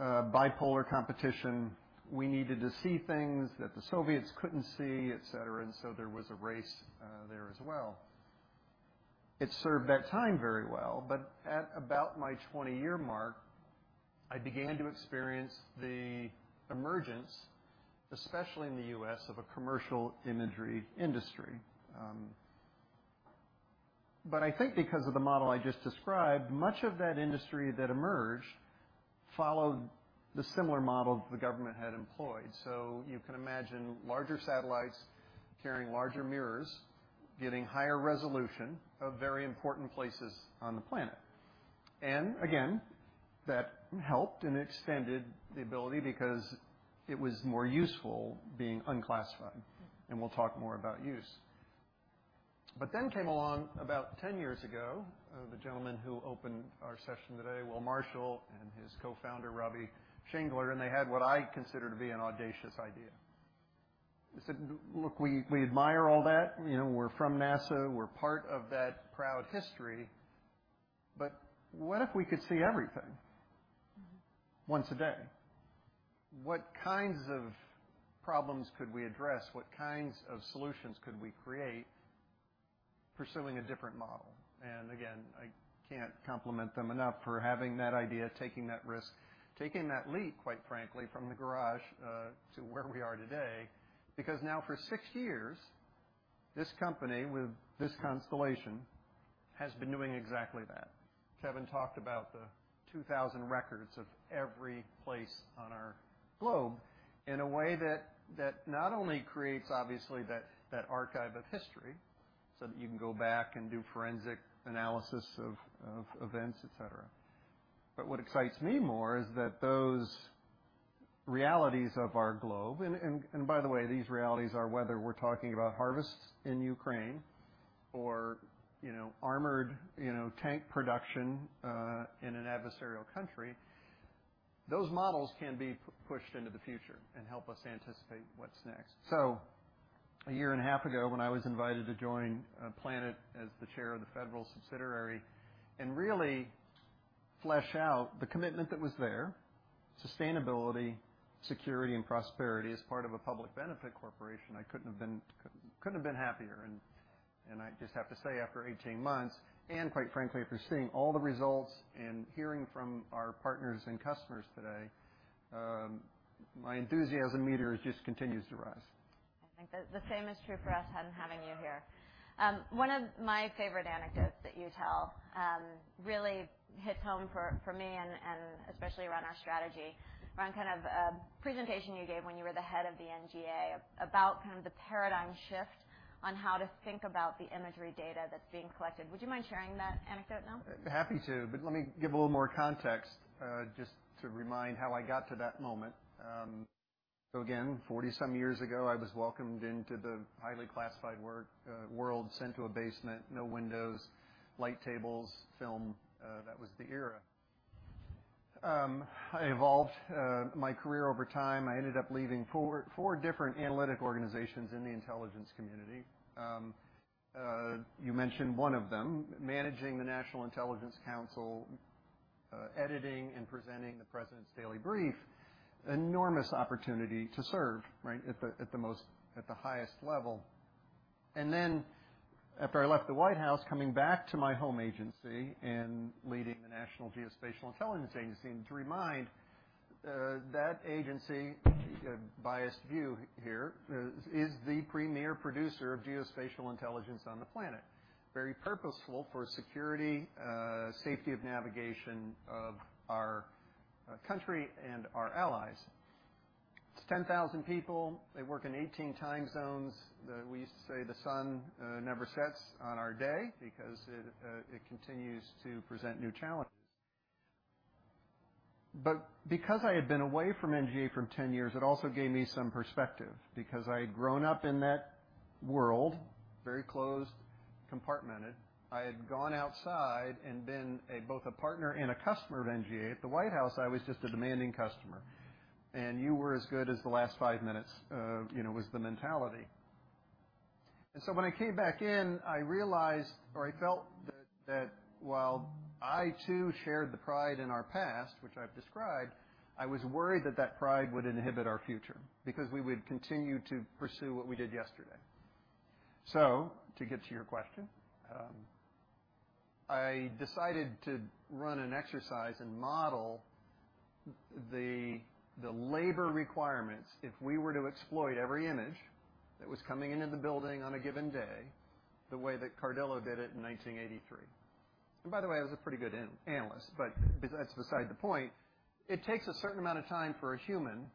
bipolar competition. We needed to see things that the Soviets couldn't see, etc., and so there was a race there as well. It served that time very well, but at about my 20-year mark, I began to experience the emergence, especially in the U.S., of a commercial imagery industry. I think because of the model I just described, much of that industry that emerged followed the similar model the government had employed. You can imagine larger satellites carrying larger mirrors, getting higher resolution of very important places on the planet. Again, that helped and extended the ability because it was more useful being unclassified, and we'll talk more about use. Then came along about 10 years ago, the gentleman who opened our session today, Will Marshall, and his co-founder, Robbie Schingler, and they had what I consider to be an audacious idea. They said, look, we admire all that. You know, we're from NASA. We're part of that proud history, but what if we could see everything once a day? What kinds of problems could we address? What kinds of solutions could we create pursuing a different model? Again, I can't compliment them enough for having that idea, taking that risk, taking that leap, quite frankly, from the garage to where we are today. Because now for six years, this company with this constellation has been doing exactly that. Kevin talked about the 2,000 records of every place on our globe in a way that not only creates obviously that archive of history, so that you can go back and do forensic analysis of events, etc. What excites me more is that those realities of our globe, by the way, these realities are whether we're talking about harvests in Ukraine or, you know, armored, you know, tank production, in an adversarial country. Those models can be pushed into the future and help us anticipate what's next. A year and a half ago, when I was invited to join Planet as the chair of the federal subsidiary and really flesh out the commitment that was there, sustainability, security, and prosperity as part of a public benefit corporation, I couldn't have been happier. I just have to say, after 18 months, and quite frankly, after seeing all the results and hearing from our partners and customers today, my enthusiasm meter just continues to rise. I think the same is true for us having you here. One of my favorite anecdotes that you tell really hits home for me and especially around our strategy. Around kind of a presentation you gave when you were the head of the NGA about kind of the paradigm shift on how to think about the imagery data that's being collected. Would you mind sharing that anecdote now? Happy to, but let me give a little more context, just to remind how I got to that moment. Again, 40-some years ago, I was welcomed into the highly classified world. Sent to a basement, no windows, light tables, film, that was the era. I evolved my career over time. I ended up leaving 4 different analytic organizations in the intelligence community. You mentioned one of them, managing the National Intelligence Council, editing and presenting the President's Daily Brief. Enormous opportunity to serve, right? At the highest level. After I left the White House, coming back to my home agency and leading the National Geospatial-Intelligence Agency. To remind, that agency, biased view here, is the premier producer of geospatial intelligence on the planet. Very purposeful for security, safety of navigation of our country and our allies. It's 10,000 people. They work in 18 time zones. We used to say the sun never sets on our day because it continues to present new challenges. Because I had been away from NGA for 10 years, it also gave me some perspective because I had grown up in that world, very closed, compartmented. I had gone outside and been both a partner and a customer of NGA. At the White House, I was just a demanding customer, and you were as good as the last five minutes of, you know, was the mentality. When I came back in, I realized, or I felt that while I too shared the pride in our past, which I've described, I was worried that that pride would inhibit our future because we would continue to pursue what we did yesterday. To get to your question, I decided to run an exercise and model the labor requirements if we were to exploit every image that was coming into the building on a given day, the way that Cardillo did it in 1983. By the way, I was a pretty good analyst, but that's beside the point. It takes a certain amount of time for a human,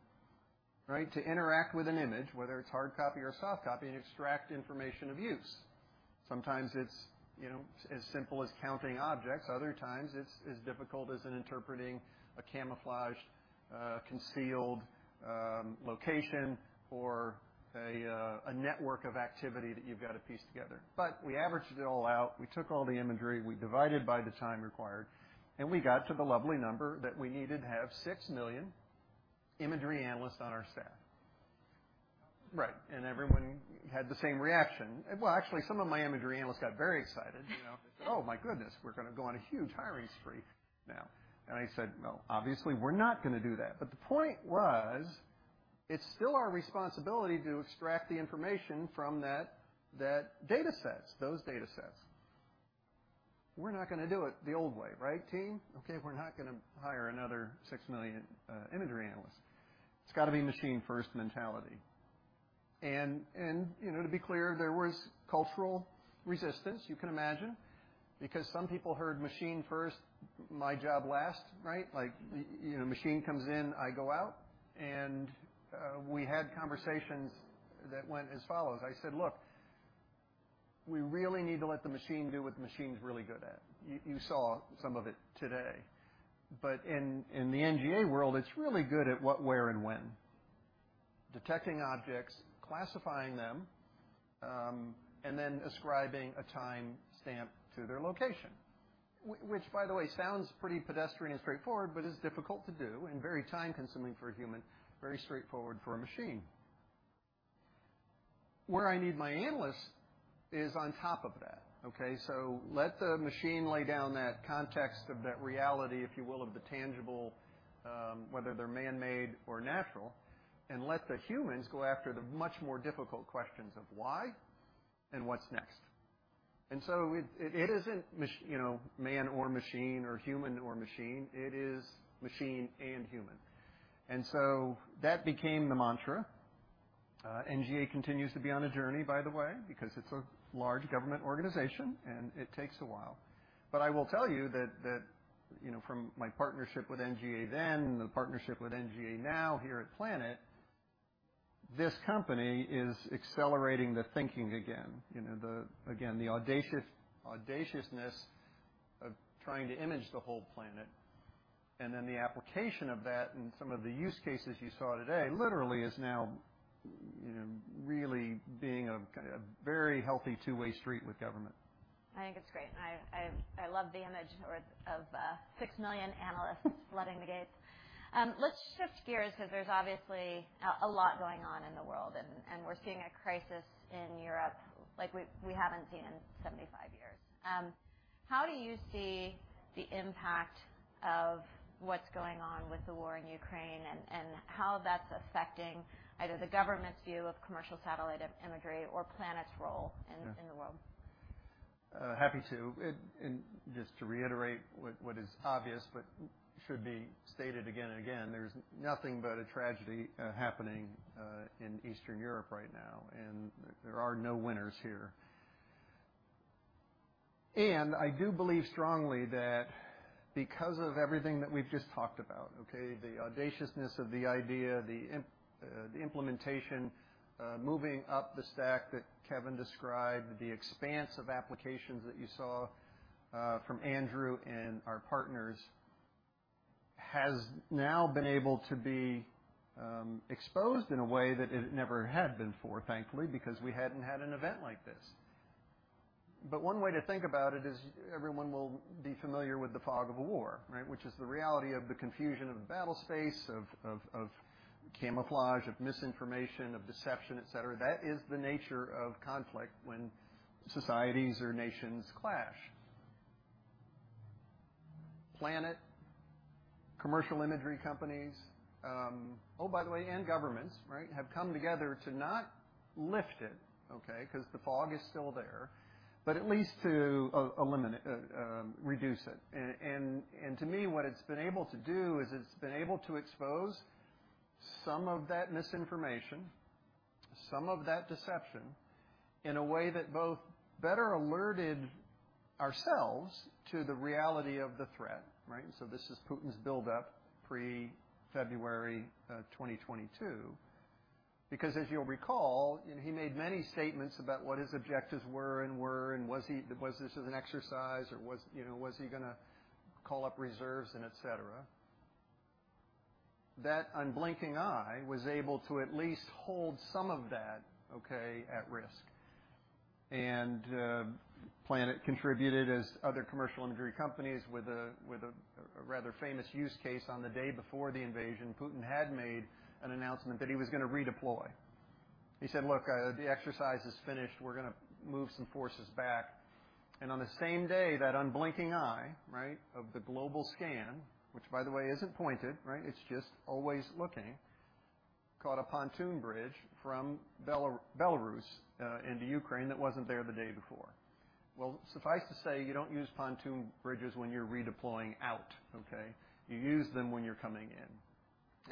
right, to interact with an image, whether it's hard copy or soft copy, and extract information of use. Sometimes it's, you know, as simple as counting objects. Other times, it's as difficult as interpreting a camouflaged, concealed location or a network of activity that you've got to piece together. We averaged it all out. We took all the imagery, we divided by the time required, and we got to the lovely number that we needed to have 6 million imagery analysts on our staff. Right. Everyone had the same reaction. Well, actually, some of my imagery analysts got very excited. You know, oh, my goodness, we're gonna go on a huge hiring spree now. I said, well, obviously, we're not gonna do that. The point was, it's still our responsibility to extract the information from those datasets. We're not gonna do it the old way, right, team? Okay. We're not gonna hire another 6 million imagery analysts. It's gotta be machine-first mentality. To be clear, there was cultural resistance, you can imagine, because some people heard machine first, my job last, right? Like you know, machine comes in, I go out. We had conversations that went as follows. I said, look, we really need to let the machine do what the machine's really good at. You saw some of it today. In the NGA world, it's really good at what, where, and when. Detecting objects, classifying them, and then ascribing a timestamp to their location. Which by the way sounds pretty pedestrian straightforward, but is difficult to do and very time-consuming for a human, very straightforward for a machine. Where I need my analysts is on top of that, okay? Let the machine lay down that context of that reality, if you will, of the tangible, whether they're man-made or natural, and let the humans go after the much more difficult questions of why and what's next. It isn't, you know, man or machine or human or machine. It is machine and human. That became the mantra. NGA continues to be on a journey, by the way, because it's a large government organization, and it takes a while. I will tell you that, you know, from my partnership with NGA then and the partnership with NGA now here at Planet, this company is accelerating the thinking again. You know, again, the audaciousness of trying to image the whole planet and then the application of that and some of the use cases you saw today literally is now, you know, really being a very healthy two-way street with government. I think it's great. I love the image of 6 million analysts flooding the gates. Let's shift gears because there's obviously a lot going on in the world and we're seeing a crisis in Europe like we haven't seen in 75 years. How do you see the impact of what's going on with the war in Ukraine and how that's affecting either the government's view of commercial satellite imagery or Planet's role in the world? Happy to. Just to reiterate what is obvious but should be stated again and again, there's nothing but a tragedy happening in Eastern Europe right now, and there are no winners here. I do believe strongly that because of everything that we've just talked about, okay, the audaciousness of the idea, the implementation, moving up the stack that Kevin described, the expanse of applications that you saw from Andrew and our partners, has now been able to be exposed in a way that it never had been before, thankfully, because we hadn't had an event like this. One way to think about it is everyone will be familiar with the fog of war, right? Which is the reality of the confusion of battle space, of camouflage, of misinformation, of deception, etc. That is the nature of conflict when societies or nations clash. Planet, commercial imagery companies, oh, by the way, and governments, right, have come together to not lift it, okay, because the fog is still there, but at least to eliminate, reduce it. To me, what it's been able to do is it's been able to expose some of that misinformation, some of that deception in a way that both better alerted ourselves to the reality of the threat, right? So this is Putin's buildup pre-February 2022. Because as you'll recall, he made many statements about what his objectives were, and was this just an exercise or was, you know, was he gonna call up reserves and etc. That unblinking eye was able to at least hold some of that, okay, at risk. Planet contributed as other commercial imagery companies with a rather famous use case. On the day before the invasion, Putin had made an announcement that he was gonna redeploy. He said, look, the exercise is finished. We're gonna move some forces back. On the same day, that unblinking eye, right, of the global scan, which by the way, isn't pointed, right? It's just always looking, caught a pontoon bridge from Belarus into Ukraine that wasn't there the day before. Well, suffice to say, you don't use pontoon bridges when you're redeploying out, okay? You use them when you're coming in.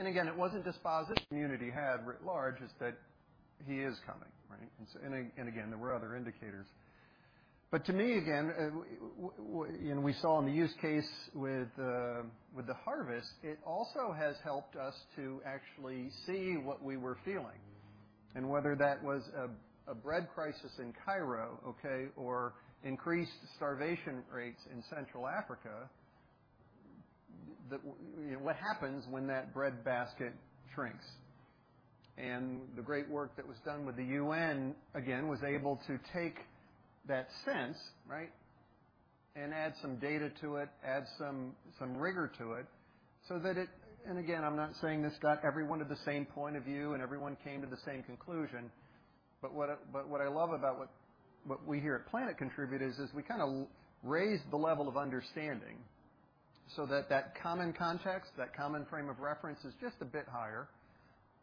Again, it wasn't just Planet community had writ large is that he is coming, right? Again, there were other indicators. To me, again, we, you know, we saw in the use case with the harvest, it also has helped us to actually see what we were feeling. Whether that was a bread crisis in Cairo, okay, or increased starvation rates in Central Africa, what happens when that breadbasket shrinks. The great work that was done with the UN, again, was able to take that sense, right, and add some data to it, add some rigor to it so that it. Again, I'm not saying this got everyone at the same point of view, and everyone came to the same conclusion, but what I love about what we here at Planet contribute is we kinda raise the level of understanding so that that common context, that common frame of reference is just a bit higher.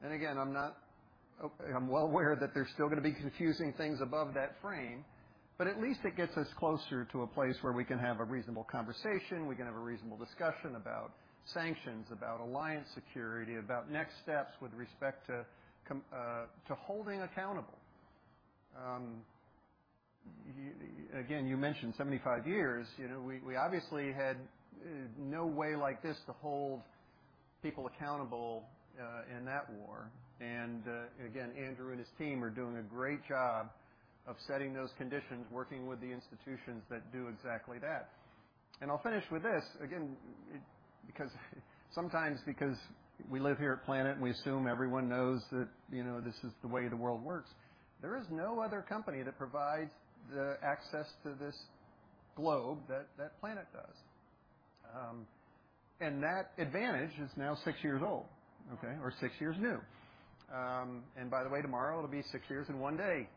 I'm well aware that there's still gonna be confusing things above that frame, but at least it gets us closer to a place where we can have a reasonable conversation, we can have a reasonable discussion about sanctions, about alliance security, about next steps with respect to holding accountable. Again, you mentioned 75 years. You know, we obviously had no way like this to hold people accountable in that war. Again, Andrew and his team are doing a great job of setting those conditions, working with the institutions that do exactly that. I'll finish with this. Again, because sometimes because we live here at Planet, and we assume everyone knows that, you know, this is the way the world works. There is no other company that provides the access to this globe that Planet does. That advantage is now six years old, okay, or six years new. By the way, tomorrow it'll be six years and one day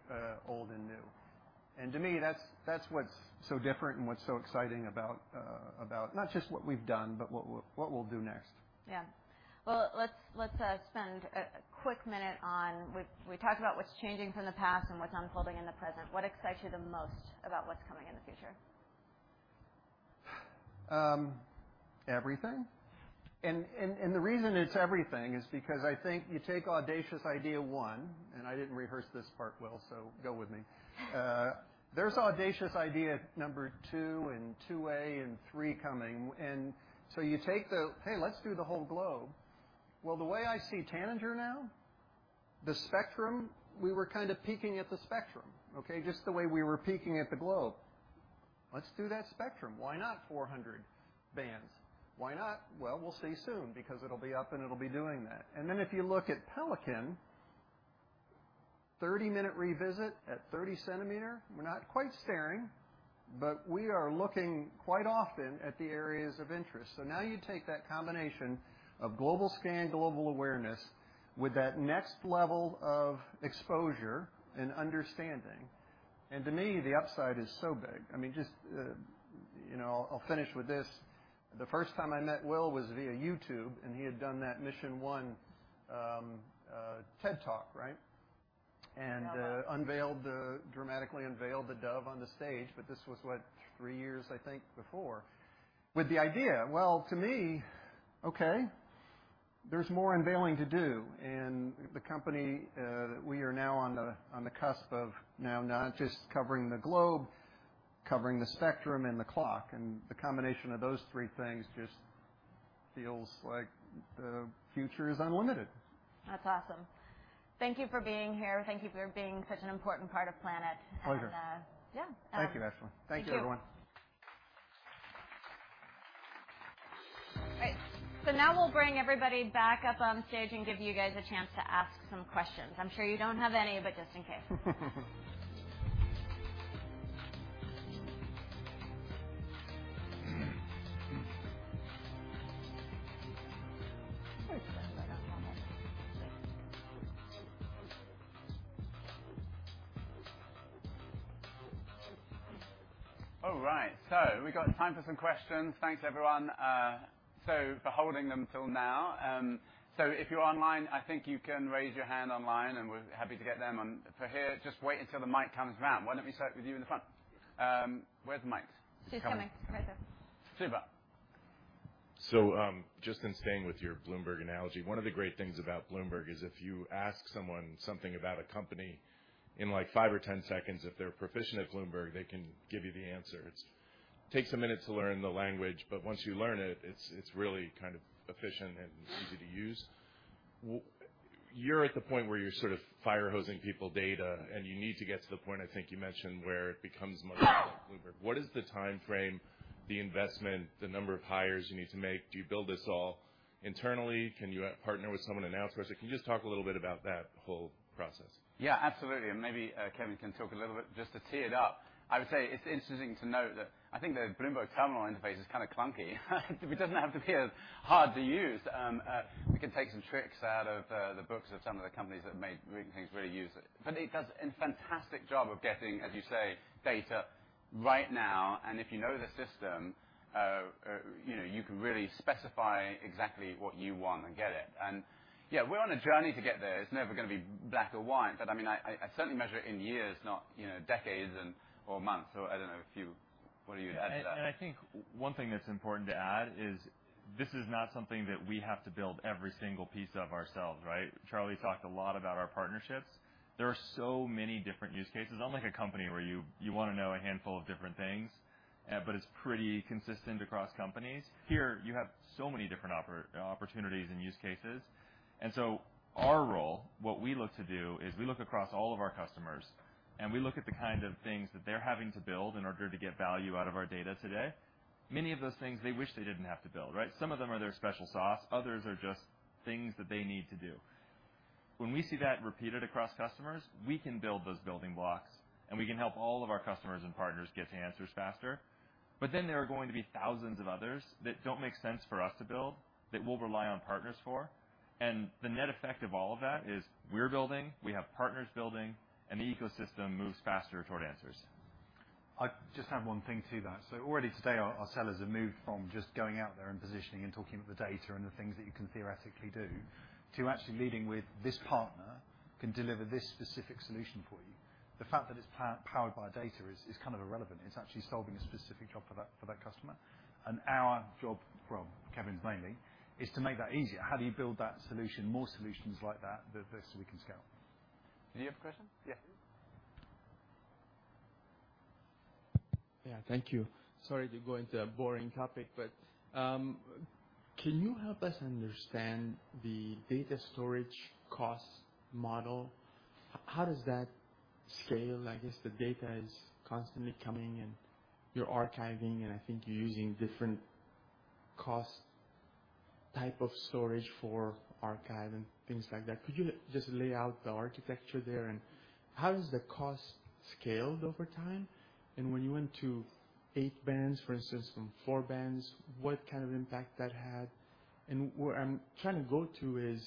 old and new. To me, that's what's so different and what's so exciting about not just what we've done, but what we'll do next. Yeah. Well, let's spend a quick minute. We've talked about what's changing from the past and what's unfolding in the present. What excites you the most about what's coming in the future? Everything. The reason it's everything is because I think you take audacious idea one, and I didn't rehearse this part well, so go with me. There's audacious idea number two and three coming. You take the, hey, let's do the whole globe." Well, the way I see Tanager now, the spectrum, we were kind of peaking at the spectrum, okay, just the way we were peaking at the globe. Let's do that spectrum. Why not 400 bands? Why not? Well, we'll see soon because it'll be up, and it'll be doing that. Then if you look at Pelican, 30-minute revisit at 30 cm. We're not quite staring, but we are looking quite often at the areas of interest. Now you take that combination of global scan, global awareness with that next level of exposure and understanding. To me, the upside is so big. I mean, just, you know, I'll finish with this. The first time I met Will was via YouTube, and he had done that Mission One, TED Talk, right? Yeah. Dramatically unveiled the Dove on the stage. This was what? Three years, I think, before. With the idea, well, to me, there's more unveiling to do, and the company that we are now on the cusp of now not just covering the globe, covering the spectrum and the clock. The combination of those three things just feels like the future is unlimited. That's awesome. Thank you for being here. Thank you for being such an important part of Planet. Pleasure. Yeah. Thank you, Ashley. Thank you. Thank you, everyone. All right. Now we'll bring everybody back up on stage and give you guys a chance to ask some questions. I'm sure you don't have any, but just in case. Give me just a second. One moment. All right. We've got time for some questions. Thanks, everyone, so for holding them till now. If you're online, I think you can raise your hand online, and we're happy to get them. For here, just wait until the mic comes around. Why don't we start with you in the front. Where's the mic? She's coming. Right there. Super. Just in staying with your Bloomberg analogy, one of the great things about Bloomberg is if you ask someone something about a company, in like 5 or 10 seconds, if they're proficient at Bloomberg, they can give you the answer. It takes a minute to learn the language, but once you learn it's really kind of efficient and easy to use. You're at the point where you're sort of fire hosing people data, and you need to get to the point, I think you mentioned, where it becomes much like Bloomberg. What is the timeframe, the investment, the number of hires you need to make? Do you build this all internally? Can you partner with someone in-house? Can you just talk a little bit about that whole process? Yeah, absolutely. Maybe Kevin can talk a little bit just to tee it up. I would say it's interesting to note that I think the Bloomberg Terminal interface is kind of clunky. It doesn't have to be hard to use. We can take some tricks out of the books of some of the companies that made reading things really user. But it does a fantastic job of getting, as you say, data right now, and if you know the system, you know, you can really specify exactly what you want and get it. Yeah, we're on a journey to get there. It's never gonna be black or white. I mean, I certainly measure it in years, not, you know, decades and/or months. I don't know if you. What do you add to that? I think one thing that's important to add is this is not something that we have to build every single piece of ourselves, right? Charlie talked a lot about our partnerships. There are so many different use cases. Unlike a company where you wanna know a handful of different things, but it's pretty consistent across companies. Here, you have so many different opportunities and use cases. Our role, what we look to do, is we look across all of our customers, and we look at the kind of things that they're having to build in order to get value out of our data today. Many of those things they wish they didn't have to build, right? Some of them are their special sauce, others are just things that they need to do. When we see that repeated across customers, we can build those building blocks, and we can help all of our customers and partners get to answers faster. There are going to be thousands of others that don't make sense for us to build that we'll rely on partners for. The net effect of all of that is we're building, we have partners building, and the ecosystem moves faster toward answers. I just have one thing to that. Already today, our sellers have moved from just going out there and positioning and talking up the data and the things that you can theoretically do to actually leading with this partner can deliver this specific solution for you. The fact that it's powered by data is kind of irrelevant. It's actually solving a specific job for that customer. Our job, well, Kevin's mainly, is to make that easier. How do you build that solution, more solutions like that, the faster we can scale? Do you have a question? Yeah. Thank you. Sorry to go into a boring topic, but can you help us understand the data storage cost model? How does that scale? I guess the data is constantly coming, and you're archiving, and I think you're using different cost type of storage for archive and things like that. Could you just lay out the architecture there? How does the cost scale over time? When you went to eight bands, for instance, from four bands, what kind of impact that had? Where I'm trying to go to is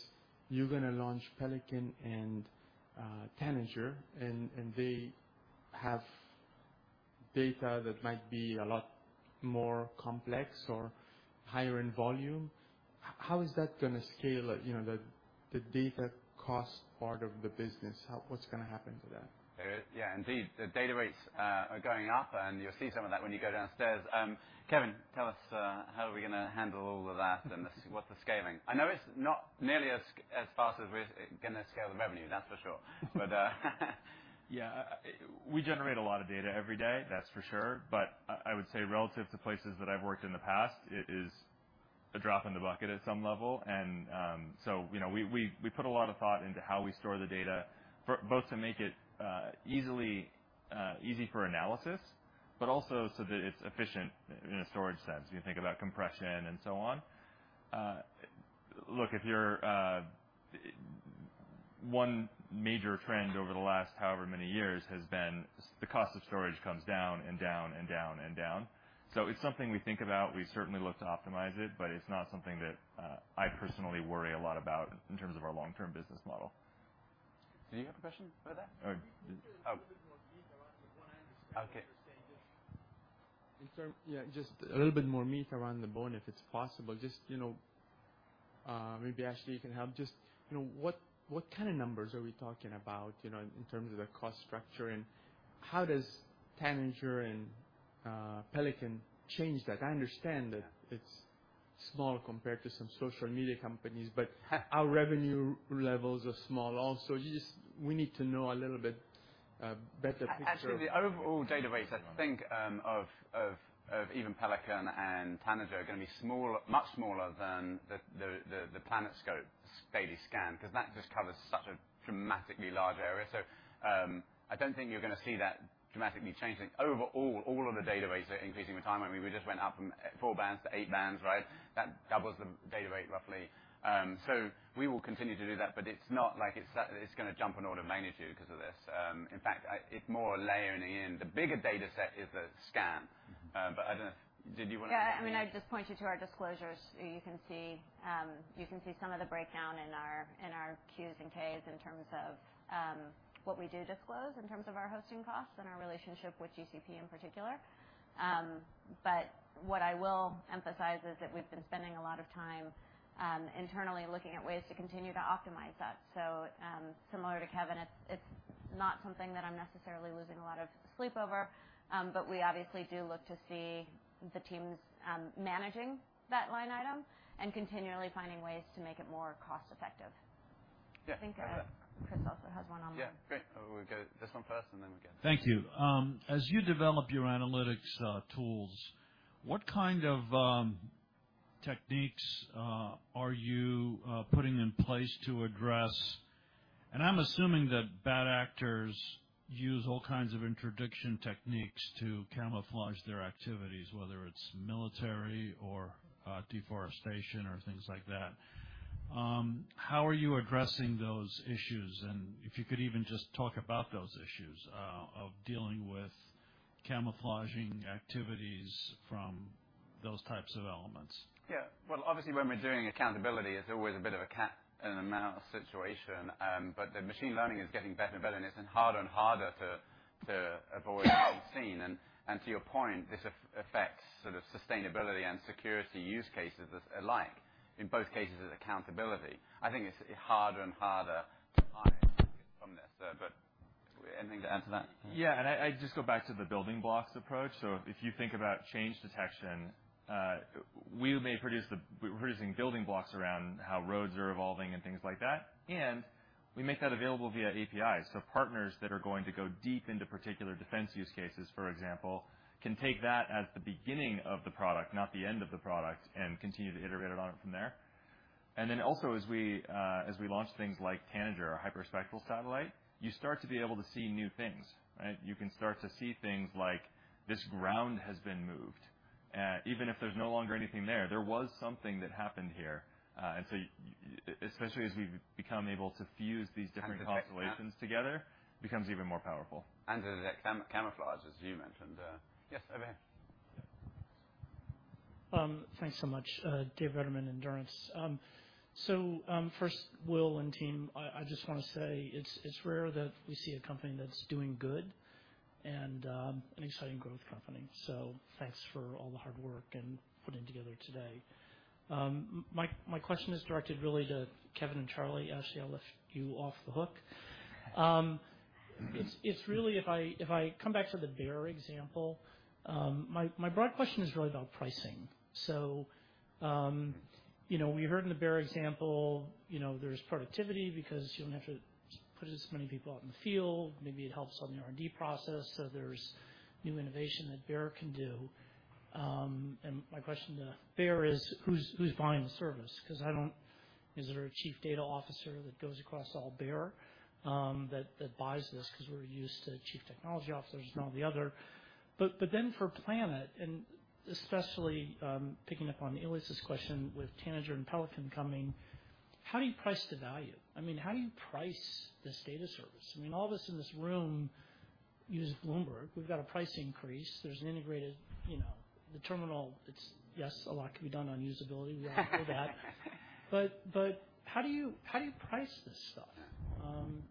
you're gonna launch Pelican and Tanager, and they have data that might be a lot more complex or higher in volume. How is that gonna scale, you know, the data cost part of the business? How what's gonna happen to that? There is. Yeah, indeed. The data rates are going up, and you'll see some of that when you go downstairs. Kevin, tell us how are we gonna handle all of that and what's the scaling? I know it's not nearly as fast as we're gonna scale the revenue, that's for sure. But. Yeah. We generate a lot of data every day, that's for sure. I would say relative to places that I've worked in the past, it is a drop in the bucket at some level. We put a lot of thought into how we store the data for both to make it easy for analysis, but also so that it's efficient in a storage sense. You think about compression and so on. One major trend over the last however many years has been the cost of storage comes down and down and down and down. It's something we think about. We certainly look to optimize it, but it's not something that I personally worry a lot about in terms of our long-term business model. Do you have a question about that? Can you give us a little bit more meat around the bone? I understand. Okay. Yeah, just a little bit more meat around the bone, if it's possible. Just, you know, maybe, Ashley, you can help. Just, you know, what kind of numbers are we talking about, you know, in terms of the cost structure? How does Tanager and Pelican changed that. I understand that it's small compared to some social media companies, but our revenue levels are small also. We need to know a little bit better picture. Actually, the overall data rates, I think, of even Pelican and Tanager are gonna be smaller, much smaller than the PlanetScope daily scan, because that just covers such a dramatically large area. I don't think you're gonna see that dramatically changing. Overall, all of the databases are increasing with time. I mean, we just went up from four bands to eight bands, right? That doubles the data rate roughly. We will continue to do that, but it's not like it's suddenly it's gonna jump an order of magnitude because of this. In fact, it's more layering in. The bigger dataset is the scan. But I don't. Did you wanna. Yeah. I mean, I'd just point you to our disclosures, so you can see some of the breakdown in our Qs and Ks in terms of what we do disclose in terms of our hosting costs and our relationship with GCP in particular. What I will emphasize is that we've been spending a lot of time internally looking at ways to continue to optimize that. Similar to Kevin, it's not something that I'm necessarily losing a lot of sleep over, but we obviously do look to see the teams managing that line item and continually finding ways to make it more cost-effective. Yeah. I think, Chris also has one online. Yeah. Great. We'll go this one first, and then we'll get to you. Thank you. As you develop your analytics tools, what kind of techniques are you putting in place to address. I'm assuming that bad actors use all kinds of interdiction techniques to camouflage their activities, whether it's military or deforestation or things like that. How are you addressing those issues? If you could even just talk about those issues of dealing with camouflaging activities from those types of elements. Yeah. Well, obviously, when we're doing accountability, it's always a bit of a cat-and-mouse situation. The machine learning is getting better and better, and it's harder and harder to avoid being seen. To your point, this affects sort of sustainability and security use cases alike. In both cases, it's accountability. I think it's harder and harder to hide from this. Anything to add to that? Yeah. I just go back to the building blocks approach. If you think about change detection, we're producing building blocks around how roads are evolving and things like that. We make that available via APIs. Partners that are going to go deep into particular defense use cases, for example, can take that at the beginning of the product, not the end of the product, and continue to iterate it on from there. As we launch things like Tanager, our hyperspectral satellite, you start to be able to see new things, right? You can start to see things like this ground has been moved. Even if there's no longer anything there was something that happened here. Especially as we've become able to fuse these different constellations together, it becomes even more powerful. To detect camouflage, as you mentioned. Yes, over here. Thanks so much. Dave Edelman, Endurance. First, Will and team, I just wanna say it's rare that we see a company that's doing good and an exciting growth company. Thanks for all the hard work and putting together today. My question is directed really to Kevin and Charlie. Ashley, I'll lift you off the hook. It's really if I come back to the Bayer example, my broad question is really about pricing. You know, we heard in the Bayer example, you know, there's productivity because you don't have to put as many people out in the field. Maybe it helps on the R&D process, so there's new innovation that Bayer can do. My question to Bayer is, who's buying the service? 'Cause I don't. Is there a chief data officer that goes across all Bayer, that buys this? 'Cause we're used to chief technology officers and all the other. Then for Planet, and especially, picking up on Elias' question with Tanager and Pelican coming, how do you price the value? I mean, how do you price this data service? I mean, all of us in this room use Bloomberg. We've got a price increase. There's an integrated, you know, the terminal. It's. Yes, a lot can be done on usability. We all know that. How do you price this stuff?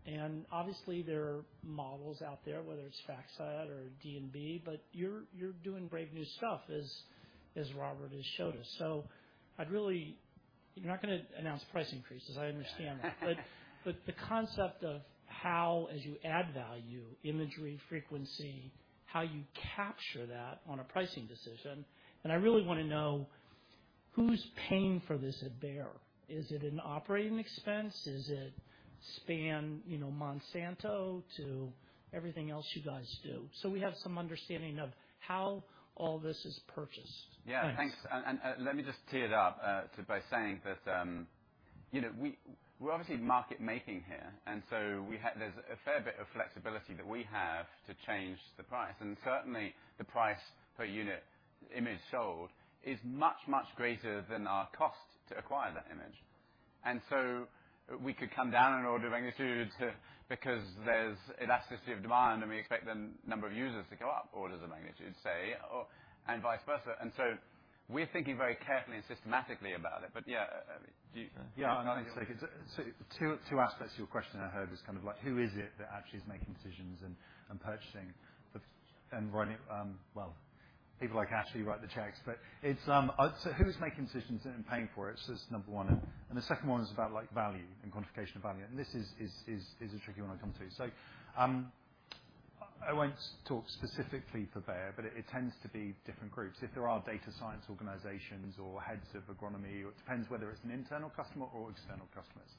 And obviously, there are models out there, whether it's FactSet or D&B, but you're doing brave new stuff, as Robert has showed us. So I'd really. You're not gonna announce price increases, I understand that. The concept of how, as you add value, imagery, frequency, how you capture that on a pricing decision, and I really wanna know who's paying for this at Bayer. Is it an operating expense? Does it span, you know, Monsanto to everything else you guys do? We have some understanding of how all this is purchased. Yeah. Thanks. Let me just tee it up so by saying that, you know, we're obviously market making here, and so there's a fair bit of flexibility that we have to change the price. Certainly, the price per unit image sold is much, much greater than our cost to acquire that image. So we could come down an order of magnitude because there's elasticity of demand, and we expect the number of users to go up orders of magnitude, say, or, and vice versa. We're thinking very carefully and systematically about it. Yeah, do you. Yeah. No, I think it's two aspects to your question. I heard is kind of like who is it that actually is making decisions and purchasing and running. Well, people like Ashley write the checks, but it's so who's making decisions and paying for it. That's number one. The second one is about like value and quantification of value. This is a tricky one I come to. So I won't talk specifically for Bayer, but it tends to be different groups. If there are data science organizations or heads of agronomy, or it depends whether it's an internal customer or external customers.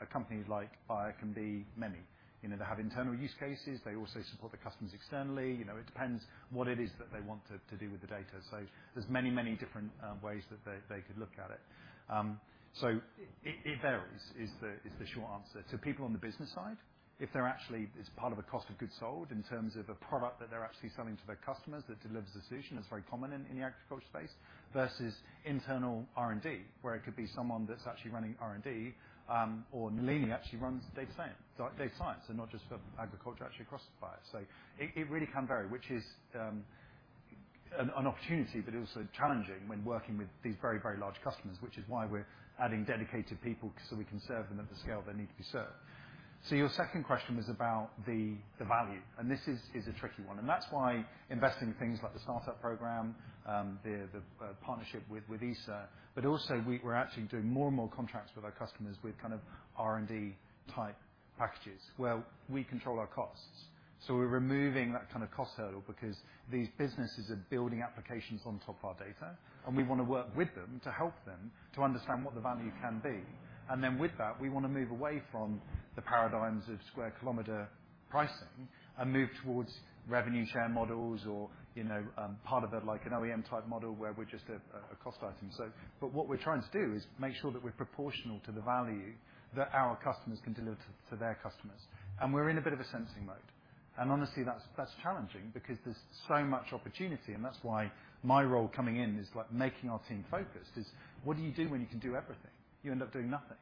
A company like Bayer can be many. You know, they have internal use cases. They also support the customers externally. You know, it depends what it is that they want to do with the data. There's many, many different ways that they could look at it. It varies is the short answer. People on the business side, if they're actually... It's part of a cost of goods sold in terms of a product that they're actually selling to their customers that delivers a solution. It is very common in the agriculture space versus internal R&D, where it could be someone that's actually running R&D, or Nalini actually runs data science, data science and not just for agriculture, actually across Bayer. It really can vary, which is an opportunity, but also challenging when working with these very, very large customers, which is why we're adding dedicated people so we can serve them at the scale they need to be served. Your second question was about the value, and this is a tricky one, and that's why investing in things like the startup program, the partnership with ESA, but also we're actually doing more and more contracts with our customers with kind of R&D type packages where we control our costs. We're removing that kind of cost hurdle because these businesses are building applications on top of our data, and we wanna work with them to help them to understand what the value can be. With that, we wanna move away from the paradigms of square kilometer pricing and move towards revenue share models or part of, like, an OEM type model where we're just a cost item. What we're trying to do is make sure that we're proportional to the value that our customers can deliver to their customers. We're in a bit of a sensing mode. Honestly, that's challenging because there's so much opportunity, and that's why my role coming in is like making our team focused, is what do you do when you can do everything? You end up doing nothing.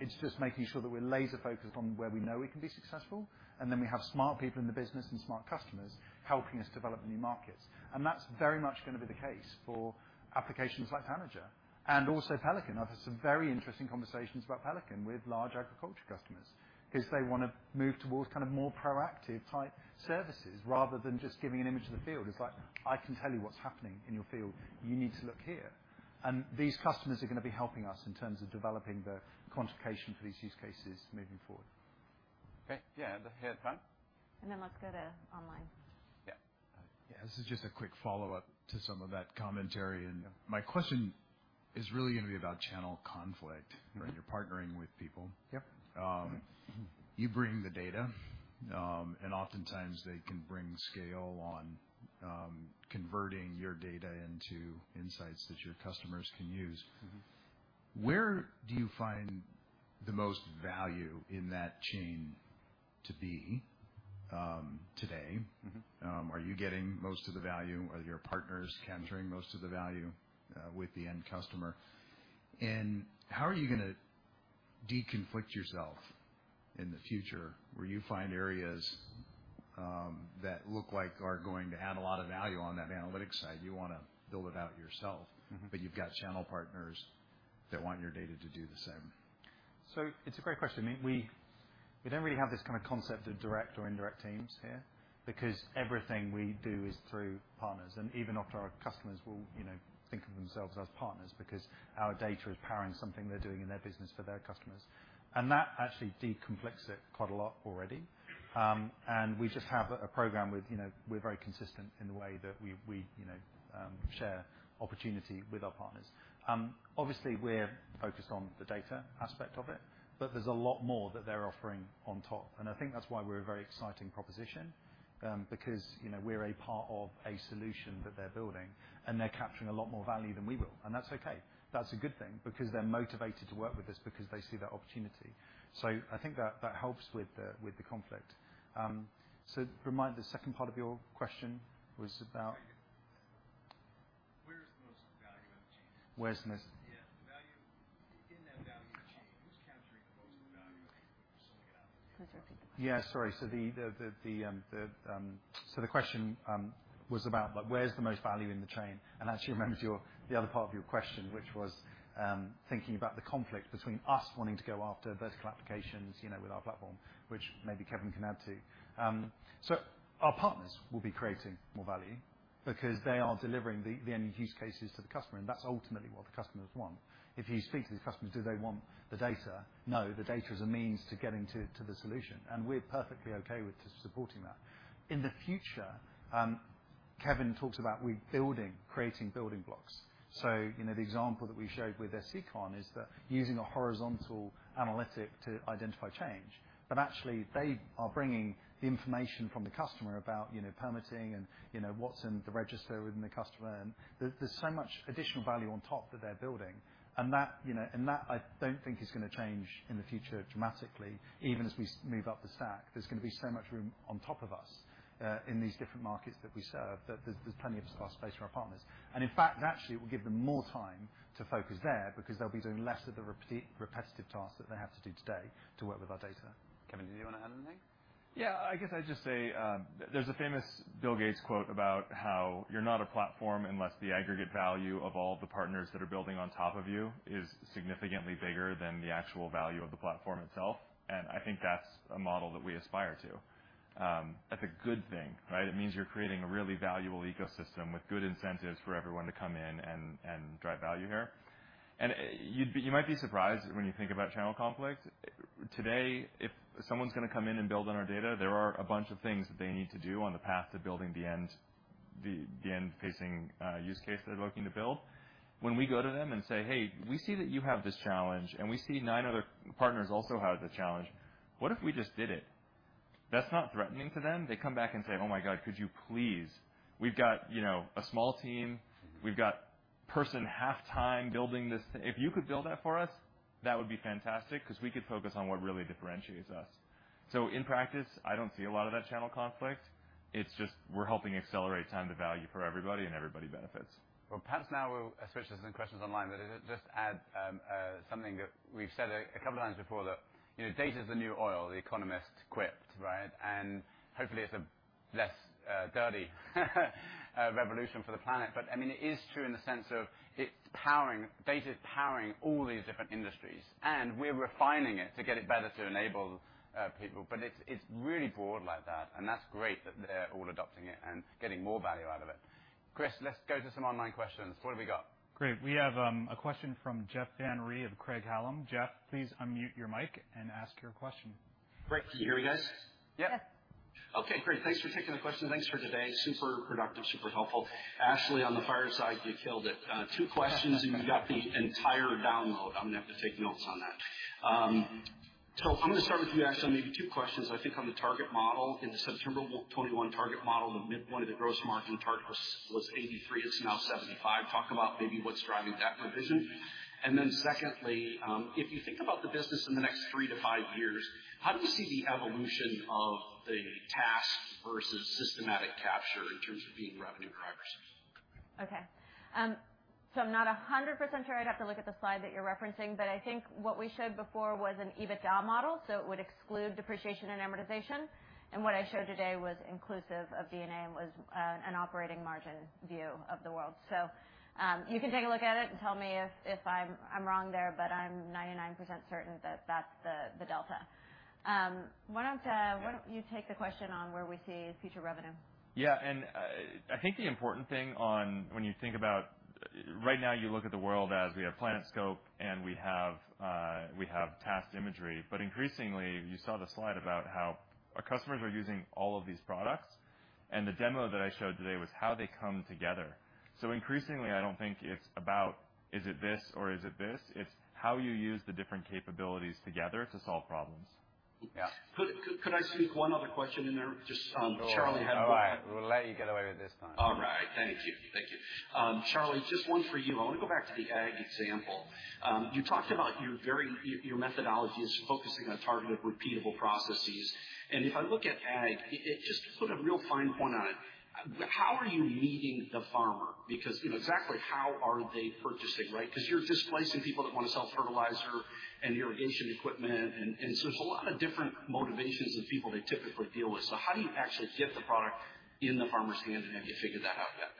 It's just making sure that we're laser-focused on where we know we can be successful, and then we have smart people in the business and smart customers helping us develop new markets. That's very much gonna be the case for applications like Tanager and also Pelican. I've had some very interesting conversations about Pelican with large agriculture customers because they wanna move towards kind of more proactive type services rather than just giving an image of the field. It's like, I can tell you what's happening in your field. You need to look here. These customers are gonna be helping us in terms of developing the quantification for these use cases moving forward. Okay. Yeah. Here at the front. Let's go to online. Yeah. Yeah. This is just a quick follow-up to some of that commentary. My question is really gonna be about channel conflict, right? You're partnering with people. Yep. You bring the data, and oftentimes they can bring scale on converting your data into insights that your customers can use. Where do you find the most value in that chain to be, today? Are you getting most of the value? Are your partners capturing most of the value with the end customer? How are you gonna de-conflict yourself in the future, where you find areas that look like are going to add a lot of value on that analytics side, you wanna build it out yourself? You've got channel partners that want your data to do the same. It's a great question. I mean, we don't really have this kind of concept of direct or indirect teams here because everything we do is through partners. Even often our customers will, you know, think of themselves as partners because our data is powering something they're doing in their business for their customers. That actually de-conflicts it quite a lot already. We just have a program with, you know, we're very consistent in the way that we, you know, share opportunity with our partners. Obviously, we're focused on the data aspect of it, but there's a lot more that they're offering on top. I think that's why we're a very exciting proposition, because, you know, we're a part of a solution that they're building, and they're capturing a lot more value than we will, and that's okay. That's a good thing because they're motivated to work with us because they see that opportunity. I think that helps with the conflict. The second part of your question was about? Where's the most value in the chain? Where's the most. The value in that value chain, who's capturing the most of the value? Could you repeat the question? Yeah, sorry. The question was about like, where's the most value in the chain? Actually reminds you of the other part of your question, which was thinking about the conflict between us wanting to go after vertical applications, you know, with our platform, which maybe Kevin can add to. Our partners will be creating more value because they are delivering the end use cases to the customer, and that's ultimately what the customers want. If you speak to these customers, do they want the data? No, the data is a means to getting to the solution, and we're perfectly okay with just supporting that. In the future, Kevin talked about we're creating building blocks. You know, the example that we showed with SCCON is that using a horizontal analytic to identify change. Actually, they are bringing the information from the customer about, you know, permitting and, you know, what's in the register within the customer. There's so much additional value on top that they're building. And that, you know, I don't think is gonna change in the future dramatically, even as we move up the stack. There's gonna be so much room on top of us in these different markets that we serve, that there's plenty of space for our partners. And in fact, actually, it will give them more time to focus there because they'll be doing less of the repetitive tasks that they have to do today to work with our data. Kevin, do you wanna add anything? Yeah. I guess I'd just say, there's a famous Bill Gates quote about how you're not a platform unless the aggregate value of all the partners that are building on top of you is significantly bigger than the actual value of the platform itself. I think that's a model that we aspire to. That's a good thing, right? It means you're creating a really valuable ecosystem with good incentives for everyone to come in and drive value here. You might be surprised when you think about channel conflict. Today, if someone's gonna come in and build on our data, there are a bunch of things that they need to do on the path to building the end. The end facing use case they're looking to build. When we go to them and say, hey, we see that you have this challenge, and we see nine other partners also have the challenge. What if we just did it? That's not threatening to them. They come back and say, oh my God, could you please? We've got, you know, a small team. We've got person half time building this. If you could build that for us, that would be fantastic because we could focus on what really differentiates us. In practice, I don't see a lot of that channel conflict. It's just we're helping accelerate time to value for everybody, and everybody benefits. Well, perhaps now we'll switch to some questions online. Just add something that we've said a couple of times before, that you know, data is the new oil, The Economist quipped, right? Hopefully, it's a less dirty revolution for the planet. I mean, it is true in the sense of data is powering all these different industries, and we're refining it to get it better to enable people. It's really broad like that, and that's great that they're all adopting it and getting more value out of it. Chris, let's go to some online questions. What have we got? Great. We have a question from Jeff Van Rhee of Craig-Hallum. Jeff, please unmute your mic and ask your question. Great. Can you hear me, guys? Yeah. Okay, great. Thanks for taking the question. Thanks for today. Super productive, super helpful. Ashley, on the fireside, you killed it. Two questions, and you got the entire download. I'm gonna have to take notes on that. So I'm gonna start with you, Ashley, maybe two questions. I think on the target model, in the September 2021 target model, the midpoint of the gross margin target was 83%. It's now 75%. Talk about maybe what's driving that revision. Secondly, if you think about the business in the next three to five years, how do you see the evolution of the task versus systematic capture in terms of being revenue drivers? Okay. I'm not 100% sure. I'd have to look at the slide that you're referencing, but I think what we showed before was an EBITDA model, so it would exclude depreciation and amortization. What I showed today was inclusive of D&A and was an operating margin view of the world. You can take a look at it and tell me if I'm wrong there, but I'm 99% certain that that's the delta. Why don't you take the question on where we see future revenue? Yeah. I think the important thing on when you think about. Right now, you look at the world as we have PlanetScope and we have task imagery. Increasingly, you saw the slide about how our customers are using all of these products, and the demo that I showed today was how they come together. Increasingly, I don't think it's about is it this or is it this? It's how you use the different capabilities together to solve problems. Yeah. Could I sneak one other question in there? Just, Charlie had. Sure. All right. We'll let you get away with it this time. All right. Thank you. Thank you. Charlie, just one for you. I want to go back to the ag example. You talked about your methodology is focusing on targeted, repeatable processes. If I look at ag, it just put a real fine point on it. How are you meeting the farmer? Because, you know, exactly how are they purchasing, right? Because you're displacing people that want to sell fertilizer and irrigation equipment, and so there's a lot of different motivations that people they typically deal with. So how do you actually get the product in the farmer's hand? Have you figured that out yet?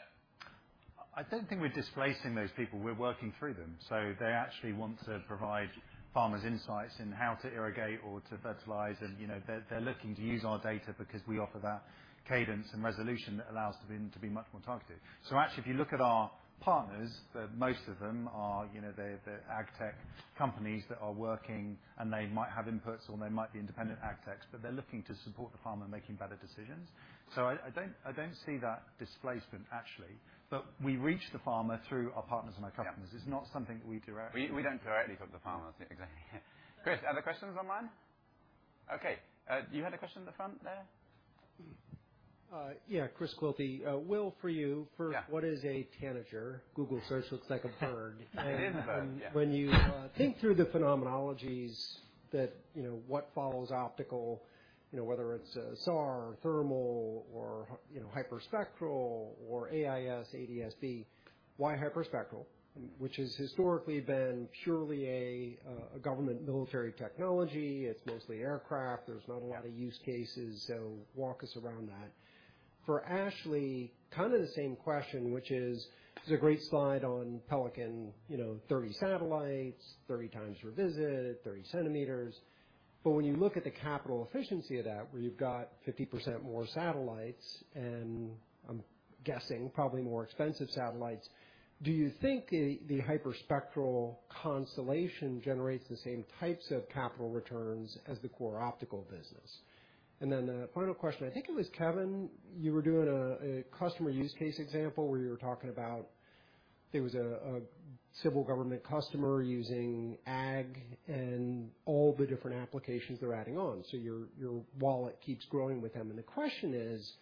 I don't think we're displacing those people. We're working through them. They actually want to provide farmers insights in how to irrigate or to fertilize. You know, they're looking to use our data because we offer that cadence and resolution that allows them to be much more targeted. Actually, if you look at our partners, the most of them are, you know, they're ag tech companies that are working, and they might have inputs or they might be independent ag techs, but they're looking to support the farmer making better decisions. I don't see that displacement actually. We reach the farmer through our partners and our customers. Yeah. It's not something we directly. We don't directly talk to farmers. Exactly. Chris, other questions online? Okay. You had a question in the front there. Yeah, Chris Quilty. Will, for you. Yeah. For what is a Tanager? Google search looks like a bird. It is a bird. Yeah. When you think through the phenomenologies that, you know, what follows optical, you know, whether it's SAR or thermal or, you know, hyperspectral or AIS, ADS-B, why hyperspectral? Which has historically been purely a government military technology. It's mostly aircraft. There's not a lot of use cases. So walk us around that. For Ashley, kind of the same question, which is, it's a great slide on Pelican, you know, 30 satellites, 30x revisit, 30 cm. But when you look at the capital efficiency of that, where you've got 50% more satellites, and I'm guessing probably more expensive satellites, do you think the hyperspectral constellation generates the same types of capital returns as the core optical business? Then a final question. I think it was Kevin. You were doing a customer use case example where you were talking about there was a civil government customer using ag and all the different applications they're adding on. Your wallet keeps growing with them. The question is,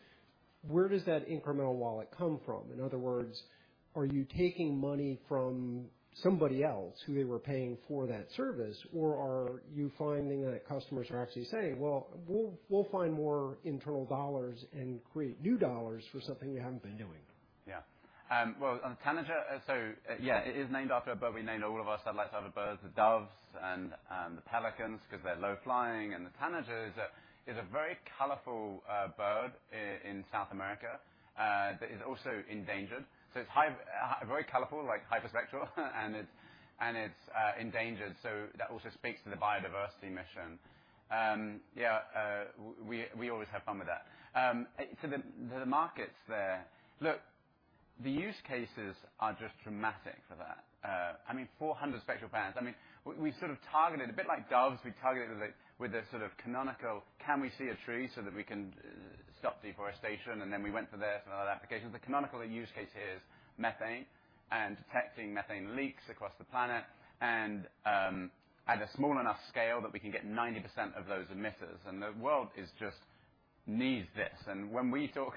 where does that incremental wallet come from? In other words, are you taking money from somebody else who they were paying for that service? Or are you finding that customers are actually saying, well, we'll find more internal dollars and create new dollars for something you haven't been doing? Yeah. Well, on Tanager, yeah, it is named after a bird. We named all of our satellites after birds, the Doves and the Pelicans because they're low-flying. The Tanager is a very colorful bird in South America that is also endangered. It's very colorful like hyperspectral, and it's endangered. That also speaks to the biodiversity mission. Yeah, we always have fun with that. The markets there, look. The use cases are just dramatic for that. I mean, 400 spectral bands. I mean, we sort of targeted a bit like Doves, we targeted it with a sort of canonical, can we see a tree so that we can stop deforestation? Then we went for this and other applications. The canonical use case here is methane and detecting methane leaks across the planet and at a small enough scale that we can get 90% of those emitters. The world just needs this. When we talk,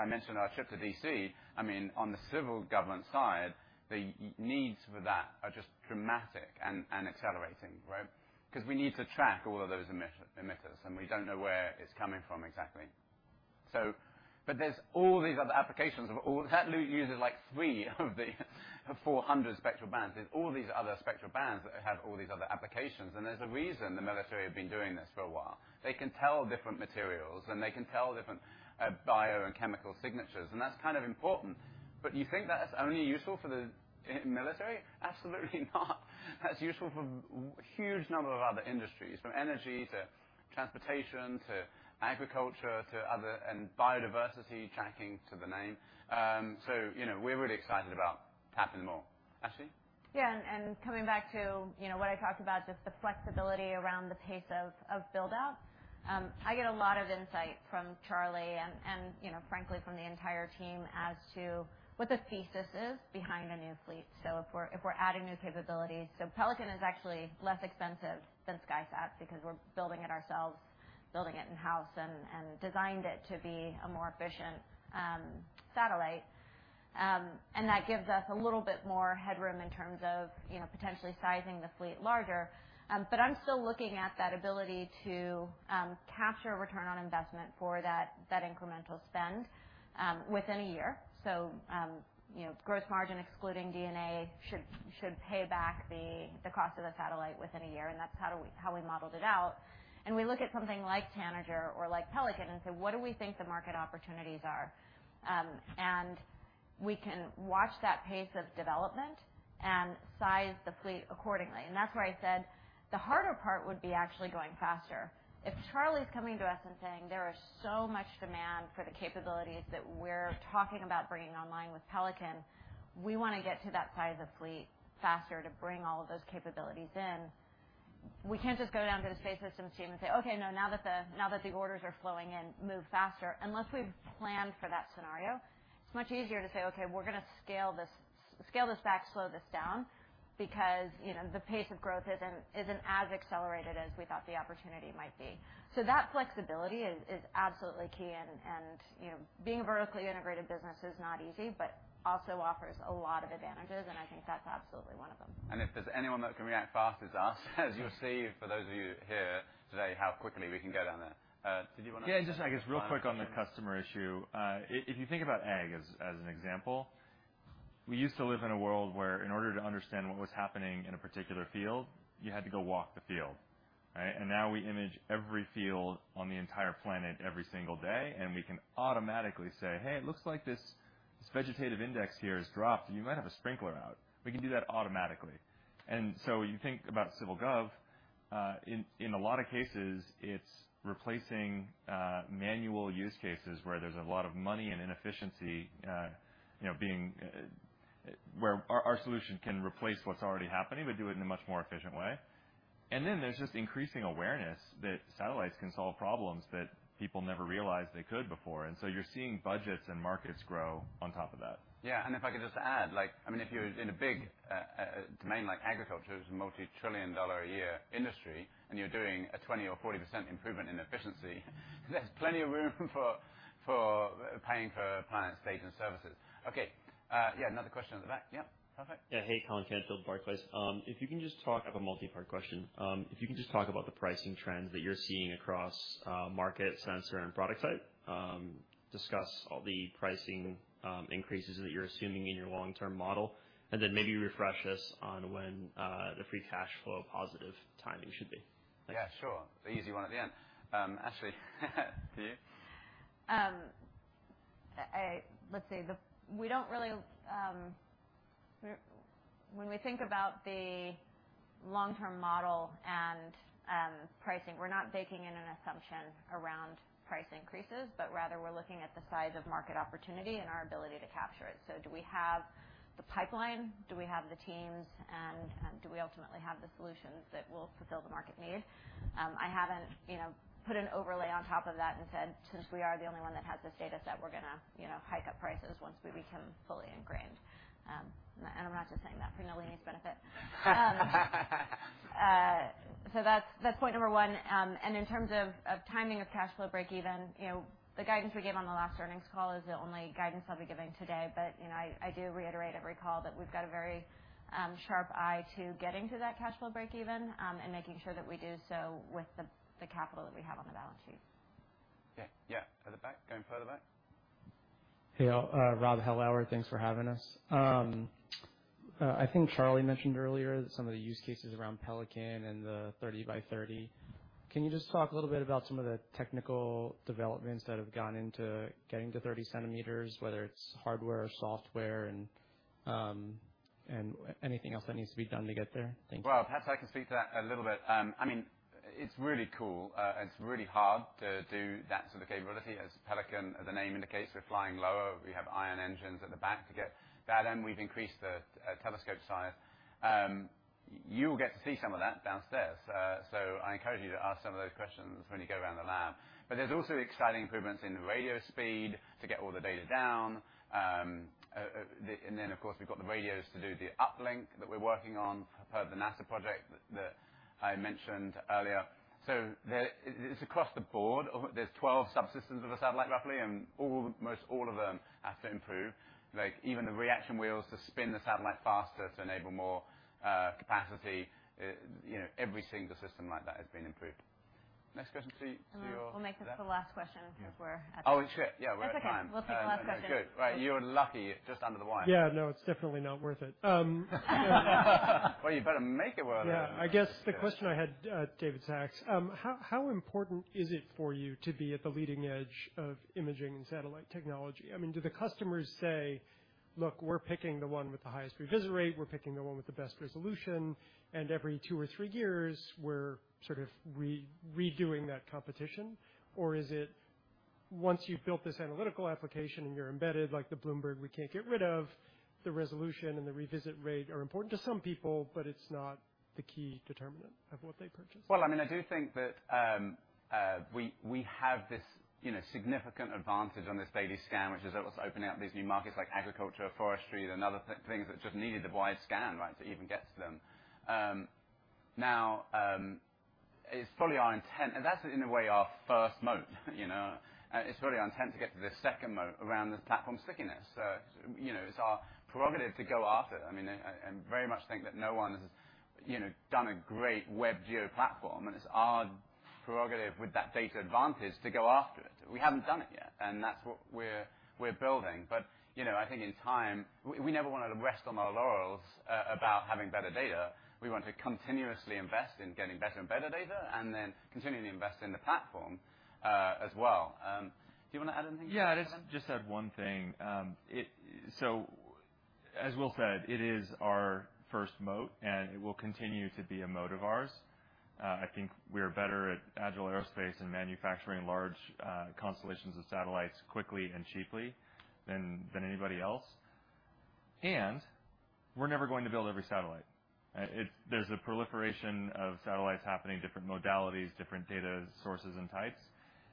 I mentioned our trip to D.C., I mean, on the civil government side, the needs for that are just dramatic and accelerating, right? Because we need to track all of those emission emitters, and we don't know where it's coming from exactly. But there's all these other applications of all. That uses, like three of the 400 spectral bands. There's all these other spectral bands that have all these other applications, and there's a reason the military have been doing this for a while. They can tell different materials, and they can tell different bio and chemical signatures, and that's kind of important. You think that's only useful for the military? Absolutely not. That's useful for huge number of other industries, from energy to transportation to agriculture to other and biodiversity tracking to name. You know, we're really excited about tapping them all. Ashley? Coming back to, you know, what I talked about, just the flexibility around the pace of build-out. I get a lot of insight from Charlie and, you know, frankly, from the entire team as to what the thesis is behind a new fleet. If we're adding new capabilities. Pelican is actually less expensive than SkySat because we're building it ourselves, building it in-house and designed it to be a more efficient satellite. That gives us a little bit more headroom in terms of, you know, potentially sizing the fleet larger. I'm still looking at that ability to capture return on investment for that incremental spend within a year. You know, gross margin, excluding D&A should pay back the cost of the satellite within a year, and that's how we modeled it out. We look at something like Tanager or like Pelican and say, "What do we think the market opportunities are?" We can watch that pace of development and size the fleet accordingly. That's where I said the harder part would be actually going faster. If Charlie's coming to us and saying, "There is so much demand for the capabilities that we're talking about bringing online with Pelican, we want to get to that size of fleet faster to bring all of those capabilities in, we can't just go down to the space systems team and say, "Okay, no, now that the orders are flowing in, move faster, unless we've planned for that scenario. It's much easier to say, Okay, we're gonna scale this, scale this back, slow this down, because, you know, the pace of growth isn't as accelerated as we thought the opportunity might be. That flexibility is absolutely key. You know, being a vertically integrated business is not easy, but also offers a lot of advantages, and I think that's absolutely one of them. If there's anyone that can react fast, it's us, as you'll see, for those of you here today, how quickly we can go down there. Did you wanna. Yeah, just I guess real quick on the customer issue. If you think about ag as an example, we used to live in a world where in order to understand what was happening in a particular field, you had to go walk the field, right? Now we image every field on the entire planet every single day, and we can automatically say, hey, it looks like this vegetative index here has dropped. You might have a sprinkler out. We can do that automatically. You think about civil gov. In a lot of cases, it's replacing manual use cases where there's a lot of money and inefficiency, you know, being where our solution can replace what's already happening, but do it in a much more efficient way. There's just increasing awareness that satellites can solve problems that people never realized they could before. You're seeing budgets and markets grow on top of that. Yeah. If I could just add, like, I mean, if you're in a big domain like agriculture, which is a multi-trillion-dollar a year industry, and you're doing a 20% or 40% improvement in efficiency, there's plenty of room for paying for Planet's data and services. Okay. Yeah, another question at the back. Yeah. Perfect. Hey, Colin Canfield, Barclays. I have a multi-part question. If you can just talk about the pricing trends that you're seeing across market, sensor and product type. Discuss all the pricing increases that you're assuming in your long-term model, and then maybe refresh us on when the free cash flow positive timing should be. Yeah, sure. The easy one at the end. Ashley, to you. Let's see. We don't really when we think about the long-term model and pricing, we're not baking in an assumption around price increases, but rather we're looking at the size of market opportunity and our ability to capture it. Do we have the pipeline? Do we have the teams, and do we ultimately have the solutions that will fulfill the market need? I haven't, you know, put an overlay on top of that and said, since we are the only one that has this data set, we're gonna, you know, hike up prices once we become fully ingrained. I'm not just saying that for Noel's benefit. That's point number one. In terms of timing of cash flow break even, you know, the guidance we gave on the last earnings call is the only guidance I'll be giving today. You know, I do reiterate every call that we've got a very sharp eye to getting to that cash flow break even, and making sure that we do so with the capital that we have on the balance sheet. Yeah. At the back. Going further back. Hey, all. Rob Heilauer, thanks for having us. I think Charlie mentioned earlier some of the use cases around Pelican and the 30 by 30. Can you just talk a little bit about some of the technical developments that have gone into getting to 30 cm, whether it's hardware or software and anything else that needs to be done to get there? Thank you. Well, perhaps I can speak to that a little bit. I mean, it's really cool, and it's really hard to do that sort of capability. As Pelican, the name indicates, we're flying lower. We have ion engines at the back to get that, and we've increased the telescope size. You'll get to see some of that downstairs. I encourage you to ask some of those questions when you go around the lab. There's also exciting improvements in the radio speed to get all the data down. Of course, we've got the radios to do the uplink that we're working on per the NASA project that I mentioned earlier. It's across the board. There's 12 subsystems of a satellite, roughly, and most all of them have to improve. Like, even the reaction wheels to spin the satellite faster to enable more capacity, you know, every single system like that has been improved. Next question to your. We'll make this the last question since we're at the. Oh, it's true. Yeah, we're at time. That's okay. We'll take the last question. Good. Right. You're lucky. Just under the wire. Yeah, no, it's definitely not worth it. Well, you better make it worth it. Yeah. I guess the question I had, David Sacks, how important is it for you to be at the leading edge of imaging satellite technology? I mean, do the customers say, look, we're picking the one with the highest revisit rate, we're picking the one with the best resolution, and every two or three years, we're sort of re-doing that competition? Or is it, once you've built this analytical application and you're embedded like the Bloomberg we can't get rid of, the resolution and the revisit rate are important to some people, but it's not the key determinant of what they purchase? Well, I mean, I do think that we have this, you know, significant advantage on this daily scan, which is what's opening up these new markets like agriculture, forestry, and other things that just needed the wide scan, right, to even get to them. Now, it's fully our intent. That's in a way our first moat, you know. It's fully our intent to get to this second moat around this platform stickiness. You know, it's our prerogative to go after it. I mean, I very much think that no one has, you know, done a great web geo platform, and it's our prerogative with that data advantage to go after it. We haven't done it yet, and that's what we're building. You know, I think in time, we never wanna rest on our laurels about having better data. We want to continuously invest in getting better and better data and then continually invest in the platform, as well. Do you wanna add anything to that? Yeah, just add one thing. As Will said, it is our first moat, and it will continue to be a moat of ours. I think we're better at agile aerospace and manufacturing large constellations of satellites quickly and cheaply than anybody else. We're never going to build every satellite. There's a proliferation of satellites happening, different modalities, different data sources and types.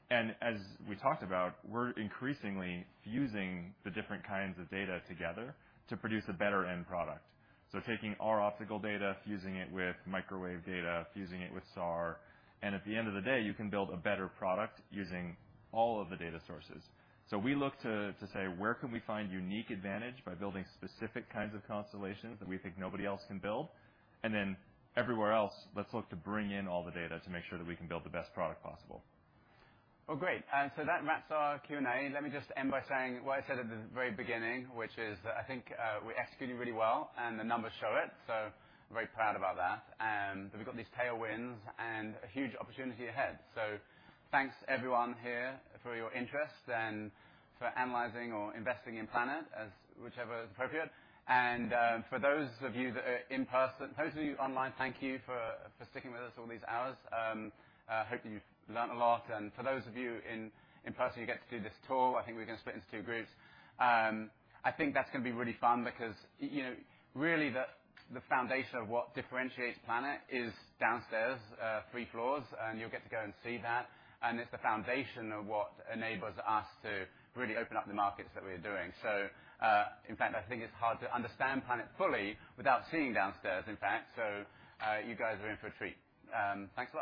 As we talked about, we're increasingly fusing the different kinds of data together to produce a better end product. Taking our optical data, fusing it with microwave data, fusing it with SAR, and at the end of the day, you can build a better product using all of the data sources. We look to say, where can we find unique advantage by building specific kinds of constellations that we think nobody else can build? Then everywhere else, let's look to bring in all the data to make sure that we can build the best product possible. Well, great. That wraps our Q&A. Let me just end by saying what I said at the very beginning, which is I think, we're executing really well, and the numbers show it, so very proud about that. But we've got these tailwinds and a huge opportunity ahead. Thanks everyone here for your interest and for analyzing or investing in Planet as whichever is appropriate. Those of you online, thank you for sticking with us all these hours. I hope you've learned a lot. For those of you in person, you get to do this tour. I think we're gonna split into two groups. I think that's gonna be really fun because, you know, really the foundation of what differentiates Planet is downstairs, three floors, and you'll get to go and see that. It's the foundation of what enables us to really open up the markets that we're doing. In fact, I think it's hard to understand Planet fully without seeing downstairs, in fact. You guys are in for a treat. Thanks a lot.